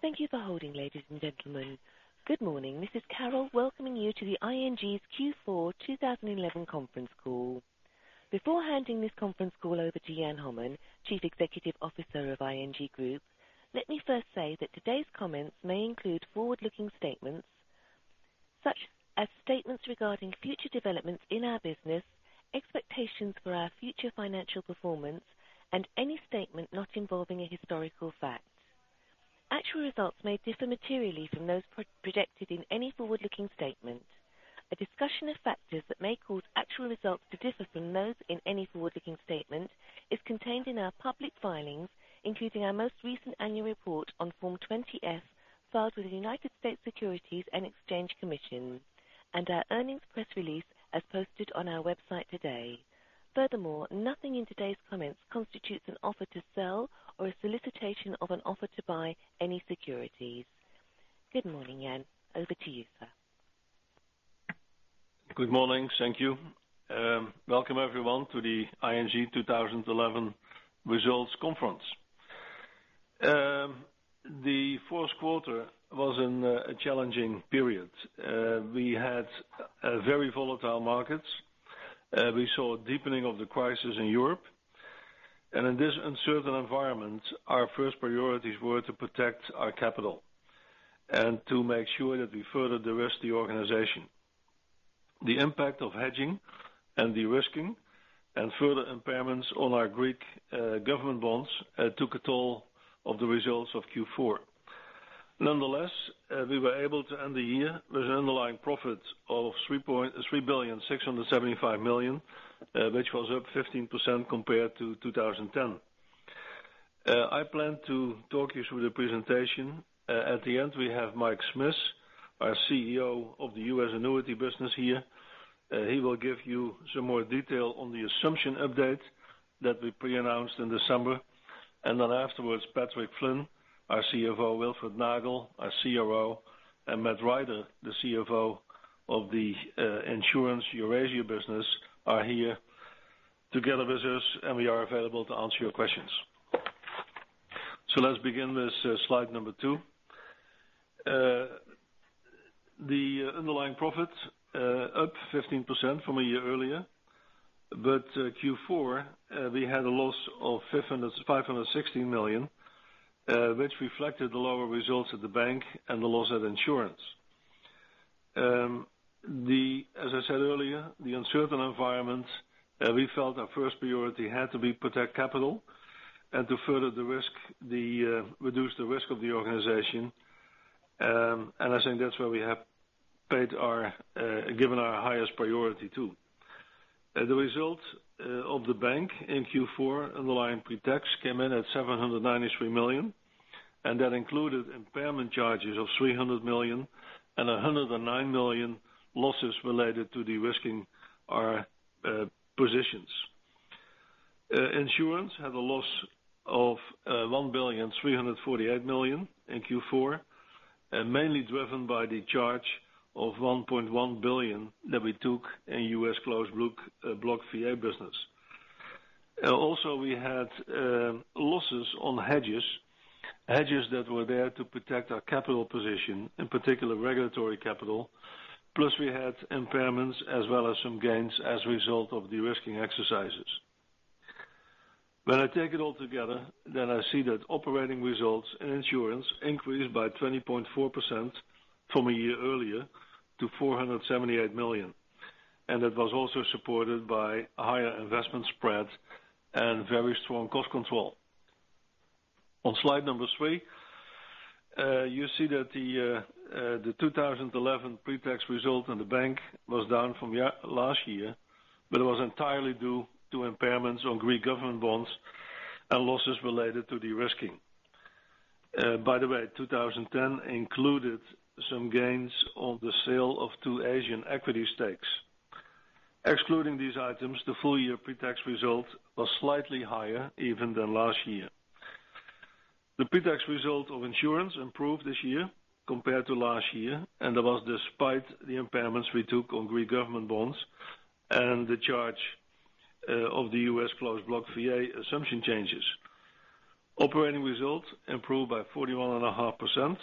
Thank you for holding, ladies and gentlemen. Good morning. This is Carol, welcoming you to ING's Q4 2011 Conference Call. Before handing this conference call over to Jan Hommen, Chief Executive ING Group, let me first say that today's comments may include forward-looking statements, such as statements regarding future developments in our business, expectations for our future financial performance, and any statement not involving a historical fact. Actual results may differ materially from those projected in any forward-looking statement. A discussion of factors that may cause actual results to differ from those in any forward-looking statement is contained in our public filings, including our most recent annual report on Form 20-S filed with the United States Securities and Exchange Commission, and our earnings press release as posted on our website today. Furthermore, nothing in today's comments constitutes an offer to sell or a solicitation of an offer to buy any securities. Good morning, Jan. Over to you, sir. Good morning. Thank you. Welcome, the ING 2011 Results Conference. The first quarter was a challenging period. We had very volatile markets. We saw a deepening of the crisis in Europe. In this uncertain environment, our first priorities were to protect our capital and to make sure that we furthered the rest of the organization. The impact of hedging and de-risking and further impairments on our Greek government bonds took a toll on the results of Q4. Nonetheless, we were able to end the year with an underlying profit of $3.675 billion, which was up 15% compared to 2010. I plan to talk you through the presentation. At the end, we have Mike Smith, our CEO of the US Annuity business here. He will give you some more detail on the assumption update that we pre-announced in December. Afterwards, Patrick Flynn, our CFO, Wilfred Nagel, our CRO, and Matt Ryder, the CFO of the Insurance Eurasia business, are here together with us, and we are available to answer your questions. Let's begin with slide number two. The underlying profit is up 15% from a year earlier. Q4, we had a loss of $516 million, which reflected the lower results at the bank and the loss at insurance. As I said earlier, in the uncertain environment, we felt our first priority had to be to protect capital and to further the risk, reduce the risk of the organization. I think that's where we have given our highest priority to. The result of the bank in Q4, underlying pre-tax, came in at $793 million, and that included impairment charges of $300 million and $109 million losses related to de-risking our positions. Insurance had a loss of $1.348 billion in Q4, mainly driven by the charge of $1.1 billion that we took in US closed block variable annuity business. We also had losses on hedges, hedges that were there to protect our capital position, in particular regulatory capital. Plus, we had impairments as well as some gains as a result of de-risking exercises. When I take it all together, then I see that operating results in insurance increased by 20.4% from a year earlier to $478 million, and it was also supported by a higher investment spread and very strong cost control. On slide number three, you see that the 2011 pre-tax result in the bank was down from last year, but it was entirely due to impairments on Greek government bonds and losses related to de-risking. By the way, 2010 included some gains on the sale of two Asian equity stakes. Excluding these items, the full-year pre-tax result was slightly higher even than last year. The pre-tax result of insurance improved this year compared to last year, and that was despite the impairments we took on Greek government bonds and the charge of the U.S. closed block VA assumption changes. Operating results improved by 41.5%,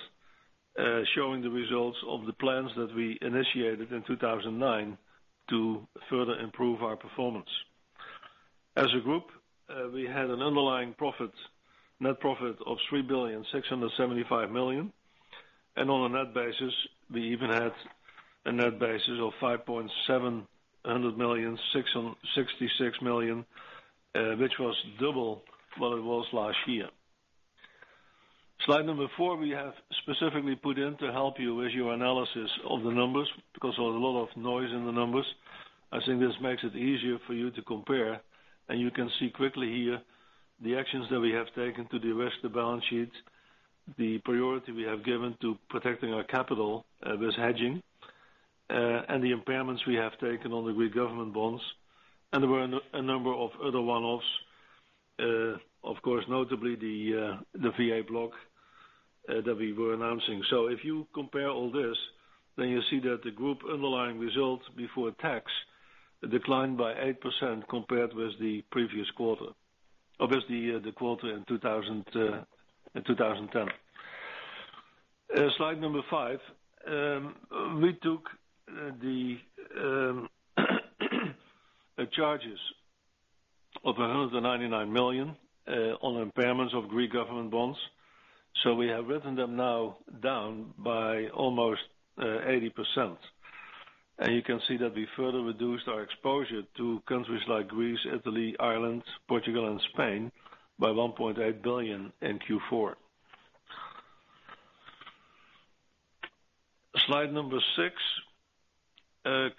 showing the results of the plans that we initiated in 2009 to further improve our performance. As a group, we had an underlying net profit of $3.675 billion, and on a net basis, we even had a net basis of $5.700666 billion, which was double what it was last year. Slide number four, we have specifically put in to help you with your analysis of the numbers because there was a lot of noise in the numbers. I think this makes it easier for you to compare, and you can see quickly here the actions that we have taken to de-risk the balance sheets, the priority we have given to protecting our capital with hedging, and the impairments we have taken on the Greek government bonds. There were a number of other one-offs, of course, notably the VA block that we were announcing. If you compare all this, then you see that the group underlying result before tax declined by 8% compared with the previous quarter, with the quarter in 2010. Slide number five, we took the charges of $199 million on impairments of Greek government bonds. We have written them now down by almost 80%. You can see that we further reduced our exposure to countries like Greece, Italy, Ireland, Portugal, and Spain by $1.8 billion in Q4. Slide number six,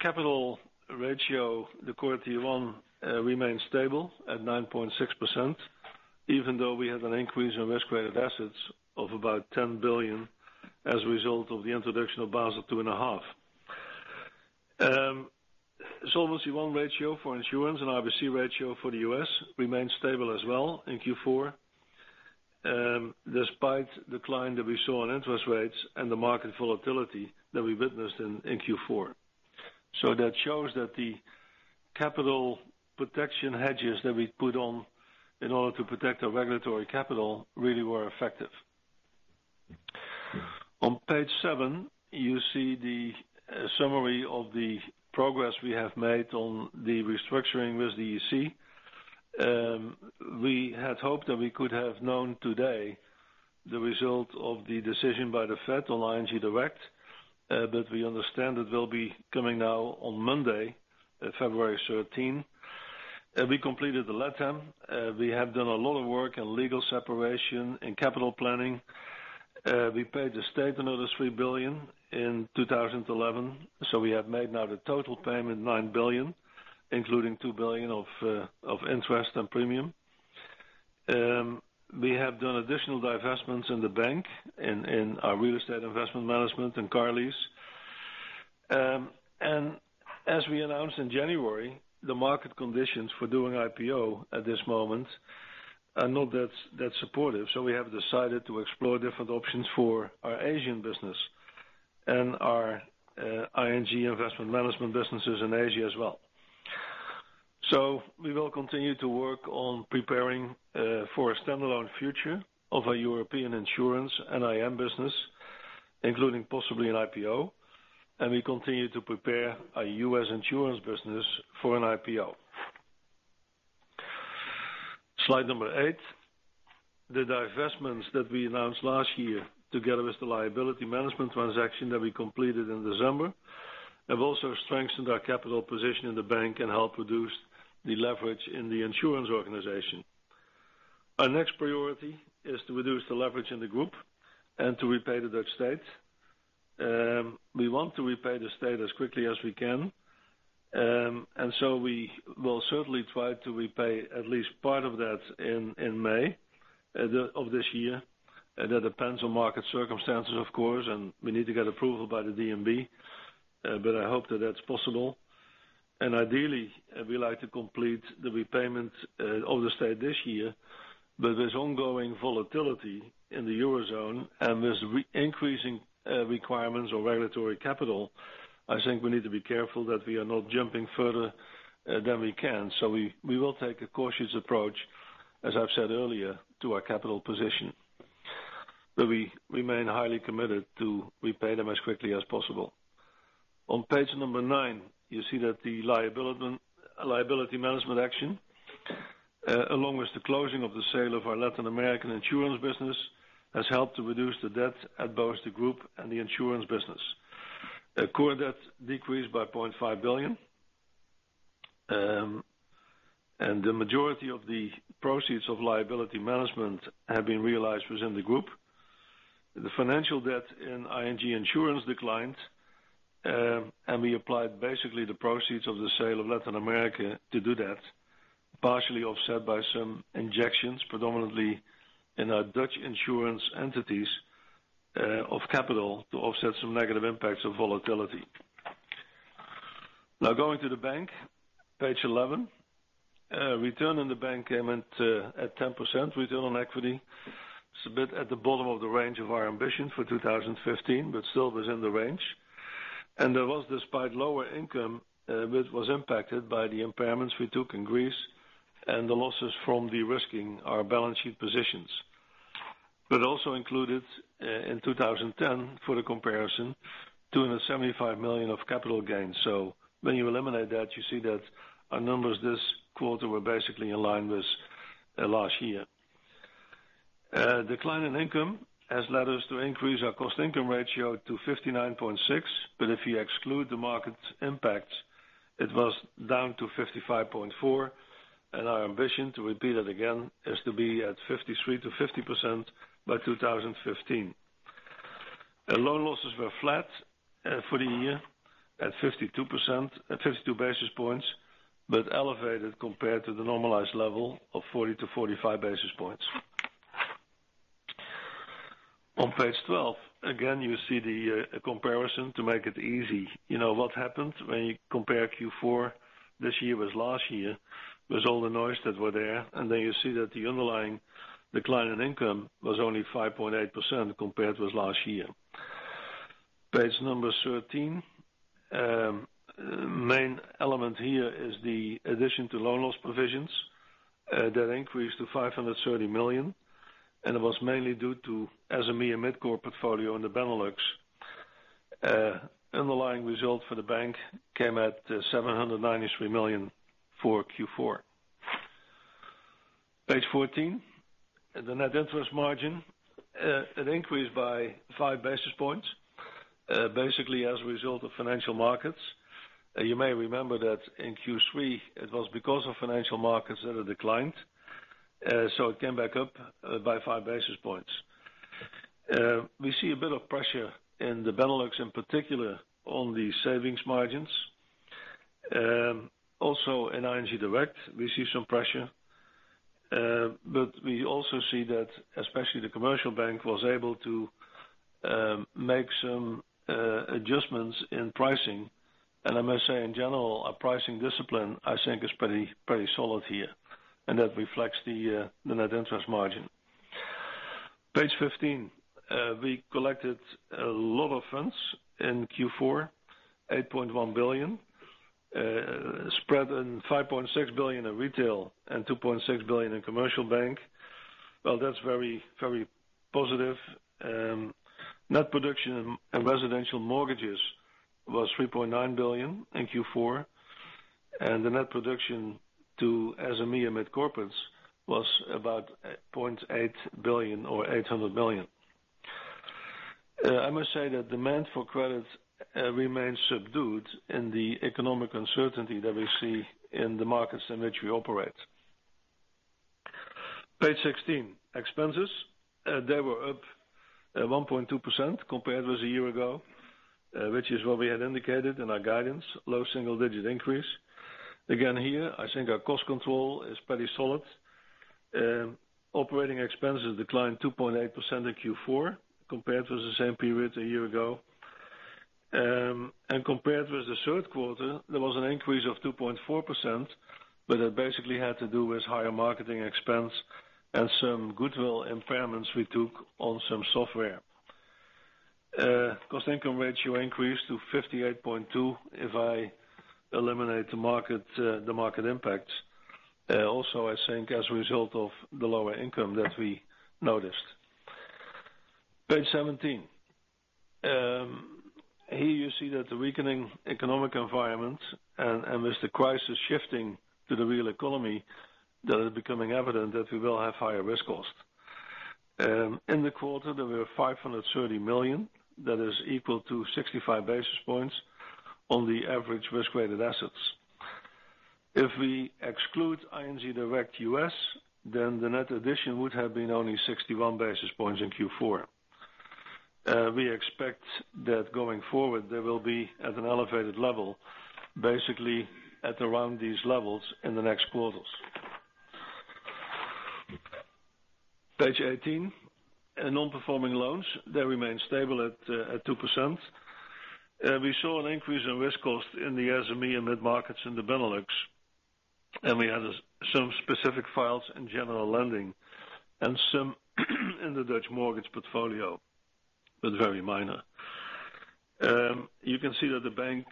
capital ratio to quarter Q1 remains stable at 9.6%, even though we had an increase in risk-rated assets of about $10 billion as a result of the introduction of Basel II. Solvency I ratio for insurance and RBC ratio for the U.S. remains stable as well in Q4, despite the decline that we saw in interest rates and the market volatility that we witnessed in Q4. That shows that the capital protection hedges that we put on in order to protect our regulatory capital really were effective. On page seven, you see the summary of the progress we have made on the restructuring with the European Commission. We had hoped that we could have known today the result of the decision by the Fed on ING Direct, but we understand it will be coming now on Monday, February 13. We completed the letter. We have done a lot of work in legal separation and capital planning. We paid the state another $3 billion in 2011. We have made now the total payment, $9 billion, including $2 billion of interest and premium. We have done additional divestments in the bank, in our real estate investment management and car lease. As we announced in January, the market conditions for doing an IPO at this moment are not that supportive. We have decided to explore different options for our Asian business and our ING investment management businesses in Asia as well. We will continue to work on preparing for a standalone future of our European insurance and IM business, including possibly an IPO. We continue to prepare our U.S. insurance business for an IPO. On slide number eight, the divestments that we announced last year together with the liability management transaction that we completed in December have also strengthened our capital position in the bank and helped reduce the leverage in the insurance organization. Our next priority is to reduce the leverage in the group and to repay the Dutch state. We want to repay the state as quickly as we can. We will certainly try to repay at least part of that in May of this year. That depends on market circumstances, of course, and we need to get approval by the DNB. I hope that that's possible. Ideally, we would like to complete the repayment of the state this year. With ongoing volatility in the Eurozone and with increasing requirements on regulatory capital, I think we need to be careful that we are not jumping further than we can. We will take a cautious approach, as I've said earlier, to our capital position. We remain highly committed to repay them as quickly as possible. On page number nine, you see that the liability management action, along with the closing of the sale of our Latin American insurance business, has helped to reduce the debt at both the group and the insurance business. The core debt decreased by $0.5 billion. The majority of the proceeds of liability management have been realized within the group. The financial debt in ING Insurance declined, and we applied basically the proceeds of the sale of Latin America to do that, partially offset by some injections, predominantly in our Dutch insurance entities of capital, to offset some negative impacts of volatility. Now going to the bank, page 11, return in the bank came in at 10% return on equity. It's a bit at the bottom of the range of our ambitions for 2015, but still within the range. There was, despite lower income, which was impacted by the impairments we took in Greece and the losses from de-risking our balance sheet positions. It also included, in 2010 for the comparison, $275 million of capital gains. When you eliminate that, you see that our numbers this quarter were basically aligned with last year. The decline in income has led us to increase our cost-income ratio to 59.6%. If you exclude the market impacts, it was down to 55.4%. Our ambition, to repeat it again, is to be at 53%-50% by 2015. Loan losses were flat for the year at 52 basis points, but elevated compared to the normalized level of 40-45 basis points. On page 12, again, you see the comparison to make it easy. You know what happened when you compare Q4 this year with last year with all the noise that was there. You see that the underlying decline in income was only 5.8% compared with last year. Page number 13, the main element here is the addition to loan loss provisions that increased to $530 million. It was mainly due to SME mid-corp portfolio in the Benelux. The underlying result for the bank came at $793 million for Q4. Page 14, the net interest margin increased by 5 basis points, basically as a result of financial markets. You may remember that in Q3, it was because of financial markets that it declined. It came back up by 5 basis points. We see a bit of pressure in the Benelux, in particular, on the savings margins. Also, in ING Direct, we see some pressure. We also see that especially the commercial bank was able to make some adjustments in pricing. I must say, in general, our pricing discipline, I think, is pretty solid here. That reflects the net interest margin. Page 15, we collected a lot of funds in Q4, $8.1 billion, spread in $5.6 billion in retail and $2.6 billion in commercial bank. That is very, very positive. Net production in residential mortgages was $3.9 billion in Q4. The net production to SME and mid-corp was about $0.8 billion or $800 million. I must say that demand for credits remains subdued in the economic uncertainty that we see in the markets in which we operate. Page 16, expenses were up 1.2% compared with a year ago, which is what we had indicated in our guidance, low single-digit increase. Again, here, I think our cost control is pretty solid. Operating expenses declined 2.8% in Q4 compared with the same period a year ago. Compared with the third quarter, there was an increase of 2.4%, but that basically had to do with higher marketing expense and some goodwill impairments we took on some software. Cost-income ratio increased to 58.2% if I eliminate the market impacts. Also, I think as a result of the lower income that we noticed. Page 17, here you see that the weakening economic environment and with the crisis shifting to the real economy, it is becoming evident that we will have higher risk costs. In the quarter, there were $530 million. That is equal to 65 basis points on the average risk-rated assets. If we exclude ING Direct US, then the net addition would have been only 61 basis points in Q4. We expect that going forward, they will be at an elevated level, basically at around these levels in the next quarters. Page 18, non-performing loans remain stable at 2%. We saw an increase in risk cost in the SME and mid-markets in the Benelux. We had some specific files in general lending and some in the Dutch mortgage portfolio, but very minor. You can see that the bank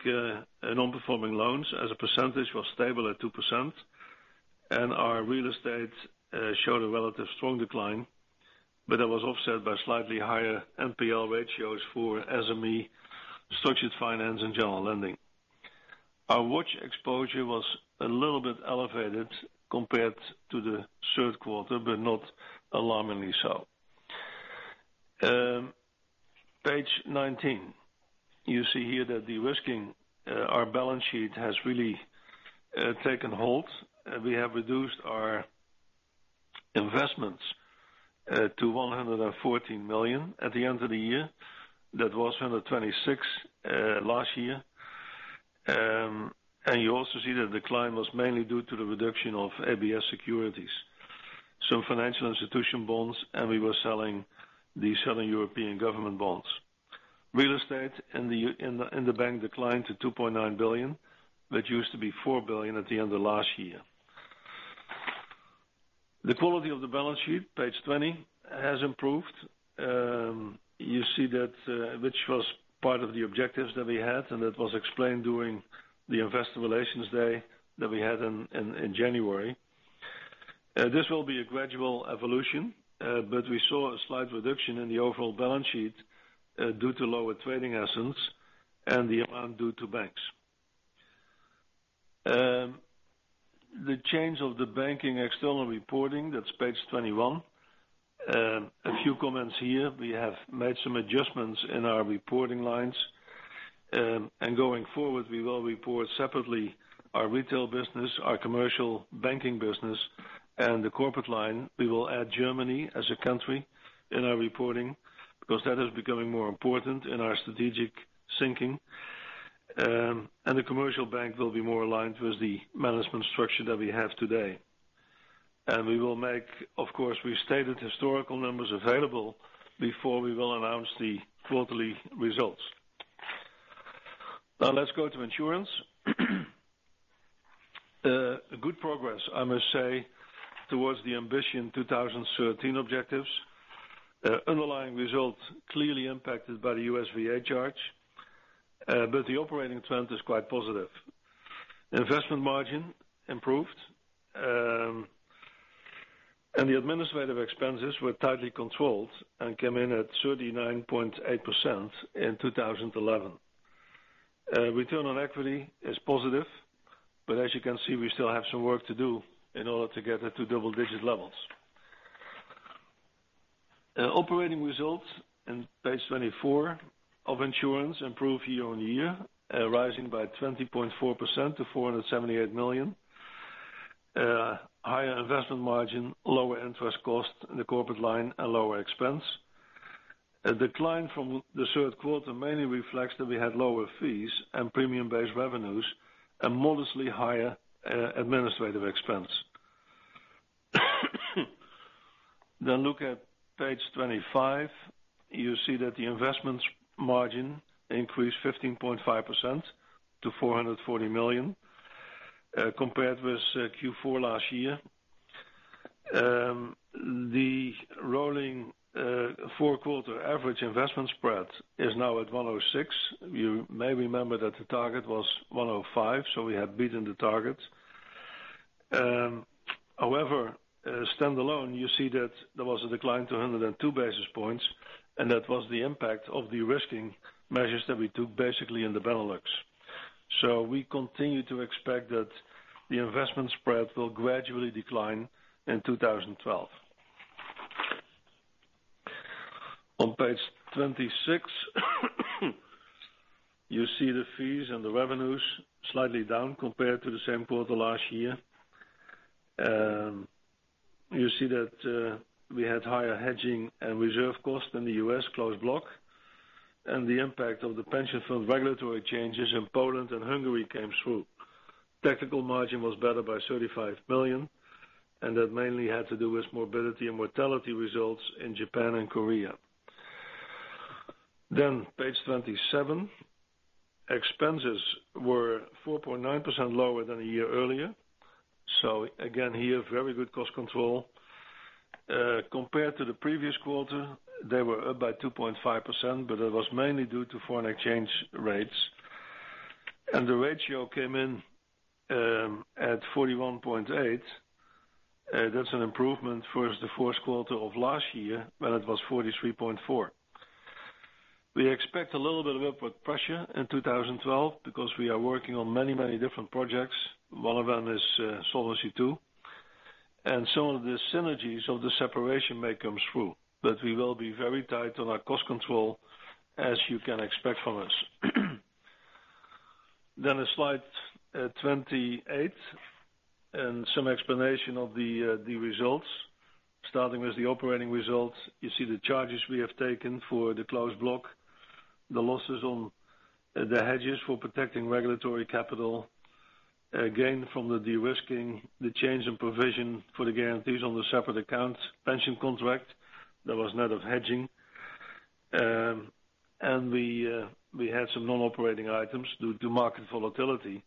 non-performing loans as a percentage were stable at 2%. Our real estate showed a relatively strong decline, but that was offset by slightly higher NPL ratios for SME, structured finance, and general lending. Our watch exposure was a little bit elevated compared to the third quarter, but not alarmingly so. Page 19, you see here that de-risking our balance sheet has really taken hold. We have reduced our investments to $114 billion at the end of the year. That was $126 billion last year. You also see that the decline was mainly due to the reduction of ABS securities, some financial institution bonds, and we were selling the Southern European government bonds. Real estate in the bank declined to $2.9 billion, which used to be $4 billion at the end of last year. The quality of the balance sheet, page 20, has improved. You see that, which was part of the objectives that we had, and that was explained during the Investor Relations Day that we had in January. This will be a gradual evolution, but we saw a slight reduction in the overall balance sheet due to lower trading assets and the amount due to banks. The change of the banking external reporting, that's page 21. A few comments here. We have made some adjustments in our reporting lines. Going forward, we will report separately our retail business, our commercial banking business, and the corporate line. We will add Germany as a country in our reporting because that is becoming more important in our strategic thinking. The commercial bank will be more aligned with the management structure that we have today. We will make, of course, historical numbers available before we announce the quarterly results. Now let's go to insurance. Good progress, I must say, towards the ambition 2013 objectives. Underlying result clearly impacted by the U.S. VA charge, but the operating trend is quite positive. Investment margin improved, and the administrative expenses were tightly controlled and came in at 39.8% in 2011. Return on equity is positive, but as you can see, we still have some work to do in order to get it to double-digit levels. Operating result in page 24 of insurance improved year-on-year, rising by 20.4% to $478 million. Higher investment margin, lower interest cost in the corporate line, and lower expense. A decline from the third quarter mainly reflects that we had lower fees and premium-based revenues and modestly higher administrative expense. Looking at page 25, you see that the investment margin increased 15.5% to $440 million compared with Q4 last year. The rolling four-quarter average investment spread is now at 106. You may remember that the target was 105, so we have beaten the target. However, standalone, you see that there was a decline to 102 basis points, and that was the impact of de-risking measures that we took basically in the Benelux. We continue to expect that the investment spread will gradually decline in 2012. On page 26, you see the fees and the revenues slightly down compared to the same quarter last year. You see that we had higher hedging and reserve costs in the U.S. closed block. The impact of the pension fund regulatory changes in Poland and Hungary came through. Technical margin was better by $35 million, and that mainly had to do with morbidity and mortality results in Japan and Korea. On page 27, expenses were 4.9% lower than a year earlier. Again here, very good cost control. Compared to the previous quarter, they were up by 2.5%, but that was mainly due to foreign exchange rates. The ratio came in at 41.8%. That's an improvement versus the first quarter of last year when it was 43.4%. We expect a little bit of upward pressure in 2012 because we are working on many, many different projects. One of them is Solvency II. Some of the synergies of the separation may come through, but we will be very tight on our cost control, as you can expect from us. On slide 28 and some explanation of the results, starting with the operating result, you see the charges we have taken for the closed block, the losses on the hedges for protecting regulatory capital, gain from the de-risking, the change in provision for the guarantees on the separate accounts pension contract that was net of hedging. We had some non-operating items due to market volatility,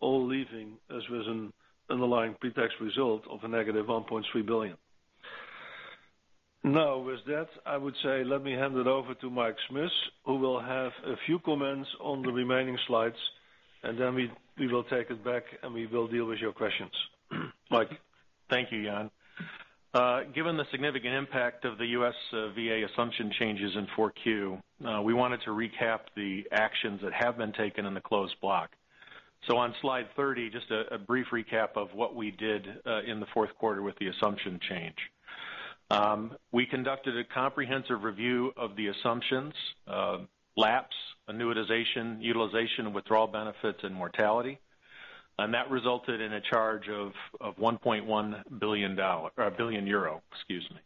all leaving us with an underlying pre-tax result of a -$1.3 billion. With that, I would say let me hand it over to Mike Smith, who will have a few comments on the remaining slides. We will take it back, and we will deal with your questions. Mike. Thank you, Jan. Given the significant impact of the U.S. VA assumption changes in 4Q, we wanted to recap the actions that have been taken in the closed block. On slide 30, just a brief recap of what we did in the fourth quarter with the assumption change. We conducted a comprehensive review of the assumptions, LAPs, annuitization, utilization, withdrawal benefits, and mortality. That resulted in a charge of €1.1 billion, excuse me.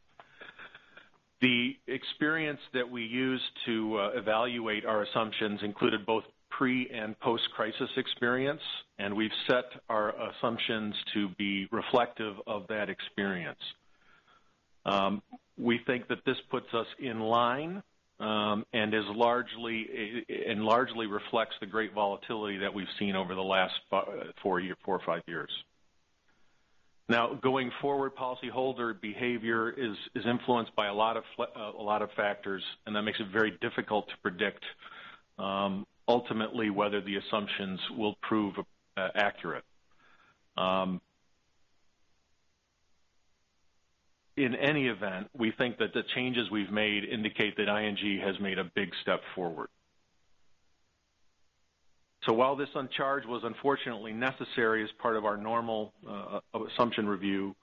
The experience that we used to evaluate our assumptions included both pre- and post-crisis experience, and we've set our assumptions to be reflective of that experience. We think that this puts us in line and largely reflects the great volatility that we've seen over the last four or five years. Now, going forward, policyholder behavior is influenced by a lot of factors, and that makes it very difficult to predict, ultimately, whether the assumptions will prove accurate. In any event, we think that the changes we've made indicate that ING has made a big step forward. While this charge was unfortunately necessary as part of our normal assumption review,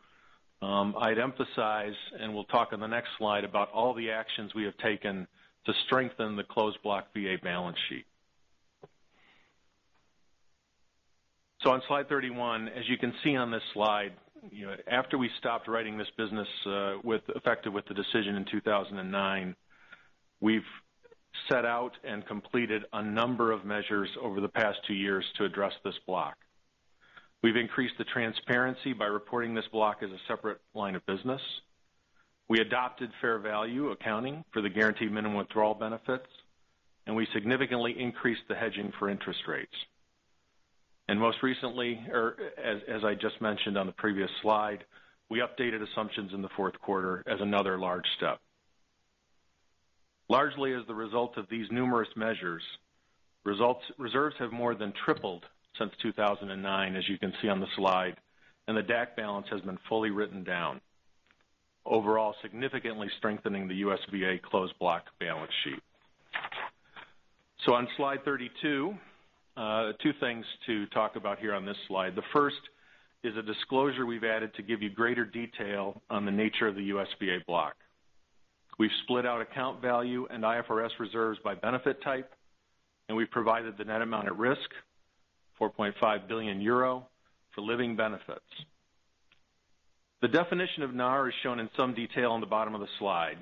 I'd emphasize, and we'll talk on the next slide about all the actions we have taken to strengthen the closed block VA balance sheet. On slide 31, as you can see on this slide, after we stopped writing this business effective with the decision in 2009, we've set out and completed a number of measures over the past two years to address this block. We've increased the transparency by reporting this block as a separate line of business. We adopted fair value accounting for the guaranteed minimum withdrawal benefits, and we significantly increased the hedging for interest rates. Most recently, as I just mentioned on the previous slide, we updated assumptions in the fourth quarter as another large step. Largely, as the result of these numerous measures, reserves have more than tripled since 2009, as you can see on the slide, and the DAC balance has been fully written down, overall significantly strengthening the U.S. VA closed block balance sheet. On slide 32, two things to talk about here on this slide. The first is a disclosure we've added to give you greater detail on the nature of the U.S. VA block. We've split out account value and IFRS reserves by benefit type, and we've provided the net amount at risk, €4.5 billion, for living benefits. The definition of NAR is shown in some detail on the bottom of the slide.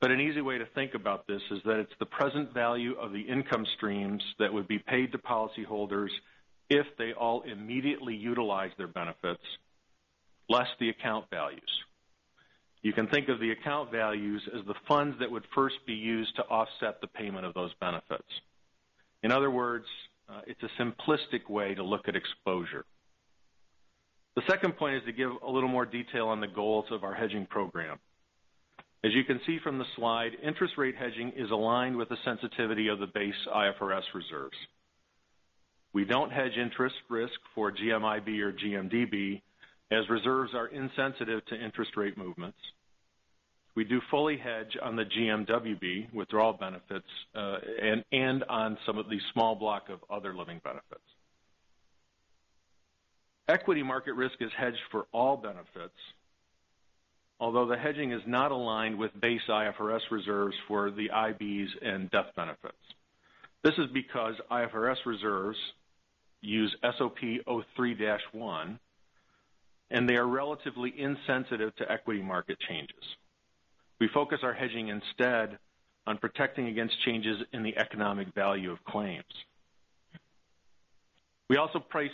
An easy way to think about this is that it's the present value of the income streams that would be paid to policyholders if they all immediately utilize their benefits, less the account values. You can think of the account values as the funds that would first be used to offset the payment of those benefits. In other words, it's a simplistic way to look at exposure. The second point is to give a little more detail on the goals of our hedging program. As you can see from the slide, interest rate hedging is aligned with the sensitivity of the base IFRS reserves. We don't hedge interest risk for GMIB or GMDB, as reserves are insensitive to interest rate movements. We do fully hedge on the GMWB withdrawal benefits and on some of the small block of other living benefits. Equity market risk is hedged for all benefits, although the hedging is not aligned with base IFRS reserves for the IBs and death benefits. This is because IFRS reserves use SOP 03-1, and they are relatively insensitive to equity market changes. We focus our hedging instead on protecting against changes in the economic value of claims. We also place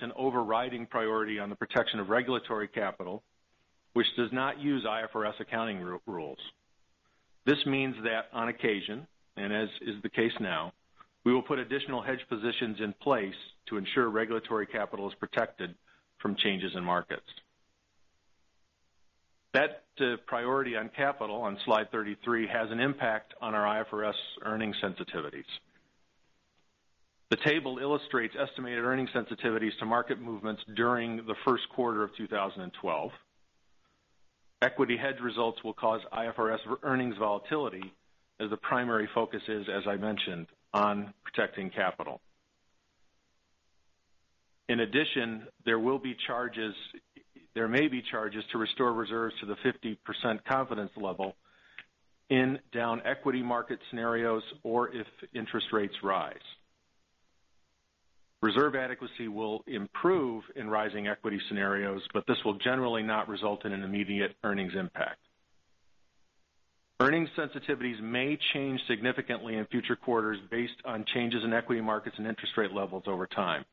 an overriding priority on the protection of regulatory capital, which does not use IFRS accounting rules. This means that on occasion, as is the case now, we will put additional hedge positions in place to ensure regulatory capital is protected from changes in markets. That priority on capital on slide 33 has an impact on our IFRS earning sensitivities. The table illustrates estimated earning sensitivities to market movements during the first quarter of 2012. Equity hedge results will cause IFRS earnings volatility as the primary focus is, as I mentioned, on protecting capital. In addition, there may be charges to restore reserves to the 50% confidence level in down equity market scenarios or if interest rates rise. Reserve adequacy will improve in rising equity scenarios, but this will generally not result in an immediate earnings impact. Earnings sensitivities may change significantly in future quarters based on changes in equity markets and interest rate levels over time.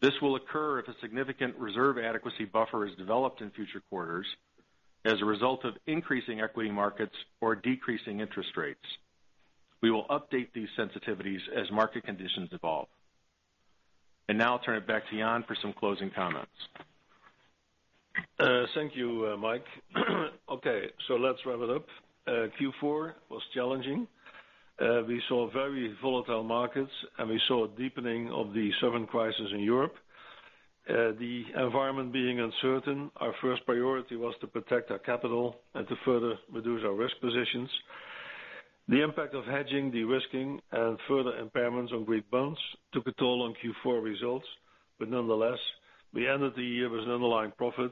This will occur if a significant reserve adequacy buffer is developed in future quarters as a result of increasing equity markets or decreasing interest rates. We will update these sensitivities as market conditions evolve. Now I'll turn it back to Jan for some closing comments. Thank you, Mike. Okay, let's wrap it up. Q4 was challenging. We saw very volatile markets, and we saw a deepening of the Southern Europe crisis. The environment being uncertain, our first priority was to protect our capital and to further reduce our risk positions. The impact of hedging, de-risking, and further impairments on Greek bonds took a toll on Q4 results. Nonetheless, we ended the year with an underlying profit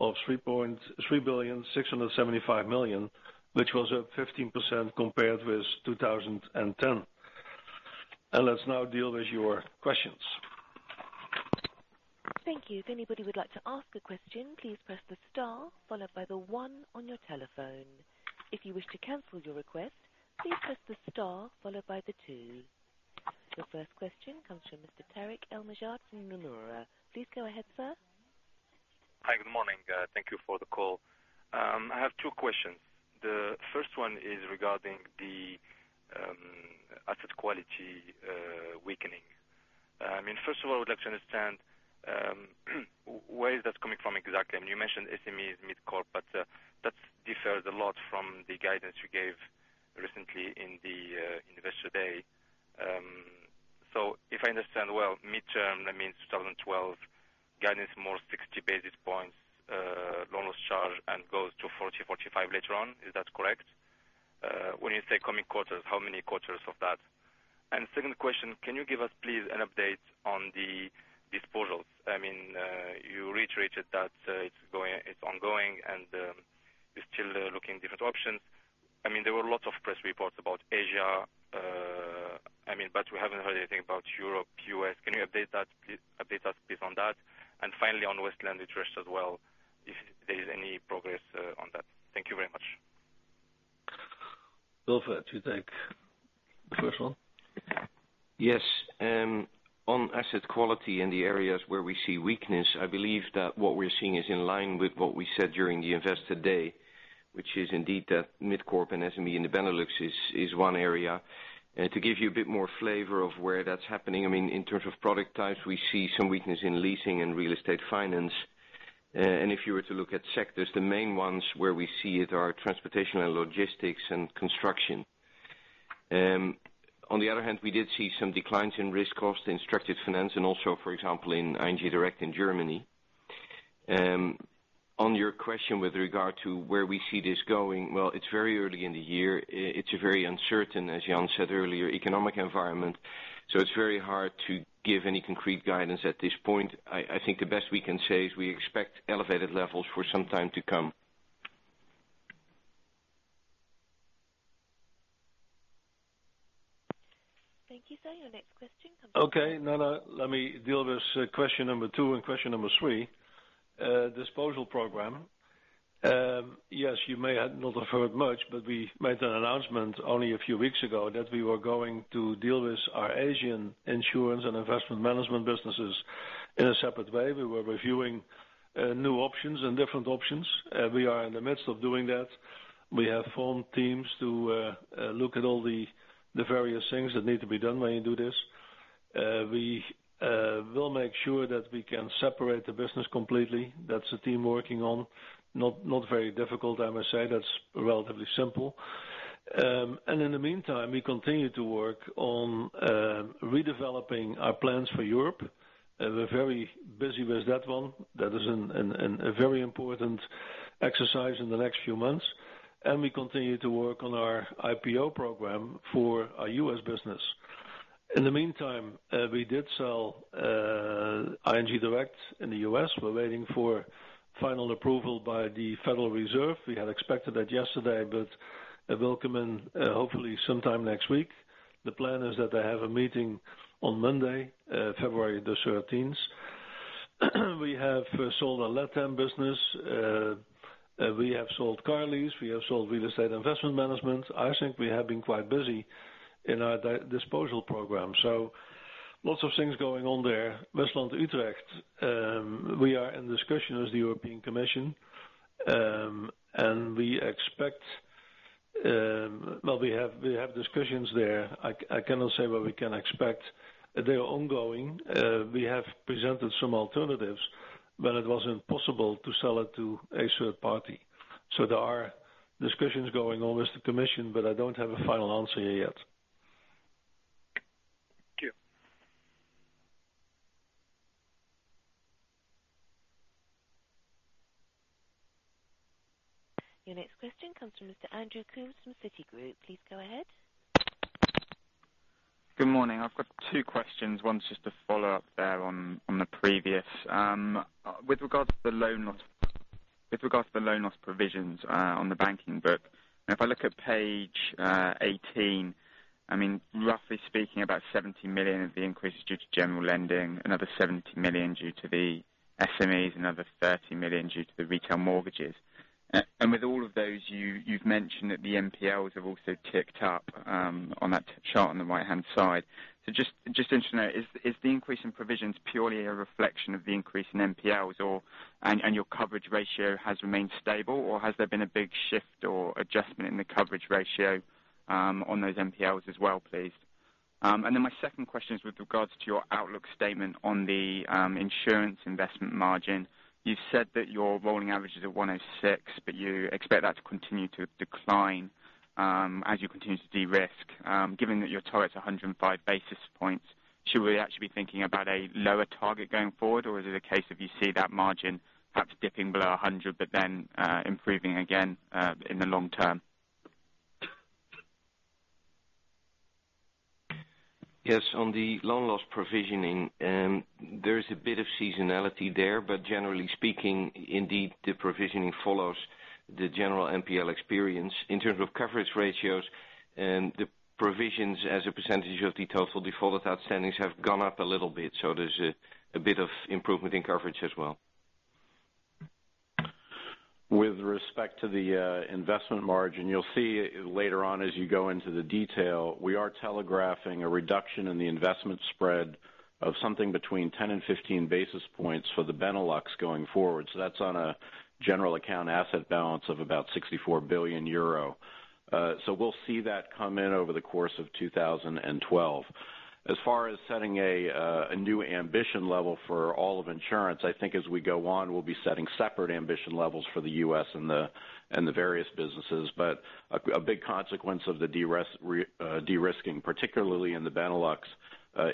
of €3.675 billion, which was up 15% compared with 2010. Let's now deal with your questions. Thank you. If anybody would like to ask a question, please press the star followed by the one on your telephone. If you wish to cancel your request, please press the star followed by the two. The first question comes from Mr. Tarik El Mejjad. Please go ahead, sir. Hi. Good morning. Thank you for the call. I have two questions. The first one is regarding the asset quality weakening. I mean, first of all, I would like to understand where is that coming from exactly? You mentioned SME's mid-corp, but that differs a lot from the guidance you gave recently in the Investor Day. If I understand well, mid-term, that means 2012, guidance more 60 basis points loan loss charge, and goes to 40, 45 later on. Is that correct? When you say coming quarters, how many quarters of that? The second question, can you give us, please, an update on the disposals? You reiterated that it's ongoing, and you're still looking at different options. There were a lot of press reports about Asia, but we haven't heard anything about Europe, U.S. Can you update us, please, on that? Finally, on Westland Interest as well, if there is any progress on that. Thank you very much. Wilfred, do you take the first one? Yes. On asset quality in the areas where we see weakness, I believe that what we're seeing is in line with what we said during the Investor Day, which is indeed that mid-corp and SME in the Benelux is one area. To give you a bit more flavor of where that's happening, in terms of product types, we see some weakness in leasing and real estate finance. If you were to look at sectors, the main ones where we see it are transportation and logistics and construction. On the other hand, we did see some declines in risk cost in structured finance and also, for example, in ING Direct in Germany. On your question with regard to where we see this going, it is very early in the year. It is a very uncertain, as Jan said earlier, economic environment. It is very hard to give any concrete guidance at this point. I think the best we can say is we expect elevated levels for some time to come. Thank you, sir. Your next question comes in. Okay. No, no. Let me deal with question number two and question number three. Disposal program. Yes, you may not have heard much, but we made an announcement only a few weeks ago that we were going to deal with our Asian insurance and investment management businesses in a separate way. We were reviewing new options and different options. We are in the midst of doing that. We have formed teams to look at all the various things that need to be done when you do this. We will make sure that we can separate the business completely. That's a team working on. Not very difficult, I must say. That's relatively simple. In the meantime, we continue to work on redeveloping our plans for Europe. We're very busy with that one. That is a very important exercise in the next few months. We continue to work on our IPO program for our U.S. business. In the meantime, we did sell ING Direct in the US. We're waiting for final approval by the Federal Reserve. We had expected that yesterday, but it will come in hopefully sometime next week. The plan is that they have a meeting on Monday, February 13. We have sold our Latin America business. We have sold car lease. We have sold real estate investment management. I think we have been quite busy in our disposal program. Lots of things going on there. Westland Interest, we are in discussion with the European Commission. We expect, we have discussions there. I cannot say what we can expect. They are ongoing. We have presented some alternatives, but it wasn't possible to sell it to a third party. There are discussions going on with the Commission, but I don't have a final answer yet. Your next question comes from Mr. Andrew Coombs from Citigroup. Please go ahead. Good morning. I've got two questions. One's just a follow-up there on the previous. With regard to the loan loss provisions on the banking book, if I look at page 18, I mean, roughly speaking, about $70 million of the increase is due to general lending, another $70 million due to the SMEs, another $30 million due to the retail mortgages. With all of those, you've mentioned that the NPLs have also ticked up on that chart on the right-hand side. I'm just interested to know, is the increase in provisions purely a reflection of the increase in NPLs and your coverage ratio has remained stable, or has there been a big shift or adjustment in the coverage ratio on those NPLs as well, please? My second question is with regards to your outlook statement on the insurance investment margin. You've said that your rolling average is at 106, but you expect that to continue to decline as you continue to de-risk. Given that your target's 105 basis points, should we actually be thinking about a lower target going forward, or is it a case of you see that margin perhaps dipping below 100, but then improving again in the long term? Yes. On the loan loss provisioning, there is a bit of seasonality there, but generally speaking, indeed, the provisioning follows the general NPL experience. In terms of coverage ratios, the provisions as a percentage of the total defaulted outstandings have gone up a little bit, so there's a bit of improvement in coverage as well. With respect to the investment margin, you'll see later on as you go into the detail, we are telegraphing a reduction in the investment spread of something between 10% and 15% for the Benelux going forward. That's on a general account asset balance of about €64 billion. We'll see that come in over the course of 2012. As far as setting a new ambition level for all of insurance, I think as we go on, we'll be setting separate ambition levels for the U.S. and the various businesses. A big consequence of the de-risking, particularly in the Benelux,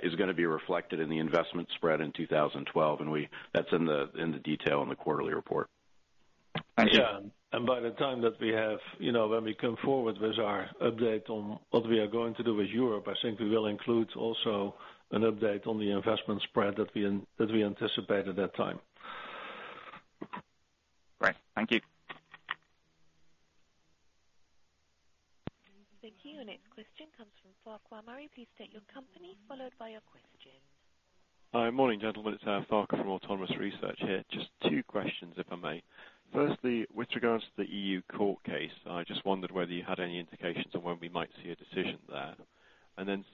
is going to be reflected in the investment spread in 2012. That's in the detail in the quarterly report. Thank you. By the time that we have, you know, when we come forward with our update on what we are going to do with Europe, I think we will include also an update on the investment spread that we anticipate at that time. Great. Thank you. Thank you. Next question comes from Farquhar Murray. Please state your company followed by your question. Hi. Morning, gentlemen. It's Farquhar from Bernstein Autonomous LLP here. Just two questions, if I may. Firstly, with regards to the EU court case, I just wondered whether you had any indications on when we might see a decision there.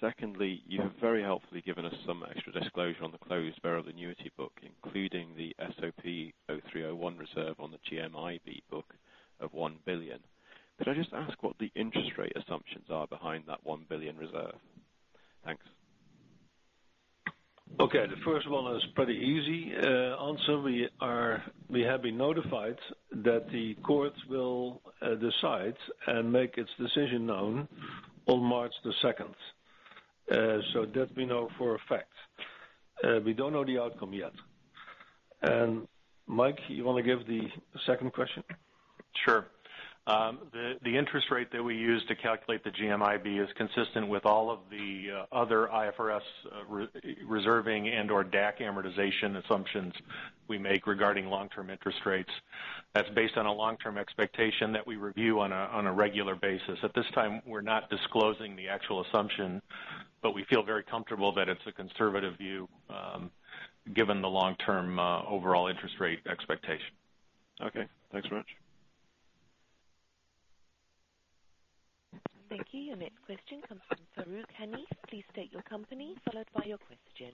Secondly, you have very helpfully given us some extra disclosure on the closed block variable annuity book, including the SOP 03-01 reserve on the GMIB book of $1 billion. Could I just ask what the interest rate assumptions are behind that $1 billion reserve? Thanks. Okay. The first one is a pretty easy answer. We have been notified that the court will decide and make its decision known on March 2nd. We know that for a fact. We don't know the outcome yet. Mike, you want to give the second question? The interest rate that we use to calculate the GMIB is consistent with all of the other IFRS reserving and/or DAC amortization assumptions we make regarding long-term interest rates. It's based on a long-term expectation that we review on a regular basis. At this time, we're not disclosing the actual assumption, but we feel very comfortable that it's a conservative view given the long-term overall interest rate expectation. Okay, thanks very much. Thank you. Your next question comes from Farooq Hanif. Please state your company followed by your question.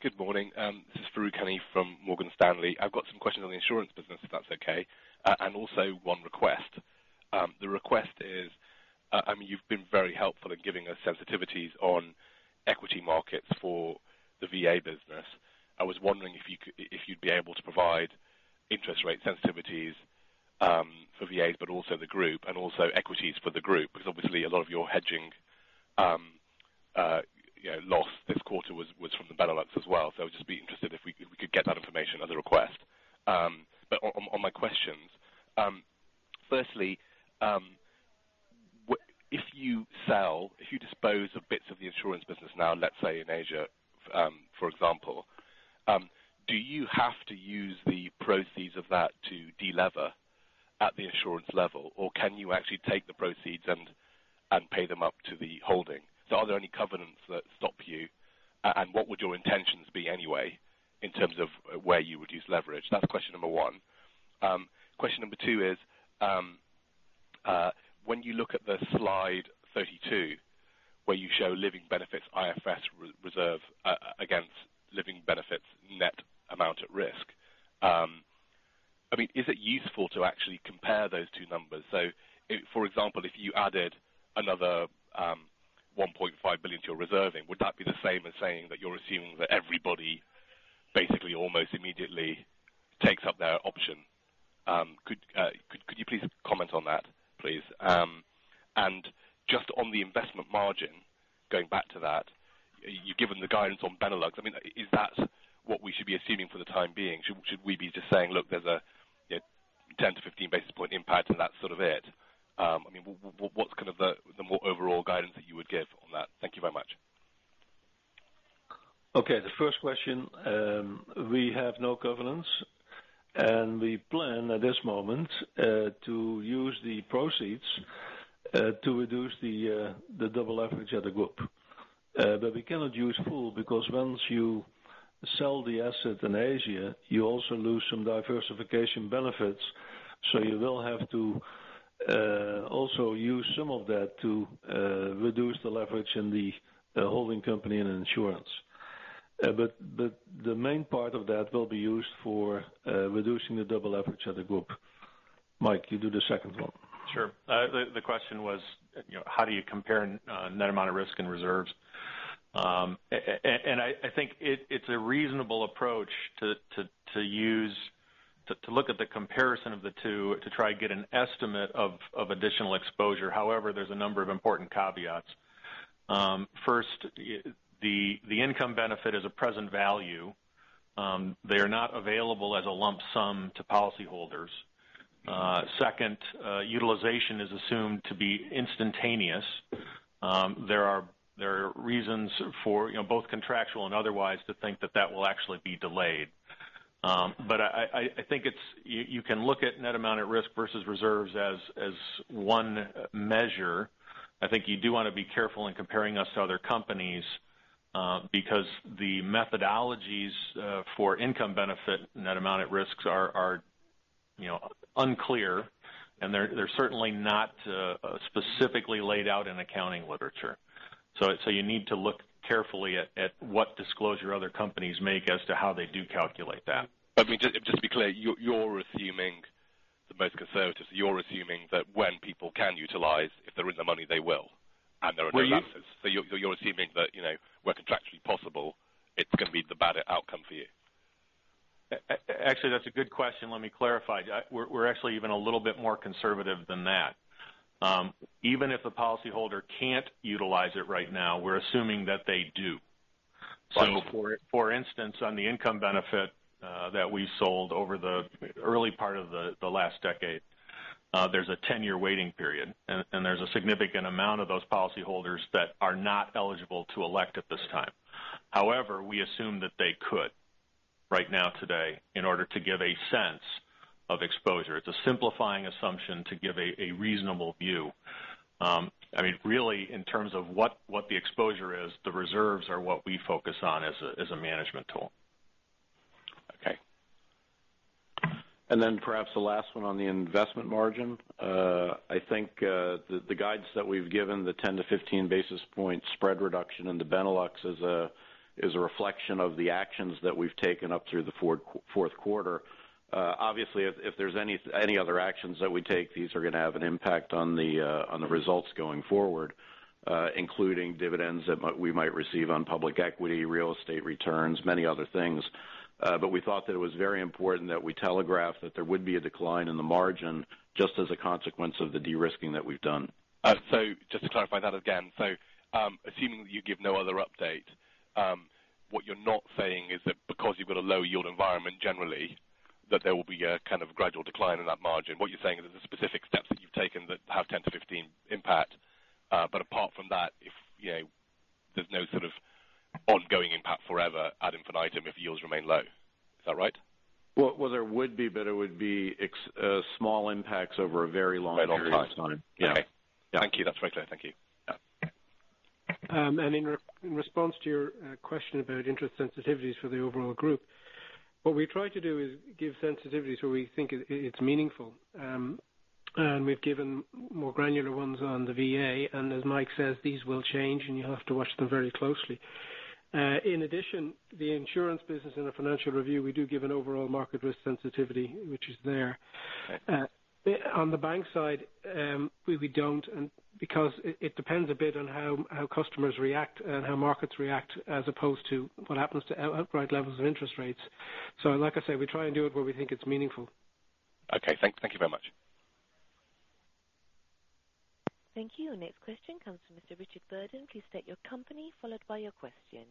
Good morning. This is Farook Hanif from Morgan Stanley. I've got some questions on the insurance business, if that's okay. Also, one request. The request is, I mean, you've been very helpful in giving us sensitivities on equity markets for the VA business. I was wondering if you'd be able to provide interest rate sensitivities for VAs, but also the group, and also equities for the group, because obviously, a lot of your hedging loss this quarter was from the Benelux as well. I would just be interested if we could get that information as a request. On my questions, firstly, if you sell, if you dispose of bits of the insurance business now, let's say in Asia, for example, do you have to use the proceeds of that to de-lever at the insurance level, or can you actually take the proceeds and pay them up to the holding? Are there any covenants that stop you? What would your intentions be anyway in terms of where you would use leverage? That's question number one. Question number two is, when you look at slide 32 where you show living benefits IFS reserve against living benefits net amount at risk, is it useful to actually compare those two numbers? For example, if you added another $1.5 billion to your reserving, would that be the same as saying that you're assuming that everybody basically almost immediately takes up their option? Could you please comment on that, please? Just on the investment margin, going back to that, you've given the guidance on Benelux. Is that what we should be assuming for the time being? Should we be just saying, "Look, there's a 10-15 basis points impact, and that's sort of it"? What's kind of the more overall guidance that you would give on that? Thank you very much. Okay. The first question, we have no covenants, and we plan at this moment to use the proceeds to reduce the double leverage at the group. We cannot use full because once you sell the asset in Asia, you also lose some diversification benefits. You will have to also use some of that to reduce the leverage in the holding company and insurance. The main part of that will be used for reducing the double leverage at the group. Mike, you do the second one. Sure. The question was, how do you compare net amount of risk and reserves? I think it's a reasonable approach to look at the comparison of the two to try to get an estimate of additional exposure. However, there's a number of important caveats. First, the income benefit is a present value. They are not available as a lump sum to policyholders. Second, utilization is assumed to be instantaneous. There are reasons for both contractual and otherwise to think that that will actually be delayed. I think you can look at net amount at risk versus reserves as one measure. You do want to be careful in comparing us to other companies because the methodologies for income benefit net amount at risks are unclear, and they're certainly not specifically laid out in accounting literature. You need to look carefully at what disclosure other companies make as to how they do calculate that. I mean, just to be clear, you're assuming the most conservative, you're assuming that when people can utilize, if they're in the money, they will, and they're in their assets. You're assuming that where contractually possible, it's going to be the bad outcome for you. Actually, that's a good question. Let me clarify. We're actually even a little bit more conservative than that. Even if a policyholder can't utilize it right now, we're assuming that they do. For instance, on the income benefit that we've sold over the early part of the last decade, there's a 10-year waiting period. There's a significant amount of those policyholders that are not eligible to elect at this time. However, we assume that they could right now today in order to give a sense of exposure. It's a simplifying assumption to give a reasonable view. Really, in terms of what the exposure is, the reserves are what we focus on as a management tool. Perhaps the last one on the investment margin. I think the guidance that we've given, the 10-15 basis points spread reduction in the Benelux is a reflection of the actions that we've taken up through the fourth quarter. Obviously, if there's any other actions that we take, these are going to have an impact on the results going forward, including dividends that we might receive on public equity, real estate returns, many other things. We thought that it was very important that we telegraph that there would be a decline in the margin just as a consequence of the de-risking that we've done. Just to clarify that again, assuming that you give no other update, what you're not saying is that because you've got a low-yield environment generally, there will be a kind of gradual decline in that margin. What you're saying is there's specific steps that you've taken that have 10%-15% impact. Apart from that, there's no sort of ongoing impact forever ad infinitum if yields remain low. Is that right? There would be, but it would be small impacts over a very long time. Thank you. That's very clear. Thank you. In response to your question about interest sensitivities for the overall group, what we try to do is give sensitivities where we think it's meaningful. We've given more granular ones on the VA, and as Mike says, these will change, and you have to watch them very closely. In addition, the insurance business and the financial review, we do give an overall market risk sensitivity, which is there. On the bank side, we don't because it depends a bit on how customers react and how markets react as opposed to what happens to outright levels of interest rates. Like I say, we try and do it where we think it's meaningful. Okay, thank you very much. Thank you. Next question comes from Mr. Richard Burden. Please state your company followed by your question.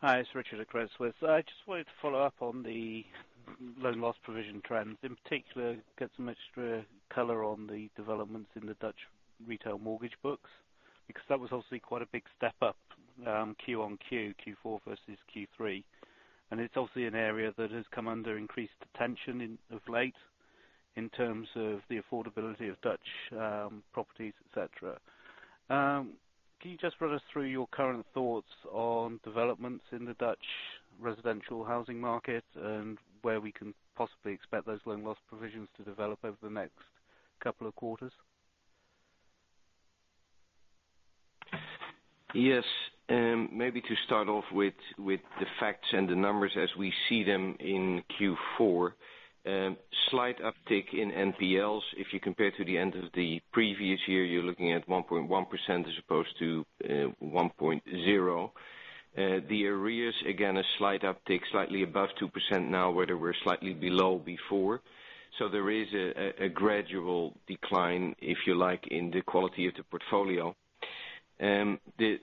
Hi. It's Richard at Credit Suisse. I just wanted to follow up on the loan loss provision trends. In particular, get some extra color on the developments in the Dutch retail mortgage books because that was obviously quite a big step up Q on Q, Q4 versus Q3. It's obviously an area that has come under increased attention of late in terms of the affordability of Dutch properties, etc. Can you just run us through your current thoughts on developments in the Dutch residential housing market and where we can possibly expect those loan loss provisions to develop over the next couple of quarters? Yes. Maybe to start off with the facts and the numbers as we see them in Q4. Slight uptick in NPLs. If you compare to the end of the previous year, you're looking at 1.1% as opposed to 1.0%. The arrears, again, a slight uptick, slightly above 2% now, where they were slightly below before. There is a gradual decline, if you like, in the quality of the portfolio. The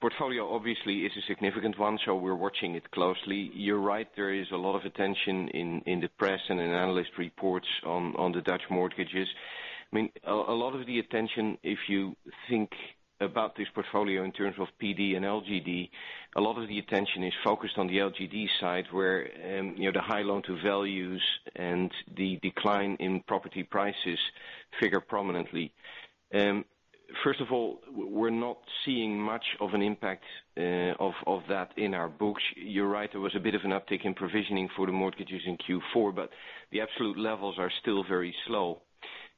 portfolio obviously is a significant one, so we're watching it closely. You're right. There is a lot of attention in the press and in analyst reports on the Dutch mortgages. A lot of the attention, if you think about this portfolio in terms of PD and LGD, is focused on the LGD side where the high loan-to-values and the decline in property prices figure prominently. First of all, we're not seeing much of an impact of that in our books. You're right. There was a bit of an uptick in provisioning for the mortgages in Q4, but the absolute levels are still very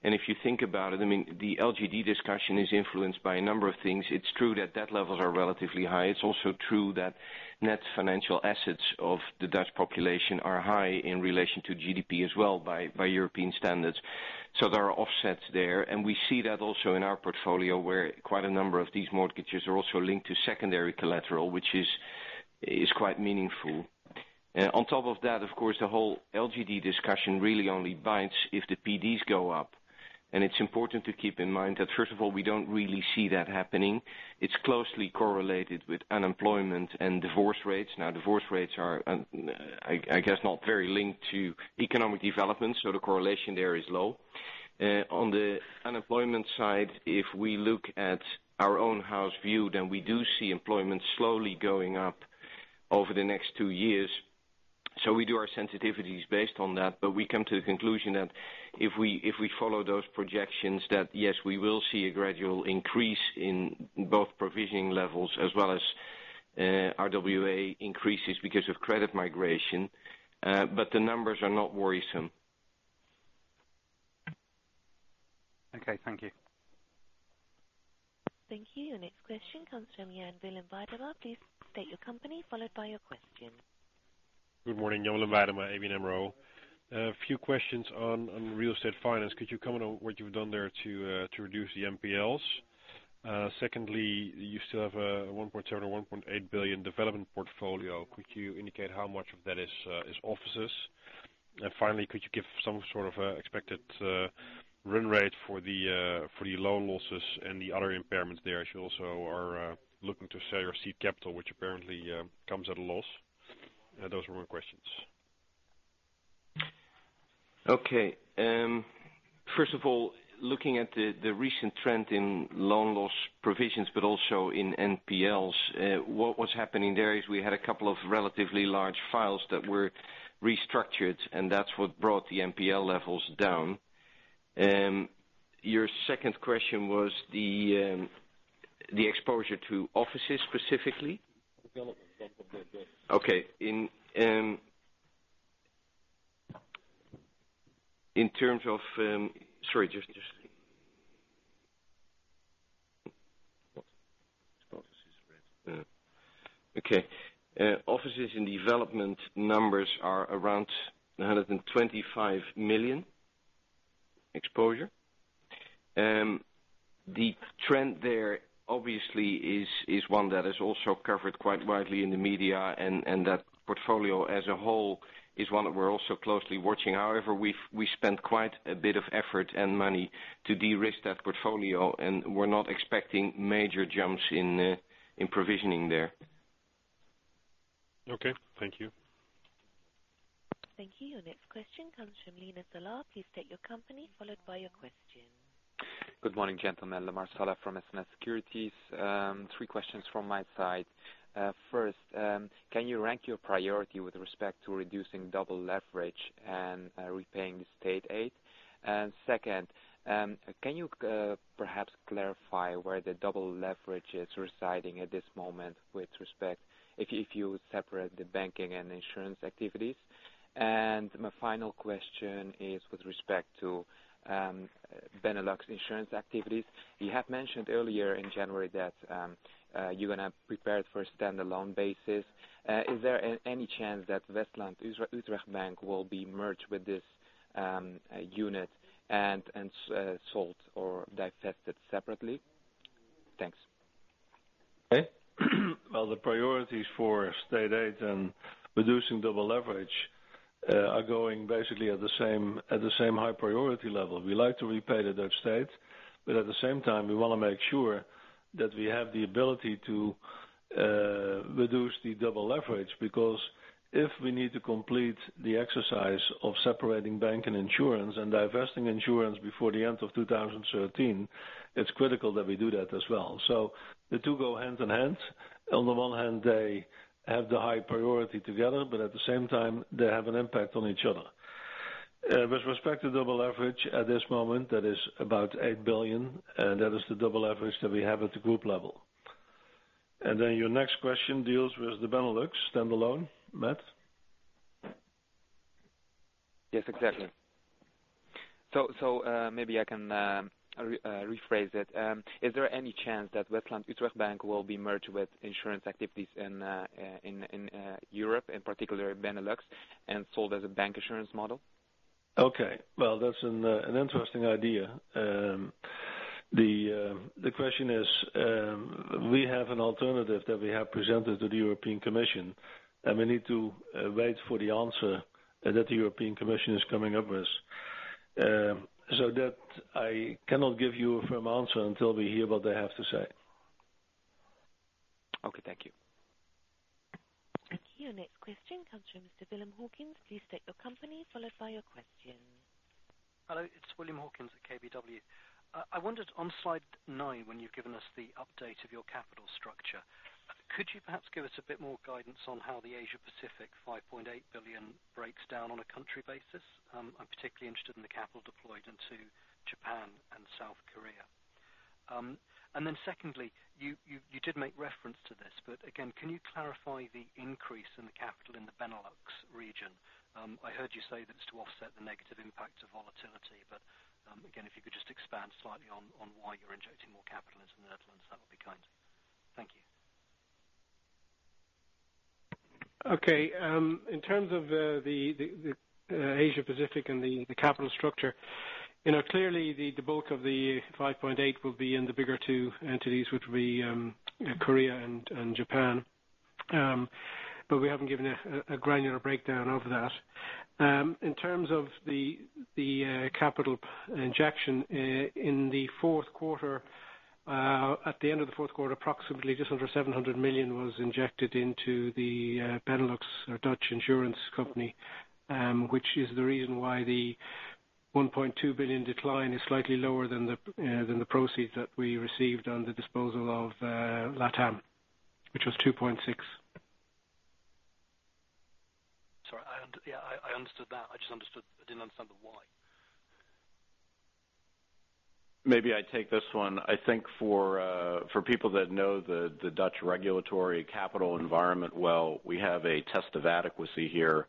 low. If you think about it, the LGD discussion is influenced by a number of things. It's true that debt levels are relatively high. It's also true that net financial assets of the Dutch population are high in relation to GDP as well by European standards. There are offsets there. We see that also in our portfolio where quite a number of these mortgages are also linked to secondary collateral, which is quite meaningful. On top of that, of course, the whole LGD discussion really only bites if the PDs go up. It's important to keep in mind that, first of all, we don't really see that happening. It's closely correlated with unemployment and divorce rates. Now, divorce rates are, I guess, not very linked to economic development, so the correlation there is low. On the unemployment side, if we look at our own house view, then we do see employment slowly going up over the next two years. We do our sensitivities based on that. We come to the conclusion that if we follow those projections, yes, we will see a gradual increase in both provisioning levels as well as RWA increases because of credit migration. The numbers are not worrisome. Okay, thank you. Thank you. The next question comes from Jan Willem Weidema. Please state your company followed by your question. Good morning. Jan Willem Weidema, ABN AMRO. A few questions on real estate finance. Could you comment on what you've done there to reduce the NPLs? You still have a €1.7 or €1.8 billion development portfolio. Could you indicate how much of that is offices? Finally, could you give some sort of expected rate for the loan losses and the other impairments there as you also are looking to sell your seed capital, which apparently comes at a loss? Those were my questions. Okay. First of all, looking at the recent trend in loan loss provisions, but also in NPLs, what's happening there is we had a couple of relatively large files that were restructured, and that's what brought the NPL levels down. Your second question was the exposure to offices specifically? Okay. In terms of offices in development, numbers are around €125 million exposure. The trend there obviously is one that is also covered quite widely in the media, and that portfolio as a whole is one that we're also closely watching. However, we spent quite a bit of effort and money to de-risk that portfolio, and we're not expecting major jumps in provisioning there. Okay. Thank you. Thank you. Your next question comes from Lemer Salah. Please state your company followed by your question. Good morning, gentlemen. Lemer Salah from SNS Securities. Three questions from my side. First, can you rank your priority with respect to reducing double leverage and repaying the state aid? Second, can you perhaps clarify where the double leverage is residing at this moment with respect if you separate the banking and insurance activities? My final question is with respect to Benelux insurance activities. You have mentioned earlier in January that you're going to prepare it for a standalone basis. Is there any chance that WestlandUtrecht Bank will be merged with this unit and sold or divested separately? Thanks. Okay. The priorities for state aid and reducing double leverage are going basically at the same high priority level. We like to repay the Dutch state, but at the same time, we want to make sure that we have the ability to reduce the double leverage because if we need to complete the exercise of separating bank and insurance and divesting insurance before the end of 2013, it's critical that we do that as well. The two go hand in hand. On the one hand, they have the high priority together, but at the same time, they have an impact on each other. With respect to double leverage at this moment, that is about €8 billion. That is the double leverage that we have at the group level. Then your next question deals with the Benelux standalone. Matt? Yes, exactly. Maybe I can rephrase it. Is there any chance that WestlandUtrecht Bank will be merged with insurance activities in Europe, in particular Benelux, and sold as bank insurance model? Okay. That's an interesting idea. The question is, we have an alternative that we have presented to the European Commission, and we need to wait for the answer that the European Commission is coming up with. I cannot give you a firm answer until we hear what they have to say. Okay, thank you. Thank you. Next question comes from Mr. William Hawkins. Please state your company followed by your question. Hello. It's William Hawkins at KBW. I wondered on slide nine, when you've given us the update of your capital structure, could you perhaps give us a bit more guidance on how the Asia Pacific $5.8 billion breaks down on a country basis? I'm particularly interested in the capital deployed into Japan and South Korea. Secondly, you did make reference to this, but again, can you clarify the increase in the capital in the Benelux region? I heard you say that it's to offset the negative impact of volatility. If you could just expand slightly on why you're injecting more capital into the Netherlands, that would be kind. Thank you. Okay. In terms of the Asia Pacific and the capital structure, you know clearly, the bulk of the $5.8 billion will be in the bigger two entities, which would be Korea and Japan. We haven't given a granular breakdown of that. In terms of the capital injection, at the end of the fourth quarter, approximately just under $700 million was injected into the Benelux or Dutch insurance company, which is the reason why the $1.2 billion decline is slightly lower than the proceeds that we received under disposal of Latin America, which was $2.6 billion. Sorry. Yeah, I understood that. I just understood I didn't understand the why. Maybe I take this one. I think for people that know the Dutch regulatory capital environment well, we have a test of adequacy here.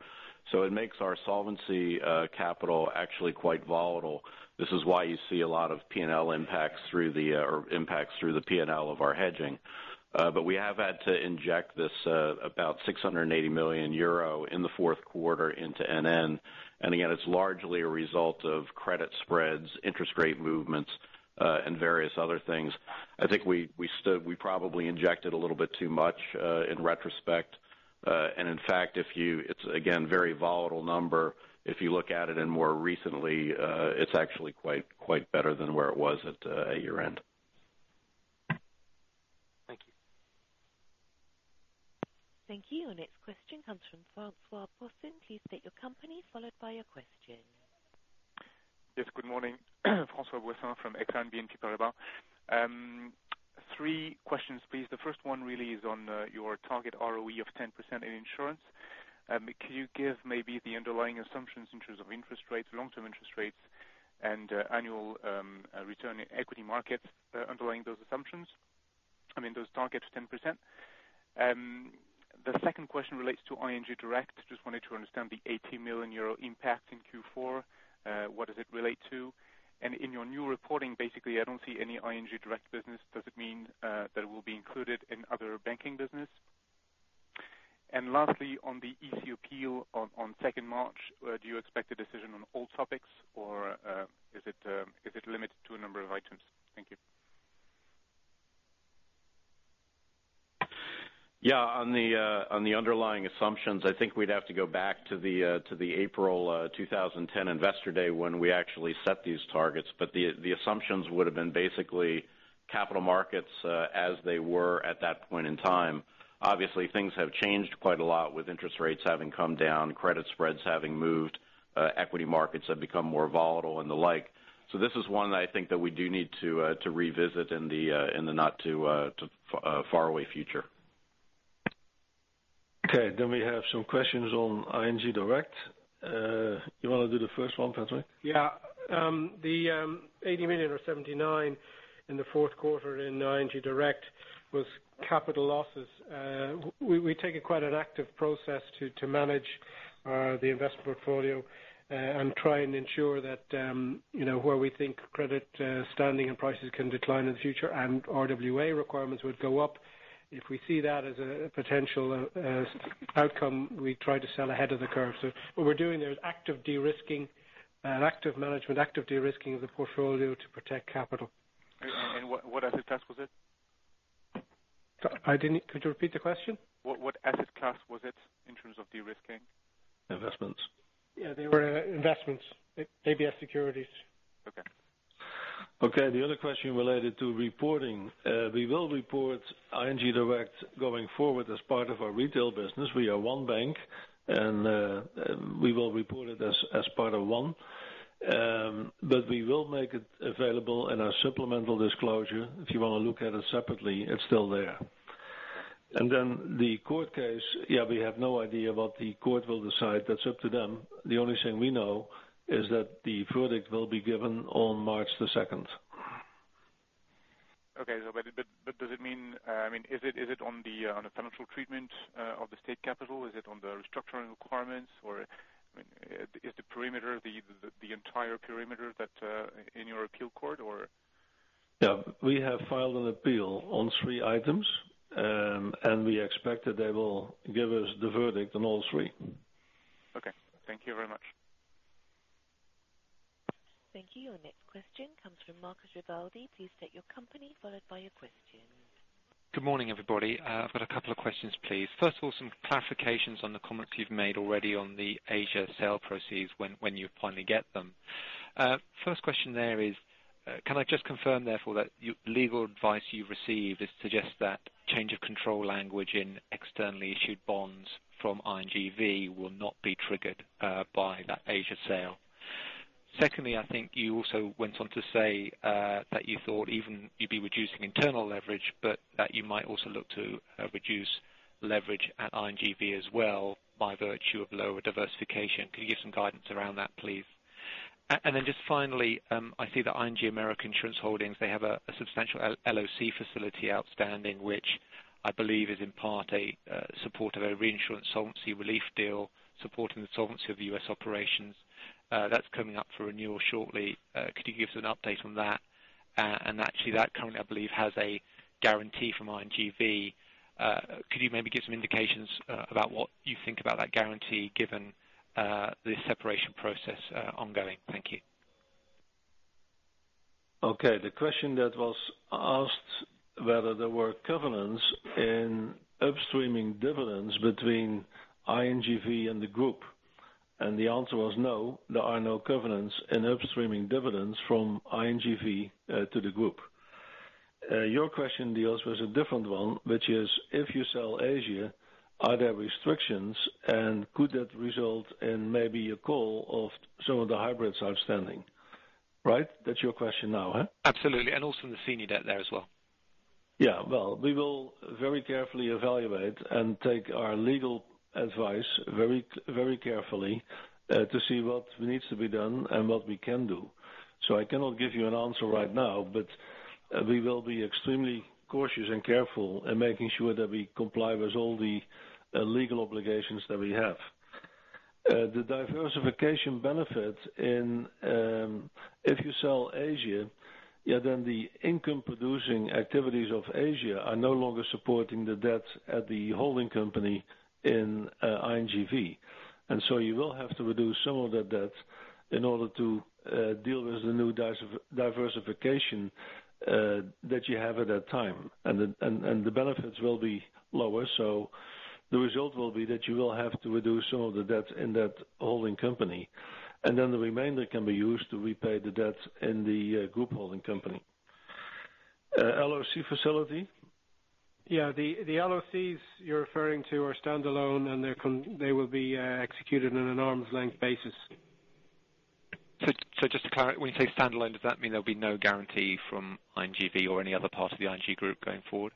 It makes our solvency capital actually quite volatile. This is why you see a lot of P&L impacts through the P&L of our hedging. We have had to inject about €680 million in the fourth quarter into NN. Again, it's largely a result of credit spreads, interest rate movements, and various other things. I think we probably injected a little bit too much in retrospect. In fact, it's a very volatile number. If you look at it more recently, it's actually quite better than where it was at year-end. Thank you. Thank you. Our next question comes from Francois Boissin. Please state your company followed by your question. Yes. Good morning. Francois Boissin from Exane BNP Paribas. Three questions, please. The first one really is on your target ROE of 10% in insurance. Can you give maybe the underlying assumptions in terms of interest rates, long-term interest rates, and annual return in equity markets underlying those assumptions? I mean, those targets of 10%. The second question relates to ING Direct. Just wanted to understand the €18 million impact in Q4. What does it relate to? In your new reporting, basically, I don't see any ING Direct business. Does it mean that it will be included in other banking business? Lastly, on the EC appeal on 2nd March, do you expect a decision on all topics, or is it limited to a number of items? Thank you. Yeah. On the underlying assumptions, I think we'd have to go back to the April 2010 Investor Day when we actually set these targets. The assumptions would have been basically capital markets as they were at that point in time. Obviously, things have changed quite a lot with interest rates having come down, credit spreads having moved, equity markets have become more volatile, and the like. This is one that I think that we do need to revisit in the not-too-faraway future. Okay. We have some questions on ING Direct. You want to do the first one, Patrick? Yeah. The $80 million, or $79 million in the fourth quarter in ING Direct, was capital losses. We take quite an active process to manage the investment portfolio and try and ensure that where we think credit standing and prices can decline in the future and RWA requirements would go up. If we see that as a potential outcome, we try to sell ahead of the curve. What we're doing there is active de-risking, active management, active de-risking of the portfolio to protect capital. What asset class was it? Could you repeat the question? What asset class was it in terms of de-risking? Investments. Yeah, they were investments, ABS securities. Okay. Okay. The other question related to reporting. We will report ING Direct going forward as part of our retail business. We are one bank, and we will report it as part of one. We will make it available in our supplemental disclosure. If you want to look at it separately, it's still there. The court case, yeah, we have no idea what the court will decide. That's up to them. The only thing we know is that the verdict will be given on March 2nd. Okay. Does it mean, I mean, is it on the penalty treatment of the state capital? Is it on the restructuring requirements? I mean, is the perimeter, the entire perimeter that in your appeal court, or? Yeah, we have filed an appeal on three items, and we expect that they will give us the verdict on all three. Okay, thank you very much. Thank you. Our next question comes from Marcus Rivaldi. Please state your company followed by your question. Good morning, everybody. I've got a couple of questions, please. First of all, some clarifications on the comments you've made already on the Asia sale proceeds when you finally get them. First question there is, can I just confirm, therefore, that legal advice you received suggests that change of control language in externally issued bonds from ING V. will not be triggered by that Asia sale? Secondly, I think you also went on to say that you thought even you'd be reducing internal leverage, but that you might also look to ING V. as well by virtue of lower diversification. Could you give some guidance around that, please? Finally, I see that ING America Insurance Holdings, they have a substantial LOC facility outstanding, which I believe is in part a support of a reinsurance solvency relief deal supporting the solvency of the U.S. operations. That's coming up for renewal shortly. Could you give us an update on that? Actually, that currently, I believe, has a guarantee from ING V. Could you maybe give some indications about what you think about that guarantee given the separation process ongoing? Thank you. Okay. The question that was asked was whether there were covenants in upstreaming dividends between ING and the group. The answer was no, there are no covenants in upstreaming dividends from ING V. to the group. Your question deals with a different one, which is, if you sell Asia, are there restrictions, and could that result in maybe a call of some of the hybrids outstanding? Right? That's your question now, huh? Absolutely. Also the senior debt there as well. Yeah. We will very carefully evaluate and take our legal advice very, very carefully to see what needs to be done and what we can do. I cannot give you an answer right now, but we will be extremely cautious and careful in making sure that we comply with all the legal obligations that we have. The diversification benefit, if you sell Asia, then the income-producing activities of Asia are no longer supporting the debts at the holding company ING V. you will have to reduce some of the debts in order to deal with the new diversification that you have at that time, and the benefits will be lower. The result will be that you will have to reduce some of the debts in that holding company, and the remainder can be used to repay the debts in the group holding company. LOC facility? Yeah. The LOCs you're referring to are standalone, and they will be executed on an arm's length basis. Just to clarify, when you say standalone, does that mean there'll be no guarantee from ING V. or any other part of the ING group going forward?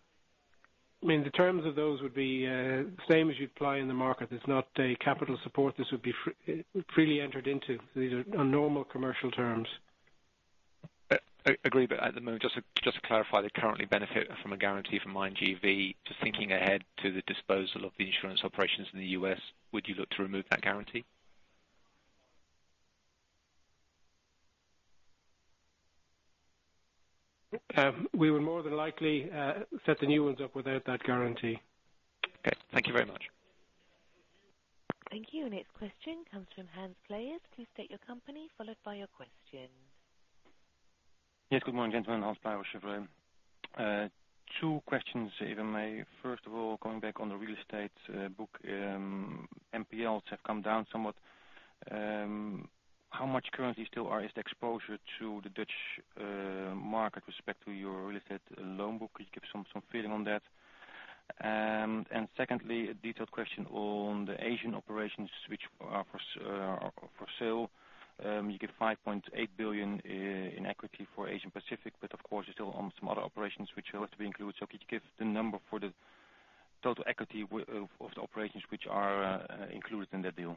I mean, the terms of those would be the same as you'd apply in the market. It's not a capital support. This would be freely entered into. These are normal commercial terms. Agree. At the moment, just to clarify, they currently benefit from a guarantee from ING V. just thinking ahead to the disposal of the insurance operations in the U.S., would you look to remove that guarantee? We would more than likely set the new ones up without that guarantee. Okay, thank you very much. Thank you. Our next question comes from Hans Pluijgers. Please state your company followed by your question. Yes. Good morning, gentlemen. Hans Pluijgers, Cheuvreux. Two questions, if I may. First of all, going back on the real estate book, NPLs have come down somewhat. How much currently still is the exposure to the Dutch market with respect to your real estate loan book? Could you give some feeling on that? Secondly, a detailed question on the Asian operations which are for sale. You give $5.8 billion in equity for Asia Pacific, but of course, you're still on some other operations which are left to be included. Could you give the number for the total equity of the operations which are included in that deal?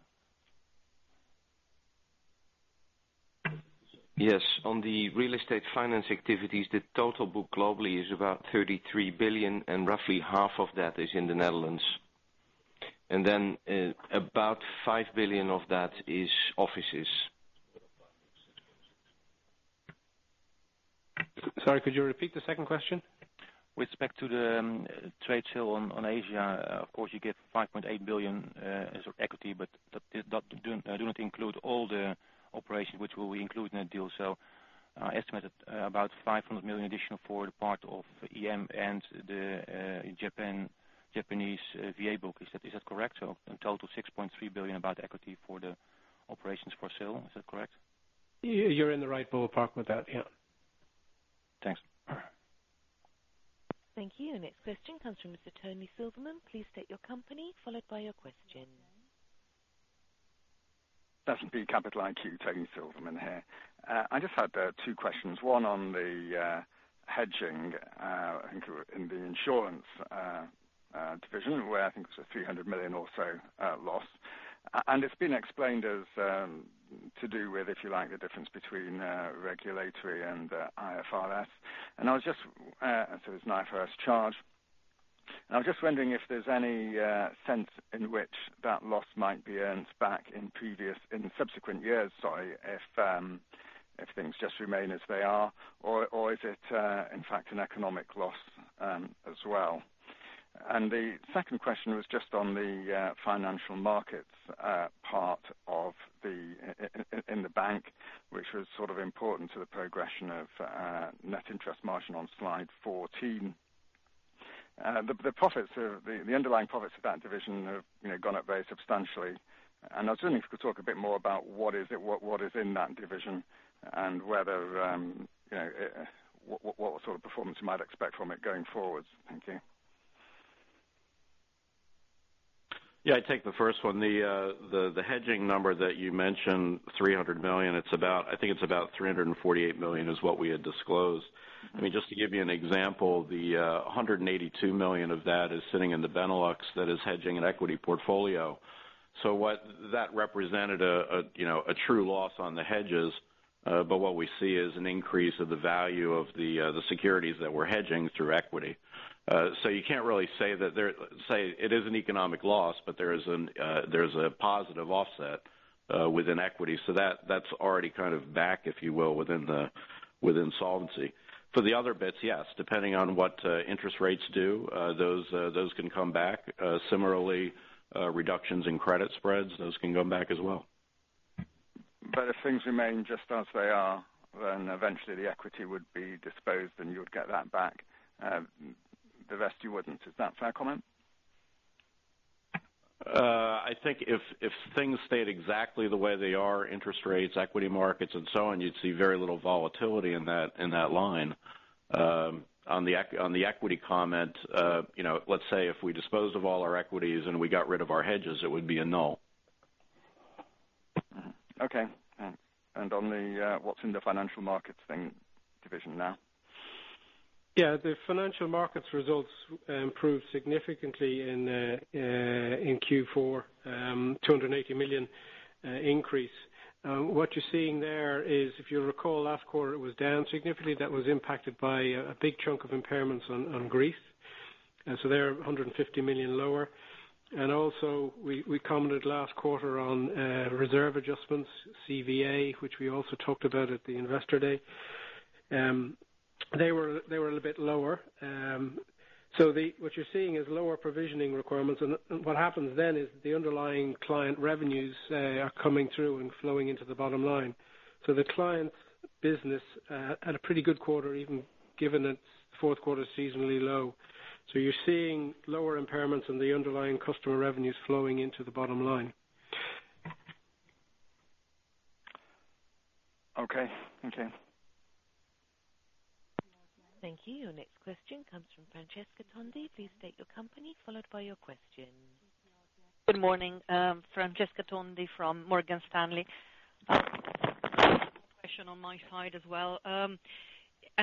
Yes. On the real estate finance activities, the total book globally is about €33 billion, and roughly half of that is in the Netherlands. About €5 billion of that is offices. Sorry, could you repeat the second question? With respect to the trade sale on Asia, of course, you get €5.8 billion as equity, but that does not include all the operations which will be included in the deal. I estimated about €500 million additional for the part of EM and the Japanese VA book. Is that correct? In total, €6.3 billion about equity for the operations for sale. Is that correct? You're in the right ballpark with that. Yeah. Thanks. Thank you. Next question comes from Mr. Tony Silverman. Please state your company followed by your question. That's B Capital IQ, Tony Silverman here. I just had two questions. One on the hedging. I think in the insurance division, where I think. Million It has been explained as to do with, if you like, the difference between regulatory and IFRS. I was just, so it was an IFRS charge. I was just wondering if there's any sense in which that loss might be earned back in subsequent years, if things just remain as they are, or is it, in fact, an economic loss as well? The second question was just on the financial markets part of the bank, which was sort of important to the progression of net interest margin on slide 14. The profits of the underlying profits of that division have gone up very substantially. I was wondering if you could talk a bit more about what is in that division and whether, you know, what sort of performance you might expect from it going forwards. Thank you. Yeah, I take the first one. The hedging number that you mentioned, $300 million, it's about, I think it's about $348 million is what we had disclosed. Just to give you an example, $182 million of that is sitting in the Benelux that is hedging an equity portfolio. What that represented is a true loss on the hedges, but what we see is an increase of the value of the securities that we're hedging through equity. You can't really say that it is an economic loss, but there is a positive offset within equity. That's already kind of back, if you will, within solvency. For the other bits, yes, depending on what interest rates do, those can come back. Similarly, reductions in credit spreads, those can come back as well. If things remain just as they are, eventually the equity would be disposed and you would get that back. The rest you wouldn't. Is that a fair comment? I think if things stayed exactly the way they are, interest rates, equity markets, and so on, you'd see very little volatility in that line. On the equity comment, let's say if we disposed of all our equities and we got rid of our hedges, it would be a null. Okay. What's in the financial markets division now? Yeah, the financial markets results improved significantly in Q4. €280 million increase. What you're seeing there is, if you recall, last quarter it was down significantly. That was impacted by a big chunk of impairments on Greece, so they're €150 million lower. Also, we commented last quarter on reserve adjustments, CVA, which we also talked about at the Investor Day. They were a little bit lower. What you're seeing is lower provisioning requirements, and what happens then is the underlying client revenues are coming through and flowing into the bottom line. The client's business had a pretty good quarter, even given its fourth quarter seasonally low. You're seeing lower impairments on the underlying customer revenues flowing into the bottom line. Okay. Thank you. Thank you. Next question comes from Francesca Tondi. Please state your company followed by your question. Good morning. Francesca Tondi from Morgan Stanley. Question on my side as well. On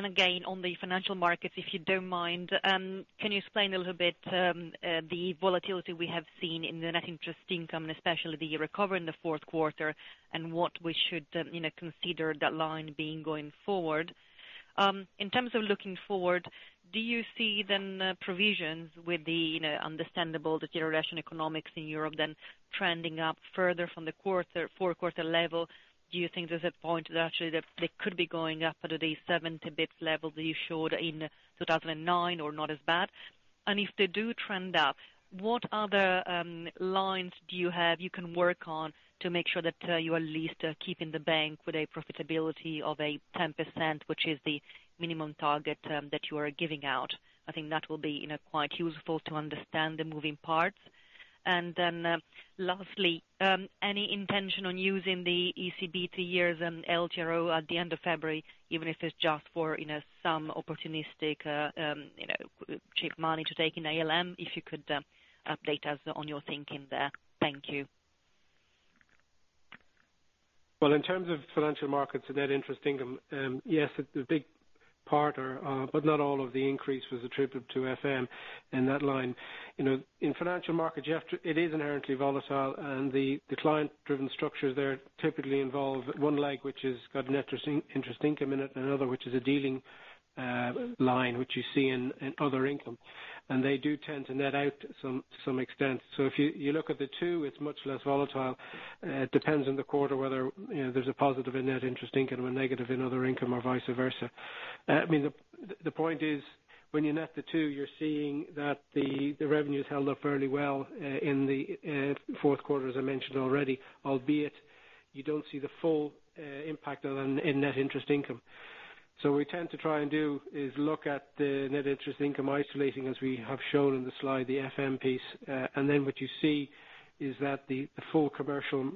the financial markets, if you don't mind, can you explain a little bit the volatility we have seen in the net interest income, especially the recovery in the fourth quarter, and what we should consider that line being going forward? In terms of looking forward, do you see provisions with the understandable deterioration in economics in Europe then trending up further from the fourth quarter level? Do you think there's a point that actually they could be going up at the 70-basis points level that you showed in 2009 or not as bad? If they do trend up, what other lines do you have you can work on to make sure that you at least keep in the bank with a profitability of 10%, which is the minimum target that you are giving out? I think that will be quite useful to understand the moving parts. Lastly, any intention on using the ECB three-year LTRO at the end of February, even if it's just for some opportunistic cheap money to take in ALM, if you could update us on your thinking there. Thank you. In terms of financial markets and net interest income, yes, a big part, but not all of the increase was attributed to FM and that line. In financial markets, it is inherently volatile, and the client-driven structures there typically involve one leg, which has got net interest income in it, and another, which is a dealing line, which you see in other income. They do tend to net out to some extent. If you look at the two, it's much less volatile. It depends on the quarter whether there's a positive in net interest income or negative in other income or vice versa. The point is when you net the two, you're seeing that the revenue is held up fairly well in the fourth quarter, as I mentioned already, albeit you don't see the full impact on net interest income. What we tend to try and do is look at the net interest income isolating, as we have shown in the slide, the FM piece, and then what you see is that the full commercial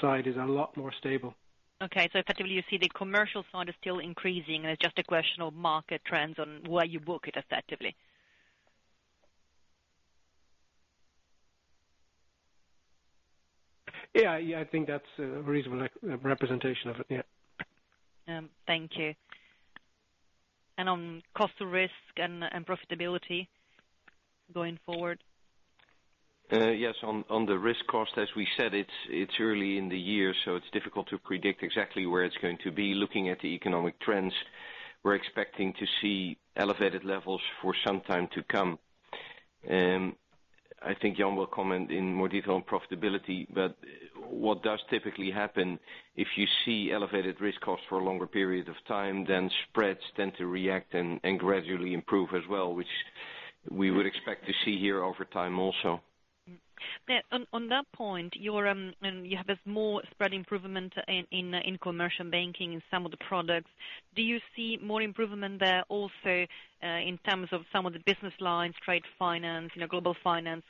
side is a lot more stable. Okay. Effectively, you see the commercial side is still increasing, and it's just a question of market trends on where you book it effectively. Yeah, I think that's a reasonable representation of it. Yeah. Thank you. On cost of risk and profitability going forward? Yes, on the risk cost, as we said, it's early in the year, so it's difficult to predict exactly where it's going to be. Looking at the economic trends, we're expecting to see elevated levels for some time to come. I think John will comment in more detail on profitability. What does typically happen if you see elevated risk costs for a longer period of time is that spreads tend to react and gradually improve as well, which we would expect to see here over time also. On that point, you have a small spread improvement in commercial banking in some of the products. Do you see more improvement there also, in terms of some of the business lines, trade finance, global finance,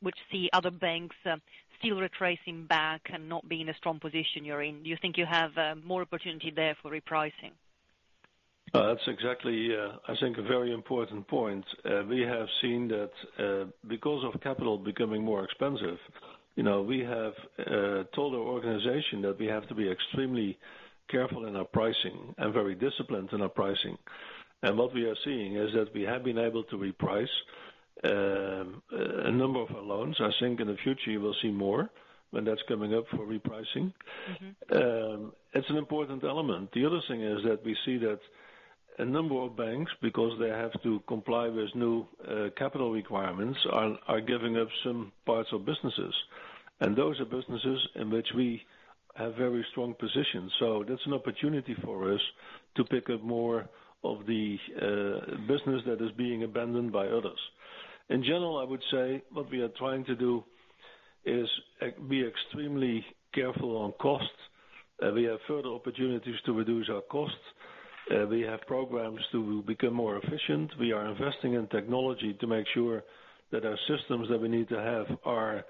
which see other banks still retracing back and not being in a strong position you're in? Do you think you have more opportunity there for repricing? That's exactly, I think, a very important point. We have seen that because of capital becoming more expensive, we have told our organization that we have to be extremely careful in our pricing and very disciplined in our pricing. What we are seeing is that we have been able to reprice a number of our loans. I think in the future, you will see more when that's coming up for repricing. Mm-hmm. It's an important element. The other thing is that we see that a number of banks, because they have to comply with new capital requirements, are giving up some parts of businesses. Those are businesses in which we have very strong positions. That's an opportunity for us to pick up more of the business that is being abandoned by others. In general, I would say what we are trying to do is be extremely careful on costs. We have further opportunities to reduce our costs. We have programs to become more efficient. We are investing in technology to make sure that our systems that we need to have are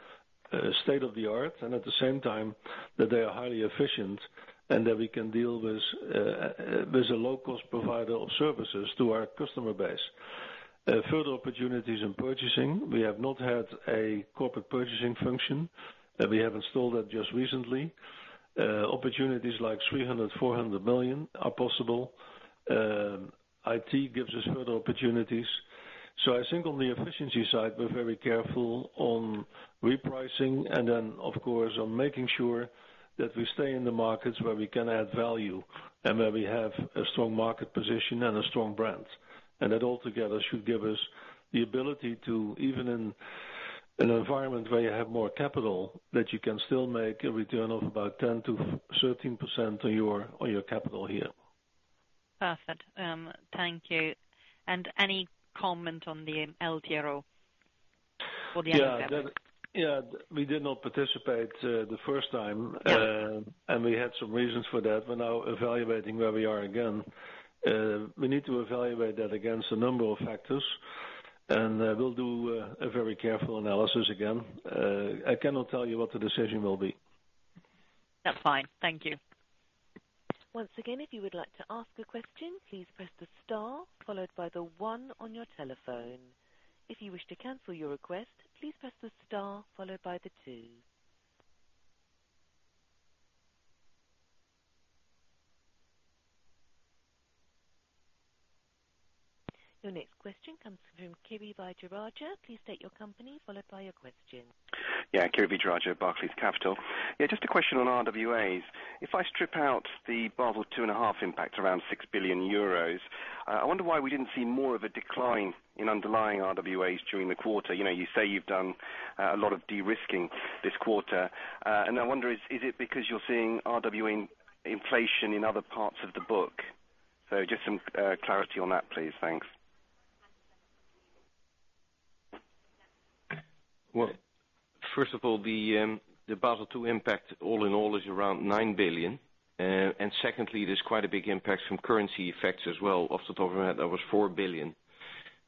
state-of-the-art and at the same time that they are highly efficient and that we can deal with a low-cost provider of services to our customer base. Further opportunities in purchasing. We have not had a corporate purchasing function. We have installed that just recently. Opportunities like $300 million, $400 million are possible. IT gives us further opportunities. I think on the efficiency side, we're very careful on repricing and then, of course, on making sure that we stay in the markets where we can add value and where we have a strong market position and a strong brand. That altogether should give us the ability to, even in an environment where you have more capital, that you can still make a return of about 10%-13% on your capital here. Perfect. Thank you. Any comment on the LTRO for the NDC? Yeah, we did not participate the first time. Mm-hmm. We had some reasons for that. We're now evaluating where we are again. We need to evaluate that against a number of factors. We'll do a very careful analysis again. I cannot tell you what the decision will be. That's fine. Thank you. Once again, if you would like to ask a question, please press the star followed by the one on your telephone. If you wish to cancel your request, please press the star followed by the two. Your next question comes from Kiri Vijayarajah. Please state your company followed by your question. Yeah Kiri Vijayarajah, Barclays Bank. Just a question on RWAs. If I strip out the Basel II.5 impact, around €6 billion, I wonder why we didn't see more of a decline in underlying RWAs during the quarter. You say you've done a lot of de-risking this quarter. I wonder, is it because you're seeing RWA inflation in other parts of the book? Just some clarity on that, please. Thanks. First of all, the Basel II impact all in all is around €9 billion. There's quite a big impact from currency effects as well. Off the top of my head, that was €4 billion.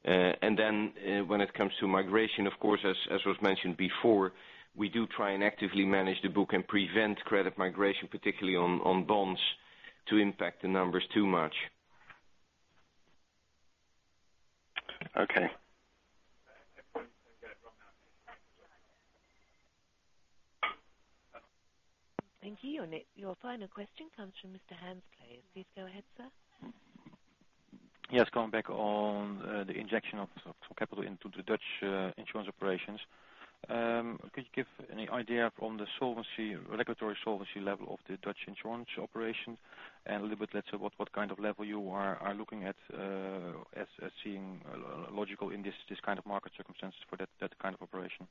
When it comes to migration, as was mentioned before, we do try and actively manage the book and prevent credit migration, particularly on bonds, to impact the numbers too much. Okay. Thank you. Your final question comes from Mr. Hans Claeys. Please go ahead, sir. Yes, going back on the injection of capital into the Dutch insurance operations, could you give any idea on the regulatory solvency level of the Dutch insurance operation? A little bit, let's say, what kind of level you are looking at as seeing logical in this kind of market circumstances for that kind of operation?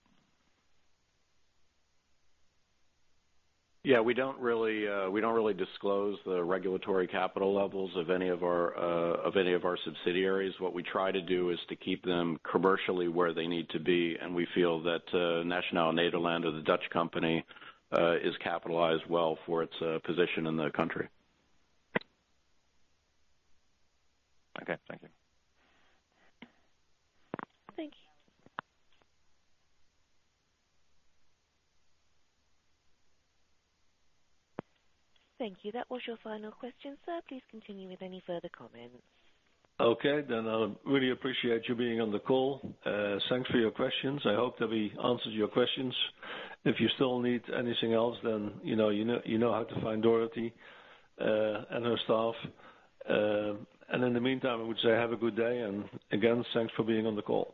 We don't really disclose the regulatory capital levels of any of our subsidiaries. What we try to do is to keep them commercially where they need to be. We feel that Nationale-Nederlanden, or the Dutch company, is capitalized well for its position in the country. Okay, thank you. Thank you. Thank you. That was your final question, sir. Please continue with any further comment. I would really appreciate you being on the call. Thanks for your questions. I hope that we answered your questions. If you still need anything else, you know how to find Dorothy and her staff. In the meantime, I would say have a good day. Again, thanks for being on the call.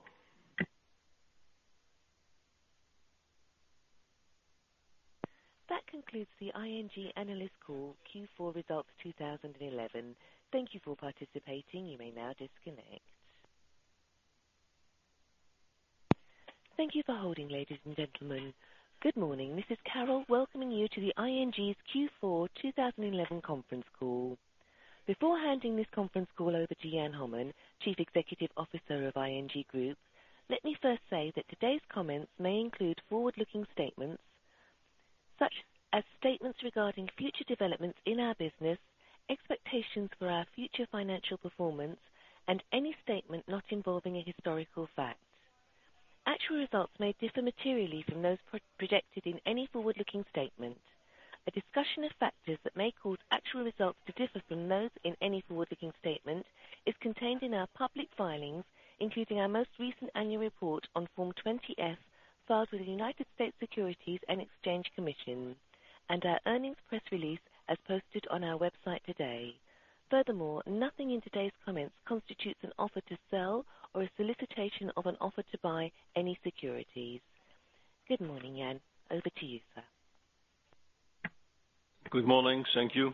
That concludes the ING Analyst Call Q4 Results 2011. Thank you for participating. You may now disconnect. Thank you for holding, ladies and gentlemen. Good morning. This is Carol, welcoming you to ING's Q4 2011 Conference Call. Before handing this conference call over to Jan Hommen, Chief Executive Officer of ING Group, let me first say that today's comments may include forward-looking statements, such as statements regarding future developments in our business, expectations for our future financial performance, and any statement not involving a historical fact. Actual results may differ materially from those projected in any forward-looking statement. A discussion of factors that may cause actual results to differ from those in any forward-looking statement is contained in our public filings, including our most recent annual report on Form 20-F filed with the United States Securities and Exchange Commission and our earnings press release as posted on our website today. Furthermore, nothing in today's comments constitutes an offer to sell or a solicitation of an offer to buy any securities. Good morning, Jan. Over to you, sir. Good morning. Thank you.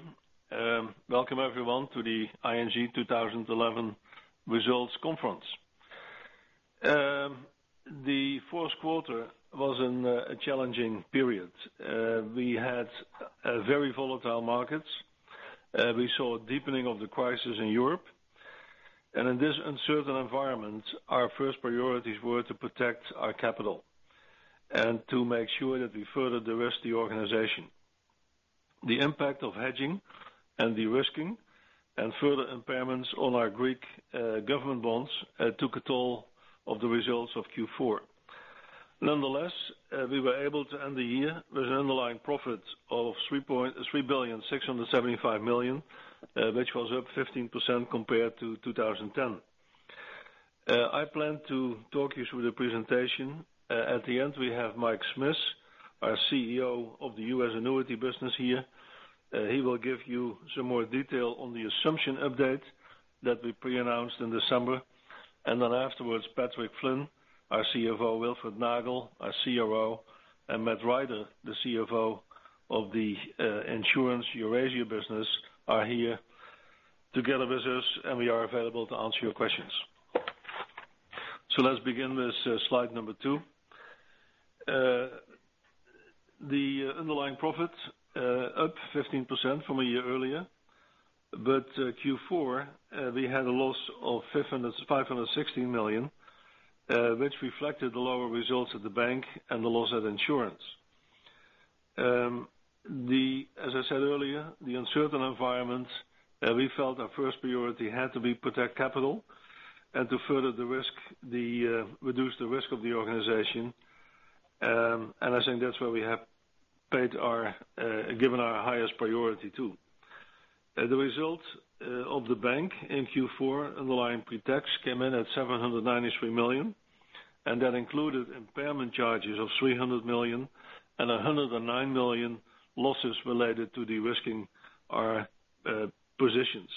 Welcome everyone to the ING 2011 results conference. The fourth quarter was a challenging period. We had very volatile markets. We saw a deepening of the crisis in Europe. In this uncertain environment, our first priorities were to protect our capital and to make sure that we furthered the rest of the organization. The impact of hedging and de-risking and further impairments on our Greek government bonds took a toll on the results of Q4. Nonetheless, we were able to end the year with an underlying profit of €3.675 billion, which was up 15% compared to 2010. I plan to talk you through the presentation. At the end, we have Mike Smith, our CEO of the US Annuity business here. He will give you some more detail on the assumption update that we pre-announced in December. Afterwards, Patrick Flynn, our CFO, Wilfred Nagel, our CRO, and Matt Ryder, the CFO of the Insurance Eurasia business, are here together with us, and we are available to answer your questions. Let's begin with slide number two. The underlying profits, up 15% from a year earlier. Q4, we had a loss of €516 million, which reflected the lower results at the bank and the loss at insurance. As I said earlier, in the uncertain environment, we felt our first priority had to be to protect capital and to reduce the risk of the organization. I think that's where we have given our highest priority. The result of the bank in Q4, underlying pre-tax, came in at €793 million. That included impairment charges of €300 million and €109 million losses related to de-risking our positions.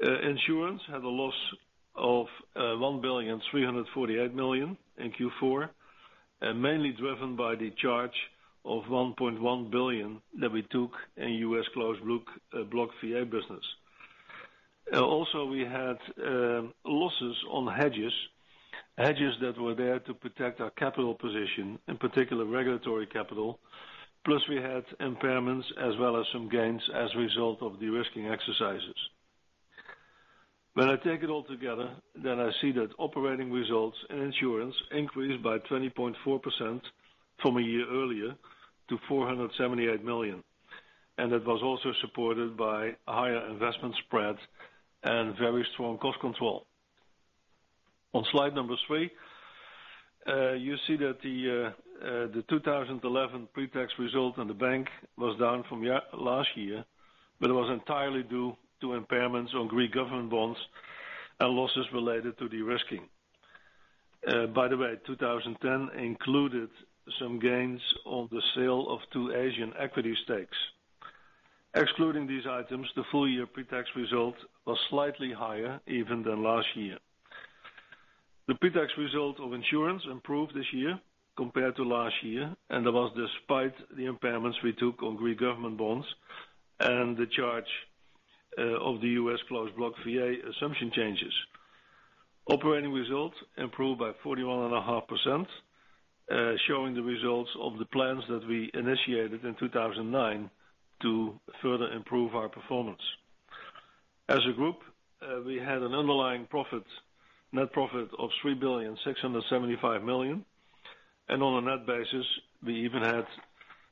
Insurance had a loss of €1.348 billion in Q4, mainly driven by the charge of €1.1 billion that we took in US closed block variable annuity business. We also had losses on hedges that were there to protect our capital position, in particular regulatory capital. Plus, we had impairments as well as some gains as a result of de-risking exercises. When I take it all together, then I see that operating results in insurance increased by 20.4% from a year earlier to €478 million. It was also supported by higher investment spreads and very strong cost control. On slide number three, you see that the 2011 pre-tax result in the bank was down from last year, but it was entirely due to impairments on Greek government bonds and losses related to de-risking. By the way, 2010 included some gains on the sale of two Asian equity stakes. Excluding these items, the full-year pre-tax result was slightly higher even than last year. The pre-tax result of insurance improved this year compared to last year, and that was despite the impairments we took on Greek government bonds and the charge of the U.S. closed block VA assumption changes. Operating results improved by 41.5%, showing the results of the plans that we initiated in 2009 to further improve our performance. As a group, we had an underlying net profit of €3,675 million. On a net basis, we even had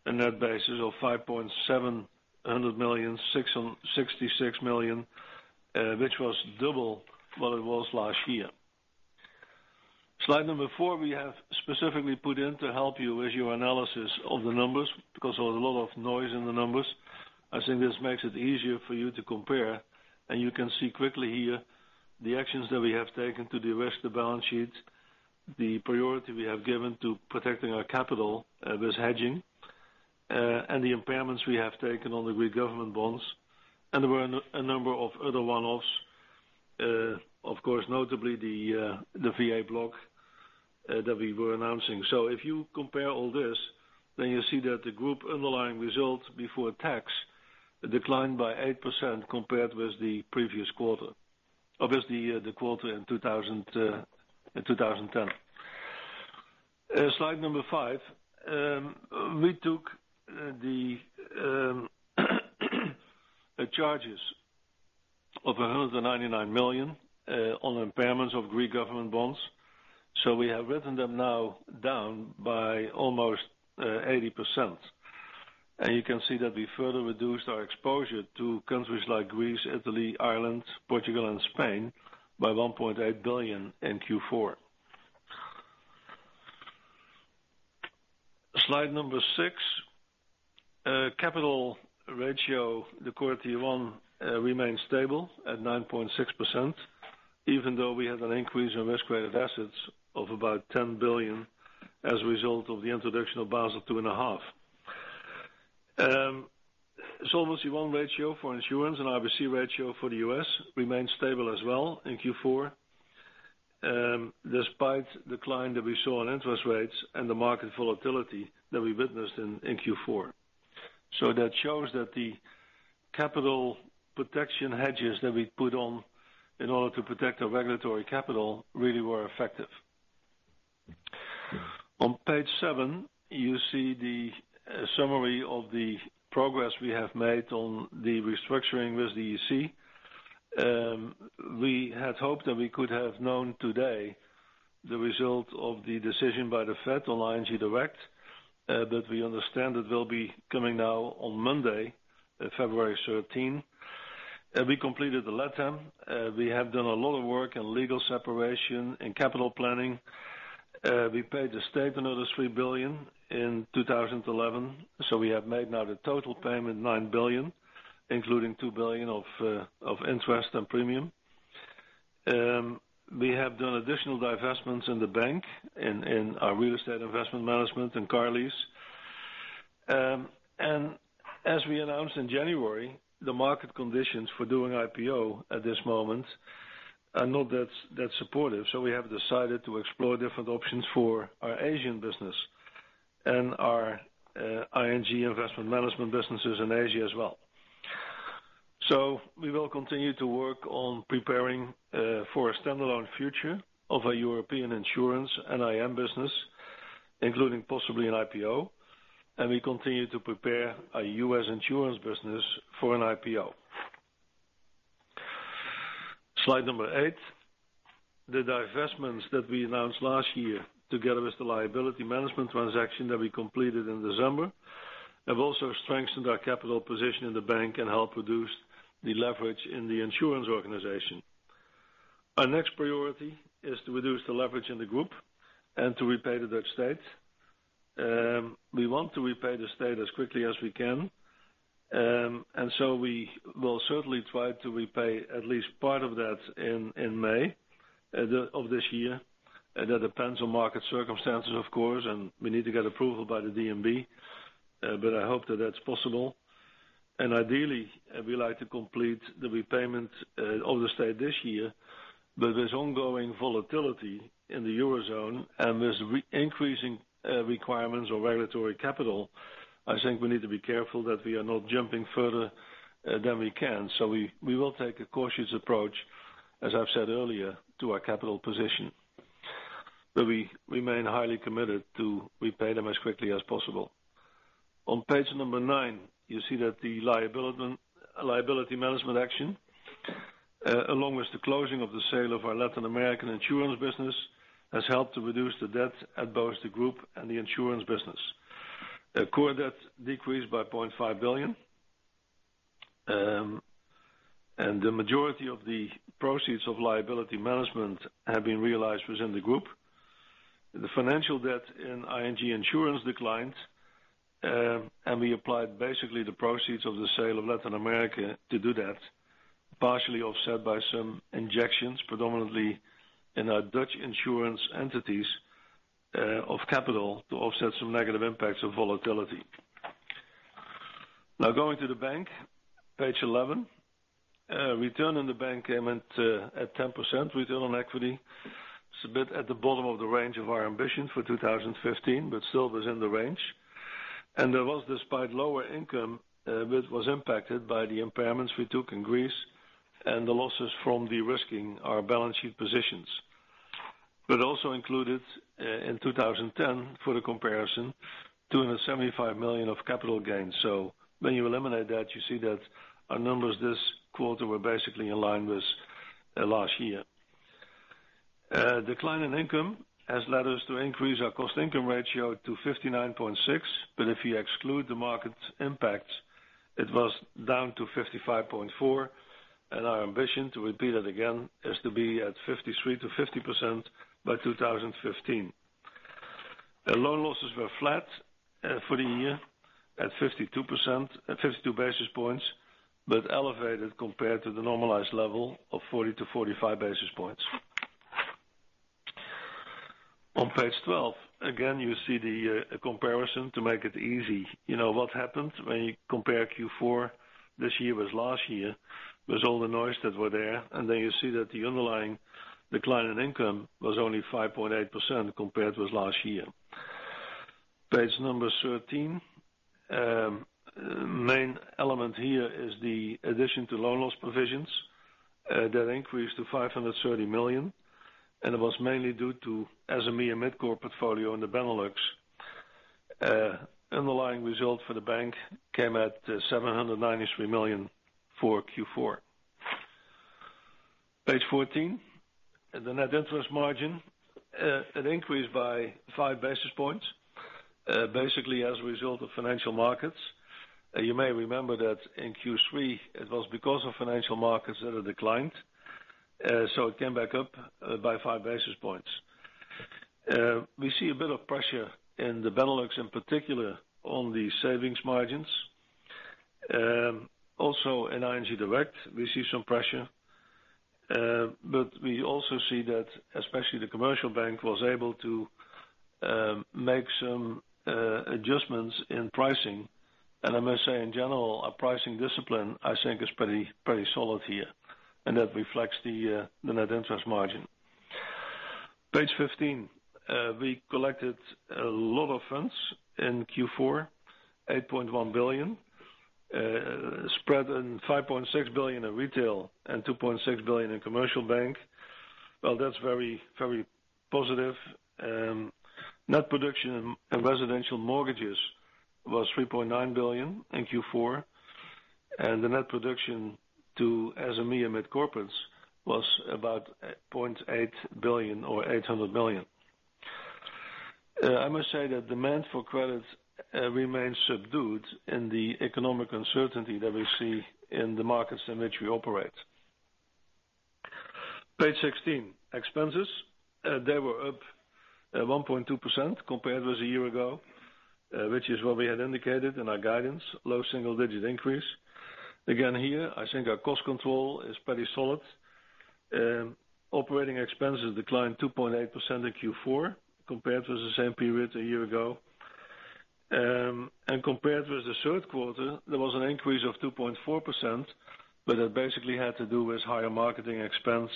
a net profit of €5,666 million, which was double what it was last year. Slide number four, we have specifically put in to help you with your analysis of the numbers because there was a lot of noise in the numbers. I think this makes it easier for you to compare. You can see quickly here the actions that we have taken to de-risk the balance sheets, the priority we have given to protecting our capital with hedging, and the impairments we have taken on the Greek government bonds. There were a number of other one-offs, of course, notably the VA block that we were announcing. If you compare all this, then you see that the group underlying result before tax declined by 8% compared with the previous quarter, or with the quarter in 2010. Slide number five. We took charges of €199 million on impairments of Greek government bonds. We have written them now down by almost 80%. You can see that we further reduced our exposure to countries like Greece, Italy, Ireland, Portugal, and Spain by €1.8 billion in Q4. Slide number six. Capital ratio, the core Tier 1, remains stable at 9.6%, even though we had an increase in risk-weighted assets of about €10 billion as a result of the introduction of Basel 2.5. Solvency I ratio for insurance and RBC ratio for the U.S. remains stable as well in Q4, despite the decline that we saw in interest rates and the market volatility that we witnessed in Q4. That shows that the capital protection hedges that we put on in order to protect our regulatory capital really were effective. On page seven, you see the summary of the progress we have made on the restructuring with the European Commission. We had hoped that we could have known today the result of the decision by the Fed on ING Direct, but we understand it will be coming now on Monday, February 13. We completed the letter. We have done a lot of work in legal separation and capital planning. We paid the state another €3 billion in 2011. We have made now the total payment €9 billion, including €2 billion of interest and premium. We have done additional divestments in the bank, in our real estate investment management and car lease. As we announced in January, the market conditions for doing an IPO at this moment are not that supportive. We have decided to explore different options for our Asian business and our ING Investment Management businesses in Asia as well. We will continue to work on preparing for a standalone future of our European insurance and IM business, including possibly an IPO. We continue to prepare our U.S. insurance business for an IPO. Slide number eight. The divestments that we announced last year, together with the liability management transaction that we completed in December, have also strengthened our capital position in the bank and helped reduce the leverage in the insurance organization. Our next priority is to reduce the leverage in the group and to repay the Dutch state. We want to repay the state as quickly as we can, and we will certainly try to repay at least part of that in May of this year. That depends on market circumstances, of course, and we need to get approval by the DNB. I hope that that's possible. Ideally, we would like to complete the repayment of the state this year. With ongoing volatility in the eurozone and with increasing requirements on regulatory capital, I think we need to be careful that we are not jumping further than we can. We will take a cautious approach, as I've said earlier, to our capital position. We remain highly committed to repay them as quickly as possible. On page number nine, you see that the liability management action, along with the closing of the sale of our Latin American insurance business, has helped to reduce the debt at both the group and the insurance business. Core debt decreased by €0.5 billion, and the majority of the proceeds of liability management have been realized within the group. The financial debt in ING Insurance declined, and we applied basically the proceeds of the sale of Latin America to do that, partially offset by some injections, predominantly in our Dutch insurance entities, of capital to offset some negative impacts of volatility. Now, going to the bank, page 11. Return in the bank came in at 10% return on equity. It's a bit at the bottom of the range of our ambitions for 2015, but still within the range. That was despite lower income, which was impacted by the impairments we took in Greece and the losses from de-risking our balance sheet positions. It also included, in 2010 for the comparison, €275 million of capital gains. When you eliminate that, you see that our numbers this quarter were basically in line with last year. Decline in income has led us to increase our cost income ratio to 59.6%, but if you exclude the market impacts, it was down to 55.4%. Our ambition, to repeat it again, is to be at 53%-50% by 2015. Loan losses were flat for the year at 52 basis points, but elevated compared to the normalized level of 40-45 basis points. On page 12, again, you see the comparison to make it easy. You know what happened when you compare Q4 this year with last year with all the noise that was there. Then you see that the underlying decline in income was only 5.8% compared with last year. Page number 13. The main element here is the addition to loan loss provisions that increased to €530 million. It was mainly due to SME and mid-core portfolio in the Benelux. Underlying result for the bank came at €793 million for Q4. Page 14. The net interest margin increased by 5 basis points, basically as a result of financial markets. You may remember that in Q3, it was because of financial markets that it declined. It came back up by 5 basis points. We see a bit of pressure in the Benelux in particular on the savings margins. Also in ING Direct, we see some pressure. We also see that especially the commercial bank was able to make some adjustments in pricing. I must say, in general, our pricing discipline, I think, is pretty solid here. That reflects the net interest margin. Page 15. We collected a lot of funds in Q4, €8.1 billion, spread in €5.6 billion in retail and €2.6 billion in commercial bank. That's very, very positive. Net production in residential mortgages was €3.9 billion in Q4. The net production to SME and mid-corporates was about €0.8 billion or €800 million. I must say that demand for credits remains subdued in the economic uncertainty that we see in the markets in which we operate. Page 16. Expenses were up 1.2% compared with a year ago, which is what we had indicated in our guidance, low single-digit increase. Again, here, I think our cost control is pretty solid. Operating expenses declined 2.8% in Q4 compared with the same period a year ago. Compared with the third quarter, there was an increase of 2.4%, but that basically had to do with higher marketing expense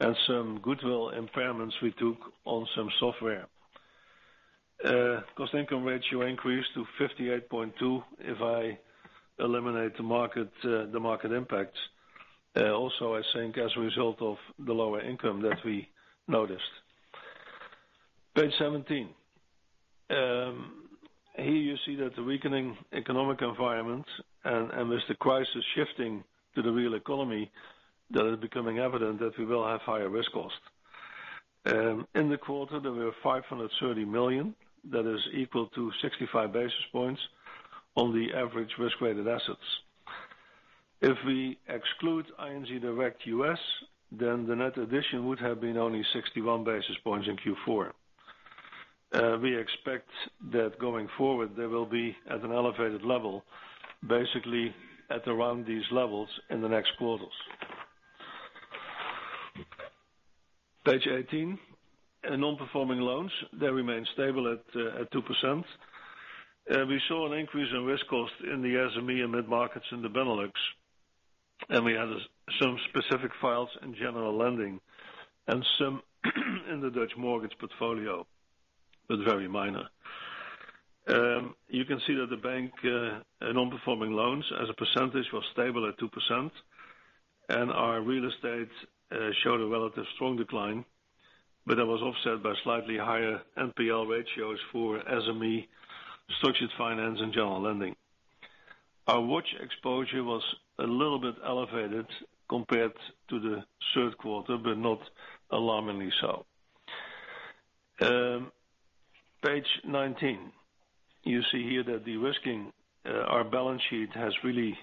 and some goodwill impairments we took on some software. Cost income ratio increased to 58.2% if I eliminate the market impacts. Also, I think as a result of the lower income that we noticed. Page 17. Here you see that the weakening economic environment, with the crisis shifting to the real economy, is becoming evident that we will have higher risk costs. In the quarter, there were $530 million. That is equal to 65 basis points on the average risk-weighted assets. If we exclude ING Direct US, then the net addition would have been only 61 basis points in Q4. We expect that going forward, they will be at an elevated level, basically at around these levels in the next quarters. Page 18. Non-performing loans remain stable at 2%. We saw an increase in risk costs in the SME and mid-markets in the Benelux. We had some specific files in general lending and some in the Dutch mortgage portfolio, but very minor. You can see that the bank non-performing loans as a percentage were stable at 2%. Our real estate showed a relatively strong decline, but that was offset by slightly higher NPL ratios for SME, structured finance, and general lending. Our watch exposure was a little bit elevated compared to the third quarter, but not alarmingly so. Page 19. You see here that de-risking our balance sheet has really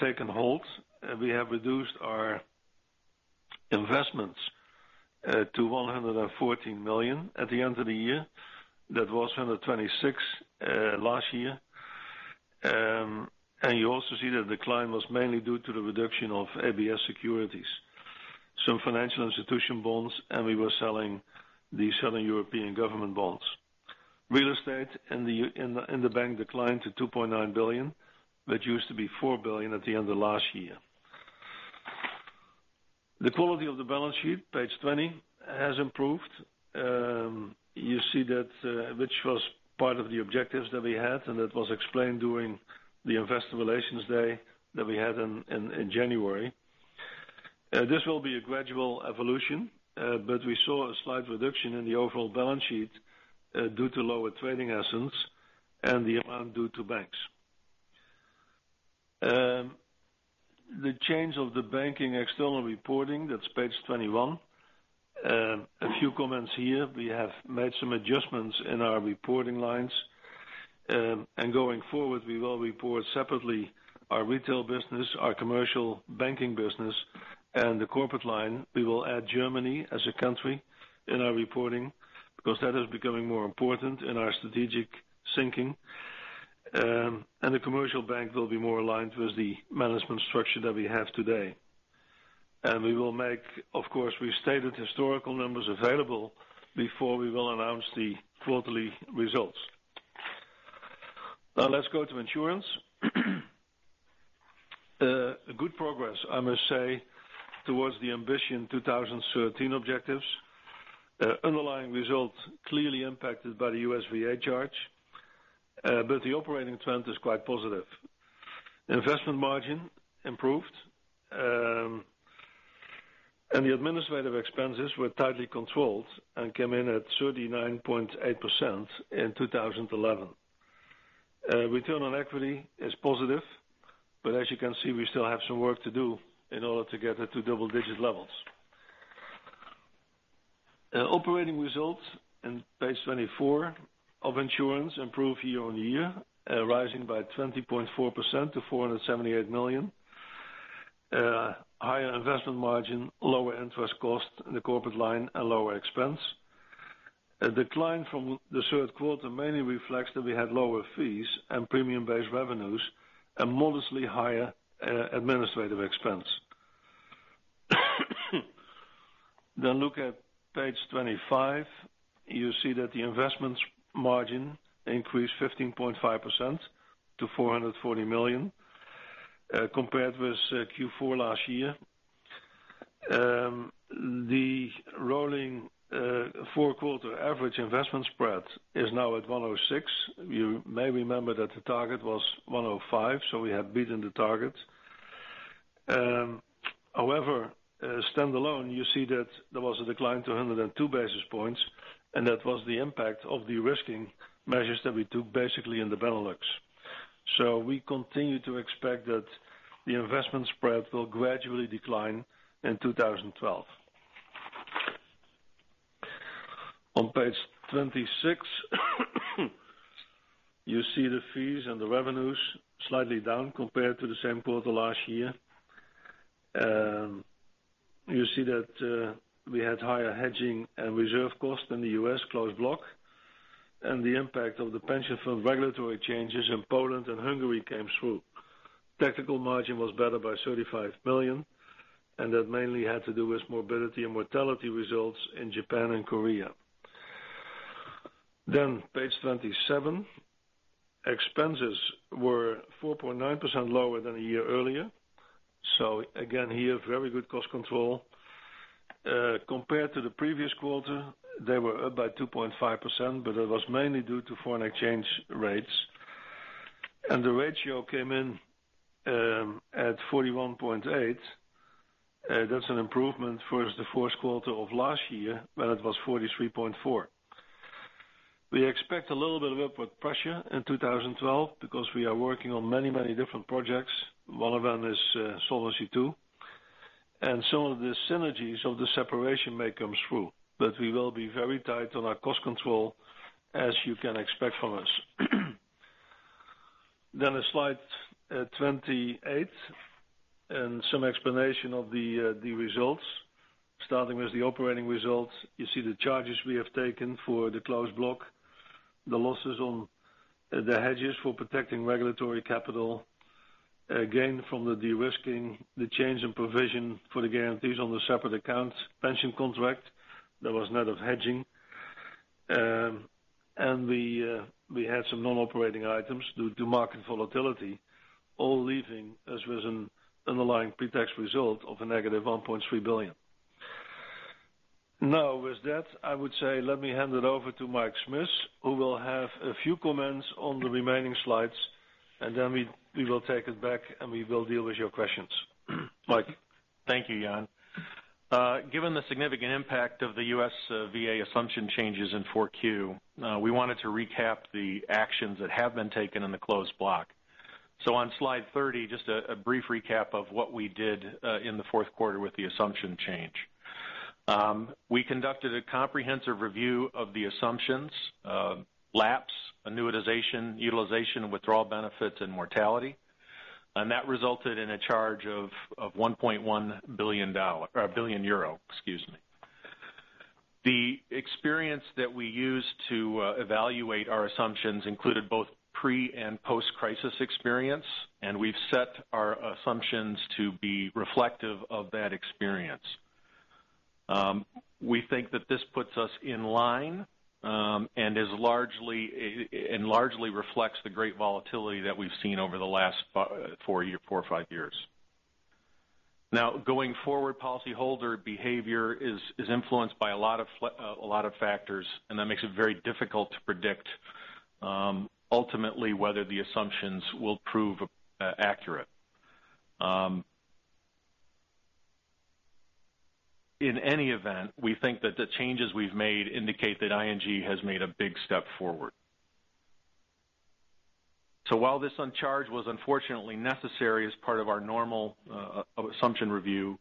taken hold. We have reduced our investments to $114 million at the end of the year. That was $126 million last year. You also see that the decline was mainly due to the reduction of ABS securities, some financial institution bonds, and we were selling European government bonds. Real estate in the bank declined to $2.9 billion, which used to be $4 billion at the end of last year. The quality of the balance sheet, page 20, has improved. You see that, which was part of the objectives that we had, and that was explained during the investor relations day that we had in January. This will be a gradual evolution, but we saw a slight reduction in the overall balance sheet due to lower trading assets and the amount due to banks. The change of the banking external reporting, that's page 21. A few comments here. We have made some adjustments in our reporting lines. Going forward, we will report separately our retail business, our commercial banking business, and the corporate line. We will add Germany as a country in our reporting because that is becoming more important in our strategic thinking. The commercial bank will be more aligned with the management structure that we have today. We will make, of course, historical numbers available before we announce the quarterly results. Now, let's go to insurance. Good progress, I must say, towards the ambition 2013 objectives. Underlying result clearly impacted by the U.S. VA charge, but the operating trend is quite positive. Investment margin improved, and the administrative expenses were tightly controlled and came in at 39.8% in 2011. Return on equity is positive, but as you can see, we still have some work to do in order to get it to double-digit levels. Operating results in page 24 of insurance improved year-on-year, rising by 20.4% to €478 million. Higher investment margin, lower interest cost in the corporate line, and lower expense. A decline from the third quarter mainly reflects that we had lower fees and premium-based revenues and modestly higher administrative expense. Look at page 25. You see that the investment margin increased 15.5% to €440 million, compared with Q4 last year. The rolling four-quarter average investment spread is now at 106. You may remember that the target was 105, so we have beaten the target. However, standalone, you see that there was a decline to 102 basis points, and that was the impact of the de-risking measures that we took basically in the Benelux. We continue to expect that the investment spread will gradually decline in 2012. On page 26, you see the fees and the revenues slightly down compared to the same quarter last year. You see that we had higher hedging and reserve costs in the U.S. closed block. The impact of the pension fund regulatory changes in Poland and Hungary came through. Technical margin was better by €35 million, and that mainly had to do with morbidity and mortality results in Japan and Korea. Page 27. Expenses were 4.9% lower than a year earlier. Again here, very good cost control. Compared to the previous quarter, they were up by 2.5%, but that was mainly due to foreign exchange rates. The ratio came in at 41.8%. That's an improvement from the first quarter of last year when it was 43.4%. We expect a little bit of upward pressure in 2012 because we are working on many, many different projects. One of them is Solvency II, and some of the synergies of the separation may come through, but we will be very tight on our cost control, as you can expect from us. A slide, 28, and some explanation of the results. Starting with the operating results, you see the charges we have taken for the closed block, the losses on the hedges for protecting regulatory capital, gain from the de-risking, the change in provision for the guarantees on the separate account pension contract that was net of hedging. We had some non-operating items due to market volatility, all leaving us with an underlying pre-tax result of a negative €1.3 billion. With that, I would say let me hand it over to Mike Smith, who will have a few comments on the remaining slides. We will take it back and we will deal with your questions. Mike. Thank you, Jan. Given the significant impact of the U.S. VA assumption changes in 4Q, we wanted to recap the actions that have been taken in the closed block. On slide 30, just a brief recap of what we did in the fourth quarter with the assumption change. We conducted a comprehensive review of the assumptions: lapses, annuitization, utilization, withdrawal benefits, and mortality. That resulted in a charge of $1.1 billion, or €1 billion, excuse me. The experience that we used to evaluate our assumptions included both pre- and post-crisis experience, and we've set our assumptions to be reflective of that experience. We think that this puts us in line and largely reflects the great volatility that we've seen over the last four years, four or five years. Now, going forward, policyholder behavior is influenced by a lot of factors, and that makes it very difficult to predict ultimately whether the assumptions will prove accurate. In any event, we think that the changes we've made indicate that ING has made a big step forward. While this charge was unfortunately necessary as part of our normal assumption review,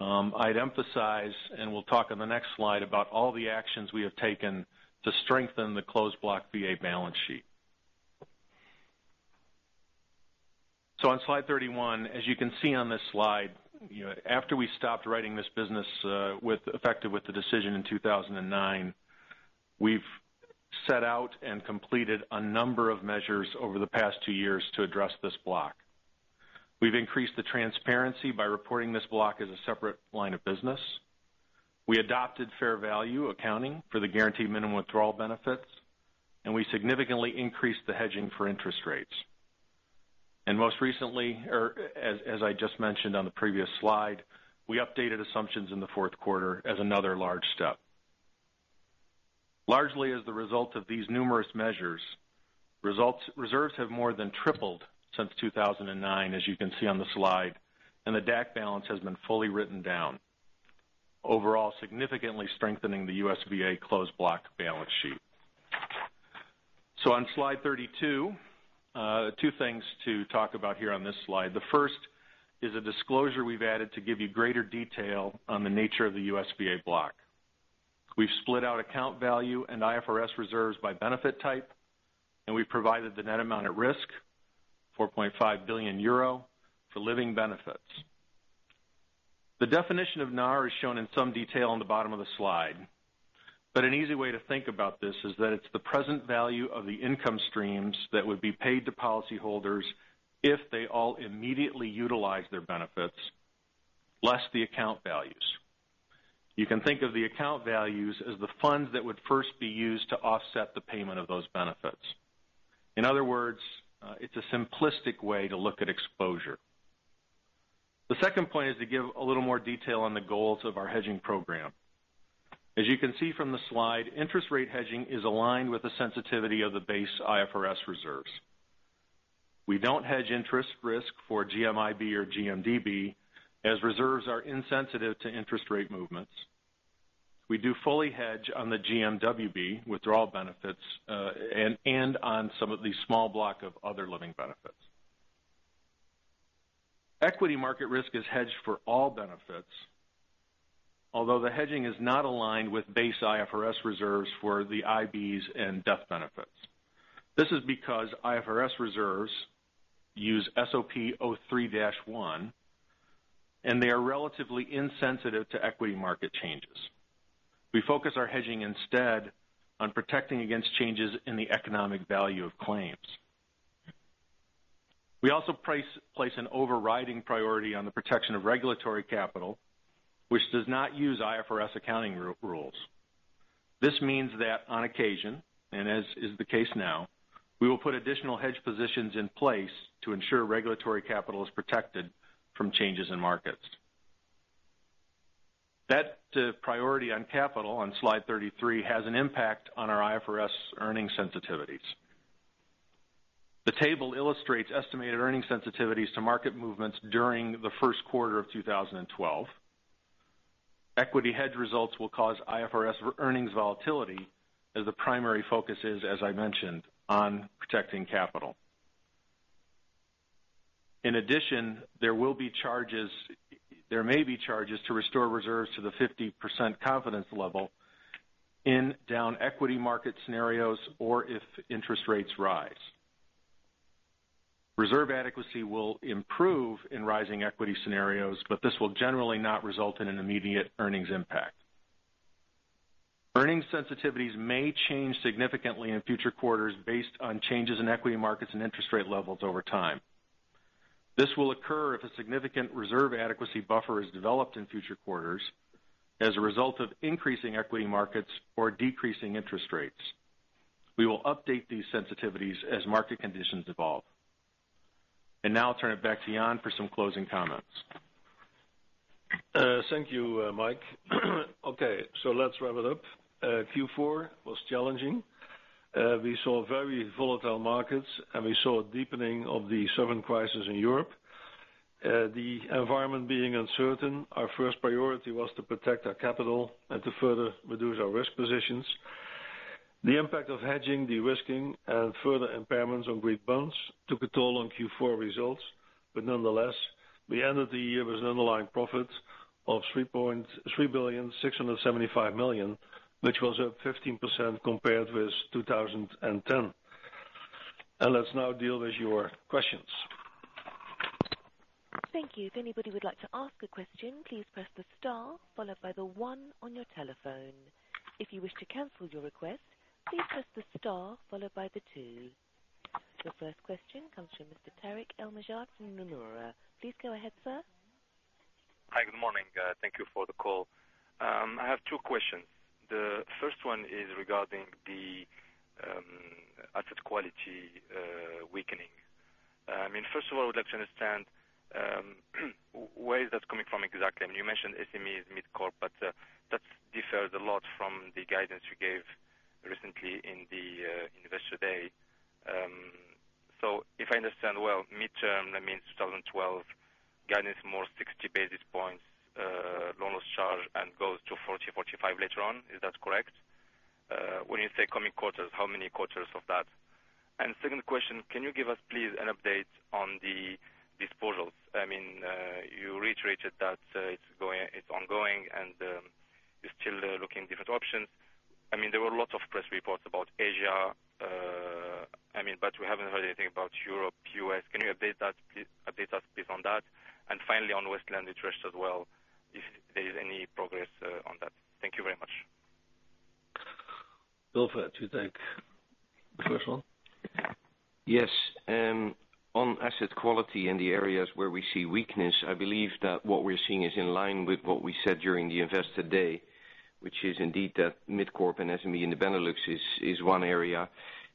I'd emphasize, and we'll talk on the next slide about all the actions we have taken to strengthen the closed block VA balance sheet. On slide 31, as you can see on this slide, after we stopped writing this business, effective with the decision in 2009, we've set out and completed a number of measures over the past two years to address this block. We've increased the transparency by reporting this block as a separate line of business. We adopted fair value accounting for the guaranteed minimum withdrawal benefits, and we significantly increased the hedging for interest rates. Most recently, or as I just mentioned on the previous slide, we updated assumptions in the fourth quarter as another large step. Largely as the result of these numerous measures, reserves have more than tripled since 2009, as you can see on the slide, and the DAC balance has been fully written down, overall significantly strengthening the U.S. VA closed block balance sheet. On slide 32, two things to talk about here on this slide. The first is a disclosure we've added to give you greater detail on the nature of the U.S. VA block. We've split out account value and IFRS reserves by benefit type, and we've provided the net amount at risk, €4.5 billion, for living benefits. The definition of NAR is shown in some detail on the bottom of the slide. An easy way to think about this is that it's the present value of the income streams that would be paid to policyholders if they all immediately utilize their benefits, less the account values. You can think of the account values as the funds that would first be used to offset the payment of those benefits. In other words, it's a simplistic way to look at exposure. The second point is to give a little more detail on the goals of our hedging program. As you can see from the slide, interest rate hedging is aligned with the sensitivity of the base IFRS reserves. We don't hedge interest risk for GMIB or GMDB, as reserves are insensitive to interest rate movements. We do fully hedge on the GMWB withdrawal benefits and on some of the small block of other living benefits. Equity market risk is hedged for all benefits, which does not use IFRS accounting rules. This means that on occasion, and as is the case now, we will put additional hedge positions in place to ensure regulatory capital is protected from changes in markets. That priority on capital on slide 33 has an impact on our IFRS earning sensitivities. The table illustrates estimated earning sensitivities to market movements during the first quarter of 2012. Equity hedge results will cause IFRS earnings volatility as the primary focus is, as I mentioned, on protecting capital. In addition, there will be charges, there may be charges to restore reserves to the 50% confidence level in down equity market scenarios or if interest rates rise. Reserve adequacy will improve in rising equity scenarios, but this will generally not result in an immediate earnings impact. Earnings sensitivities may change significantly in future quarters based on changes in equity markets and interest rate levels over time. This will occur if a significant reserve adequacy buffer is developed in future quarters as a result of increasing equity markets or decreasing interest rates. We will update these sensitivities as market conditions evolve. Now I'll turn it back to Jan for some closing comments. Thank you, Mike. Okay, so let's wrap it up. Q4 was challenging. We saw very volatile markets, and we saw a deepening of the sovereign crisis in Europe. The environment being uncertain, our first priority was to protect our capital and to further reduce our risk positions. The impact of hedging, de-risking, and further impairments on Greek bonds took a toll on Q4 results. Nonetheless, we ended the year with an underlying profit of €3.675 billion, which was up 15% compared with 2010. Let's now deal with your questions. Thank you. If anybody would like to ask a question, please press the star followed by the one on your telephone. If you wish to cancel your request, please press the star followed by the two. The first question comes from Mr. Tarik El Mejjad from Nomura. Please go ahead, sir. Hi, good morning. Thank you for the call. I have two questions. The first one is regarding the asset quality weakening. First of all, I would like to understand where is that coming from exactly? You mentioned SMEs, mid-corp, but that differs a lot from the guidance you gave recently in the Investor Day. If I understand well, mid-term, that means 2012, guidance more 60 basis points loan loss charge, and goes to 40, 45 later on. Is that correct? When you say coming quarters, how many quarters of that? The second question, can you give us please an update on the disposals? You reiterated that it's ongoing and you're still looking at different options. There were a lot of press reports about Asia, but we haven't heard anything about Europe, U.S. Can you update us, please, on that? Finally, on Westland Interest as well, if there is any progress on that. Thank you very much. Wilfred, do you take the first one? Yes. On asset quality in the areas where we see weakness, I believe that what we're seeing is in line with what we said during the Investor Day, which is indeed that mid-corp and SME in the Benelux is one area.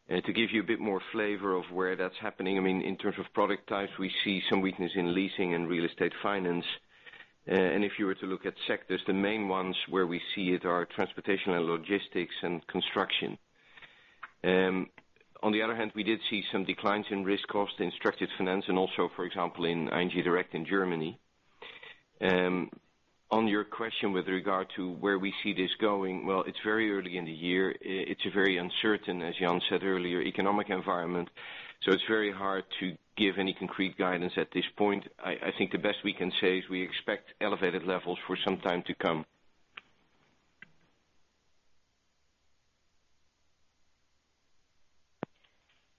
To give you a bit more flavor of where that's happening, in terms of product types, we see some weakness in leasing and real estate finance. If you were to look at sectors, the main ones where we see it are transportation and logistics and construction. On the other hand, we did see some declines in risk cost in structured finance and also, for example, in ING Direct in Germany. On your question with regard to where we see this going, it is very early in the year. It is a very uncertain, as Jan said earlier, economic environment. It is very hard to give any concrete guidance at this point. I think the best we can say is we expect elevated levels for some time to come.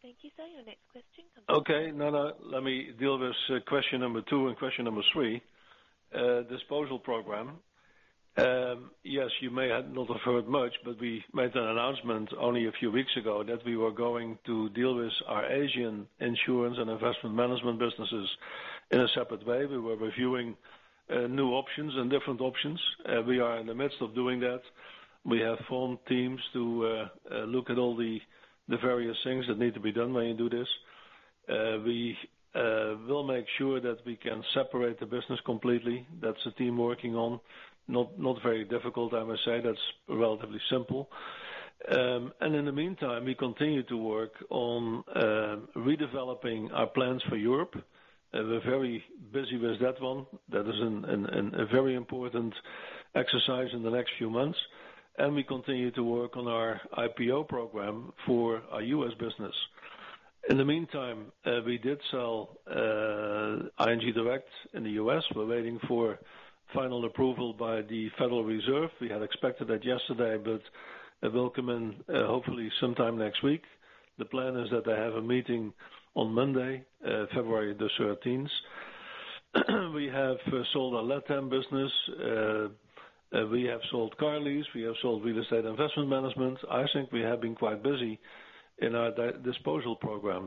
Thank you, sir. Your next question comes in. Okay. No, no, let me deal with question number two and question number three. Disposal program. Yes, you may not have heard much, but we made an announcement only a few weeks ago that we were going to deal with our Asian insurance and investment management businesses in a separate way. We were reviewing new options and different options. We are in the midst of doing that. We have formed teams to look at all the various things that need to be done when you do this. We will make sure that we can separate the business completely. That's a team working on, not very difficult, I must say. That's relatively simple. In the meantime, we continue to work on redeveloping our plans for Europe. We're very busy with that one. That is a very important exercise in the next few months. We continue to work on our IPO program for our U.S. business. In the meantime, we did sell ING Direct in the US. We're waiting for final approval by the Federal Reserve. We had expected that yesterday, but it will come in hopefully sometime next week. The plan is that they have a meeting on Monday, February 13. We have sold our Latin America business. We have sold car lease. We have sold real estate investment management. I think we have been quite busy in our disposal program.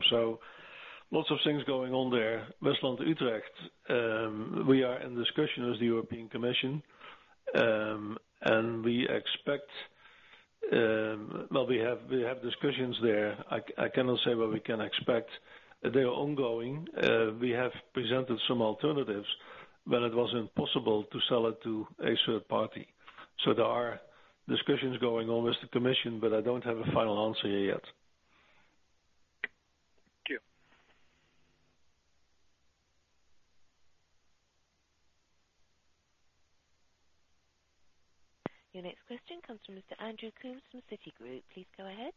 Lots of things going on there. WestlandUtrecht, we are in discussion with the European Commission. We expect, we have discussions there. I cannot say what we can expect. They are ongoing. We have presented some alternatives when it wasn't possible to sell it to a third party. There are discussions going on with the Commission, but I don't have a final answer yet. Thank you. Your next question comes from Mr. Andrew Coombes from Citi. Please go ahead.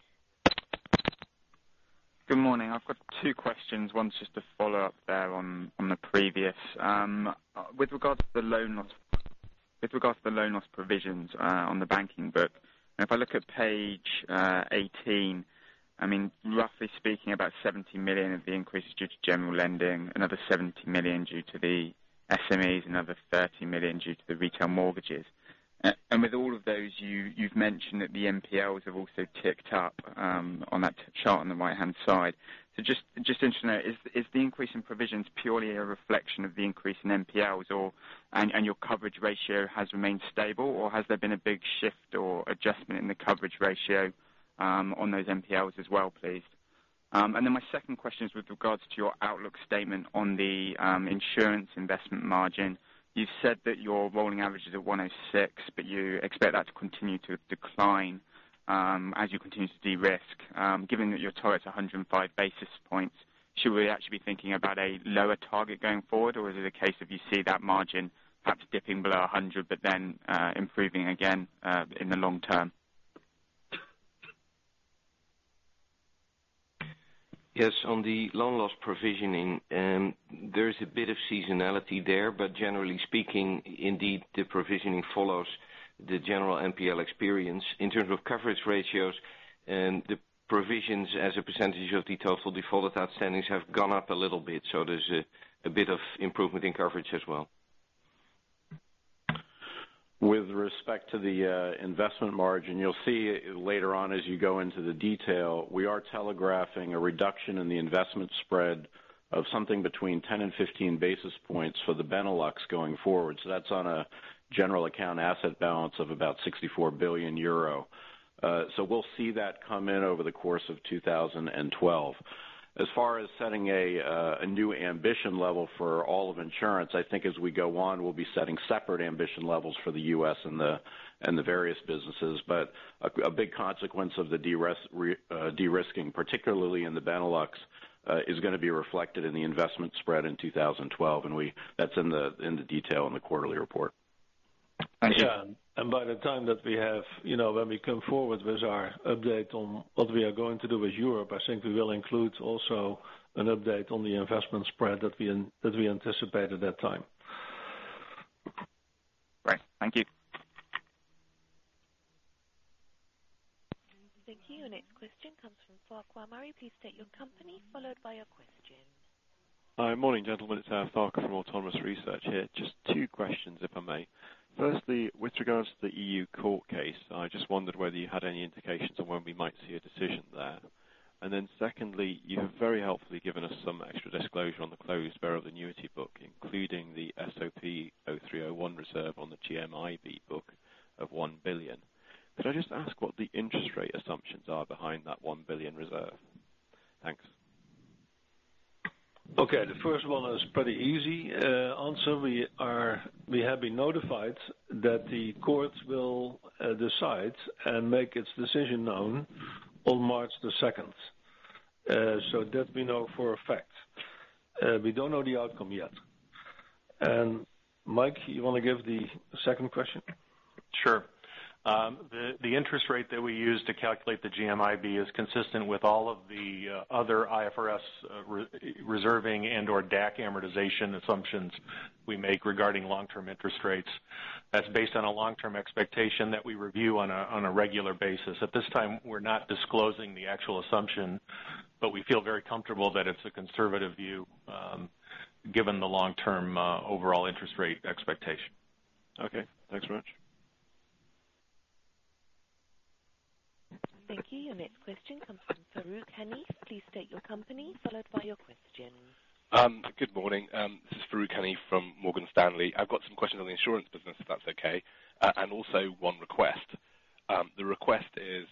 Good morning. I've got two questions. One's just a follow-up there on the previous. With regards to the loan loss provisions on the banking book, if I look at page 18, I mean, roughly speaking, about $70 million of the increase is due to general lending, another $70 million due to the SMEs, another $30 million due to the retail mortgages. With all of those, you've mentioned that the NPLs have also ticked up on that chart on the right-hand side. I'm just interested to know, is the increase in provisions purely a reflection of the increase in NPLs and your coverage ratio has remained stable, or has there been a big shift or adjustment in the coverage ratio on those NPLs as well, please? My second question is with regards to your outlook statement on the insurance investment margin. You've said that your rolling average is at 106, but you expect that to continue to decline as you continue to de-risk. Given that your target's 105 basis points, should we actually be thinking about a lower target going forward, or is it a case of you see that margin perhaps dipping below 100, but then improving again in the long term? Yes, on the loan loss provisioning, there is a bit of seasonality there, but generally speaking, indeed, the provisioning follows the general NPL experience. In terms of coverage ratios, the provisions as a percentage of the total defaulted outstandings have gone up a little bit. There's a bit of improvement in coverage as well. With respect to the investment margin, you'll see later on as you go into the detail, we are telegraphing a reduction in the investment spread of something between 10% and 15% for the Benelux going forward. That's on a general account asset balance of about €64 billion. We'll see that come in over the course of 2012. As far as setting a new ambition level for all of insurance, I think as we go on, we'll be setting separate ambition levels for the U.S. and the various businesses. A big consequence of the de-risking, particularly in the Benelux, is going to be reflected in the investment spread in 2012. That's in the detail in the quarterly report. By the time that we have, you know, when we come forward with our update on what we are going to do with Europe, I think we will include also an update on the investment spread that we anticipate at that time. Great. Thank you. Thank you. Next question comes from Farquhar Murray. Please state your company followed by your question. Hi, morning gentlemen. It's Farquhar from Bernstein Autonomous LLP here. Just two questions, if I may. Firstly, with regards to the European Commission court case, I just wondered whether you had any indications on when we might see a decision there. Secondly, you have very helpfully given us some extra disclosure on the closed block variable annuity book, including the SOP 03-01 reserve on the GMIB book of $1 billion. Could I just ask what the interest rate assumptions are behind that $1 billion reserve? Thanks. Okay, the first one is pretty easy. We have been notified that the courts will decide and make its decision known on March 2nd. We know that for a fact. We don't know the outcome yet. Mike, you want to give the second question? Sure. The interest rate that we use to calculate the GMIB is consistent with all of the other IFRS reserving and/or DAC amortization assumptions we make regarding long-term interest rates. That's based on a long-term expectation that we review on a regular basis. At this time, we're not disclosing the actual assumption, but we feel very comfortable that it's a conservative view, given the long-term overall interest rate expectation. Okay, thanks very much. Thank you. Your next question comes from Farook Hanif. Please state your company followed by your question. Good morning. This is Farook Hanif from Morgan Stanley. I've got some questions on the insurance business, if that's okay. Also, one request. The request is,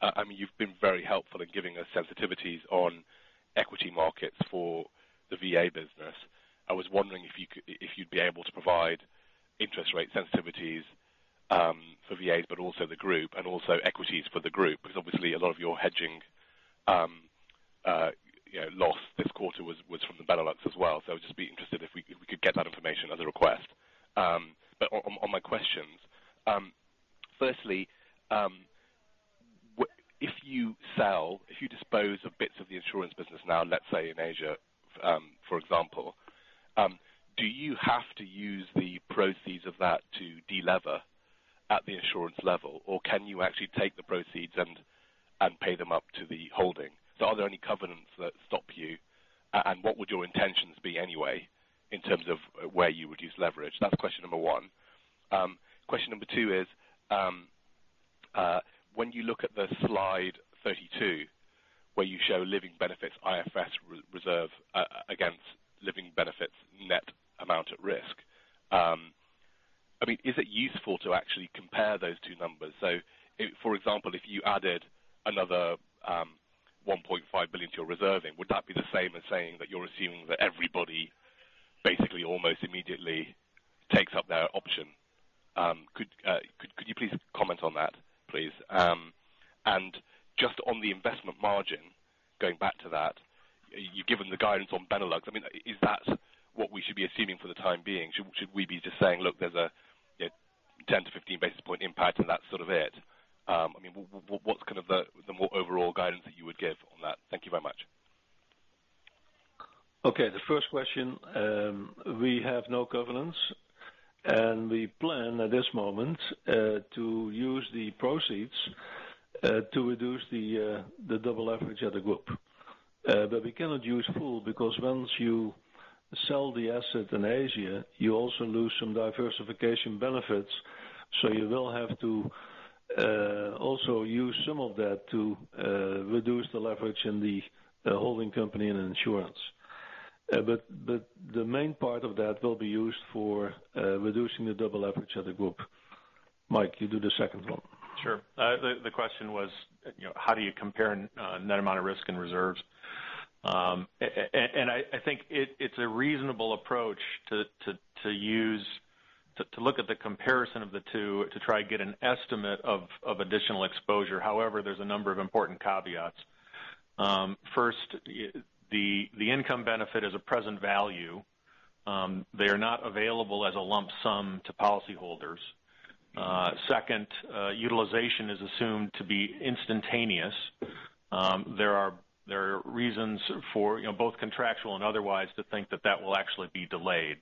I mean, you've been very helpful in giving us sensitivities on equity markets for the VA business. I was wondering if you'd be able to provide interest rate sensitivities for VAs, but also the group, and also equities for the group, because obviously a lot of your hedging loss this quarter was from the Benelux as well. I would just be interested if we could get that information as a request. On my questions, firstly, if you sell, if you dispose of bits of the insurance business now. Say In Asia, for example, do you have to use the proceeds of that to deliver at the insurance level, or can you actually take the proceeds and pay them up to the holding? Are there any covenants that stop you? What would your intentions be anyway in terms of where you would use leverage? That's question number one. Question number two is, when you look at slide 32 where you show living benefits IFS reserve against living benefits net amount at risk, is it useful to actually compare those two numbers? For example, if you added another $1.5 billion to your reserving, would that be the same as saying that you're assuming that everybody basically almost immediately takes up their option? Could you please comment on that, please? Just on the investment margin, going back to that, you've given the guidance on Benelux. Is that what we should be assuming for the time being? Should we be just saying, "Look, there's a 10-15 basis points impact, and that's sort of it"? What's kind of the more overall guidance that you would give on that? Thank you very much. Okay. The first question, we have no covenants, and we plan at this moment to use the proceeds to reduce the double leverage of the group. We cannot use full because once you sell the asset in Asia, you also lose some diversification benefits. You will have to also use some of that to reduce the leverage in the holding company and insurance. The main part of that will be used for reducing the double leverage of the group. Mike, you do the second one. Sure. The question was, you know, how do you compare net amount at risk and reserves? I think it's a reasonable approach to use to look at the comparison of the two to try to get an estimate of additional exposure. However, there's a number of important caveats. First, the income benefit is a present value. They are not available as a lump sum to policyholders. Second, utilization is assumed to be instantaneous. There are reasons for both contractual and otherwise to think that that will actually be delayed.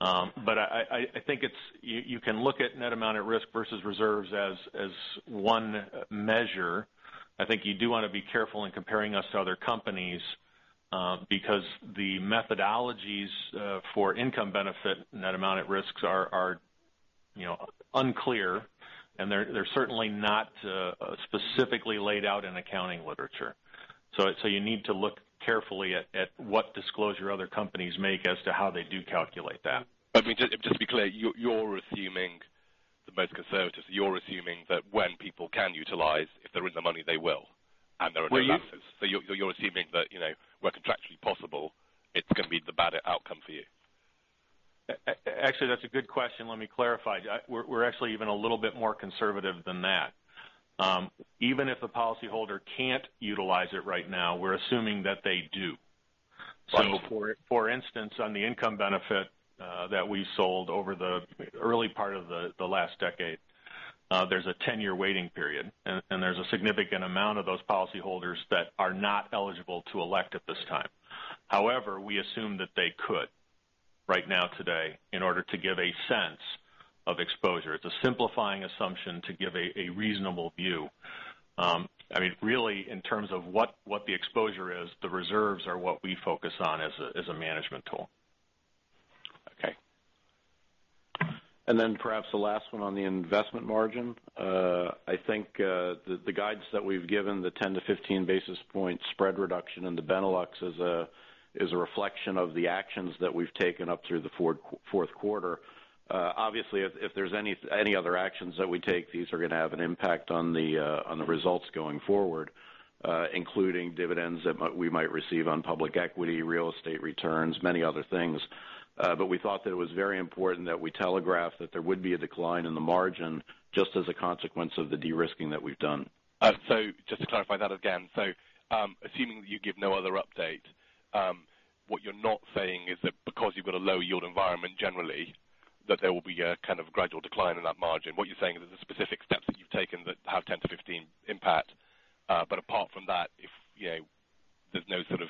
I think you can look at net amount at risk versus reserves as one measure. I think you do want to be careful in comparing us to other companies because the methodologies for income benefit net amount at risks are unclear, and they're certainly not specifically laid out in accounting literature. You need to look carefully at what disclosure other companies make as to how they do calculate that. Just to be clear, you're assuming the most conservative, you're assuming that when people can utilize, if there is no money, they will, and there are two answers. You're assuming that where contractually possible, it's going to be the bad outcome for you. Actually, that's a good question. Let me clarify. We're actually even a little bit more conservative than that. Even if a policyholder can't utilize it right now, we're assuming that they do. For instance, on the income benefit that we sold over the early part of the last decade, there's a 10-year waiting period, and there's a significant amount of those policyholders that are not eligible to elect at this time. However, we assume that they could right now today in order to give a sense of exposure. It's a simplifying assumption to give a reasonable view. I mean, really, in terms of what the exposure is, the reserves are what we focus on as a management tool. Perhaps the last one on the investment margin, I think the guidance that we've given, the 10-15 basis points spread reduction in the Benelux is a reflection of the actions that we've taken up through the fourth quarter. Obviously, if there's any other actions that we take, these are going to have an impact on the results going forward, including dividends that we might receive on public equity, real estate returns, many other things. We thought that it was very important that we telegraph that there would be a decline in the margin just as a consequence of the de-risking that we've done. Just to clarify that again, assuming that you give no other update, what you're not saying is that because you've got a low-yield environment generally, there will be a kind of gradual decline in that margin. What you're saying is that the specific steps that you've taken have 10%-15% impact, but apart from that, if you know there's no sort of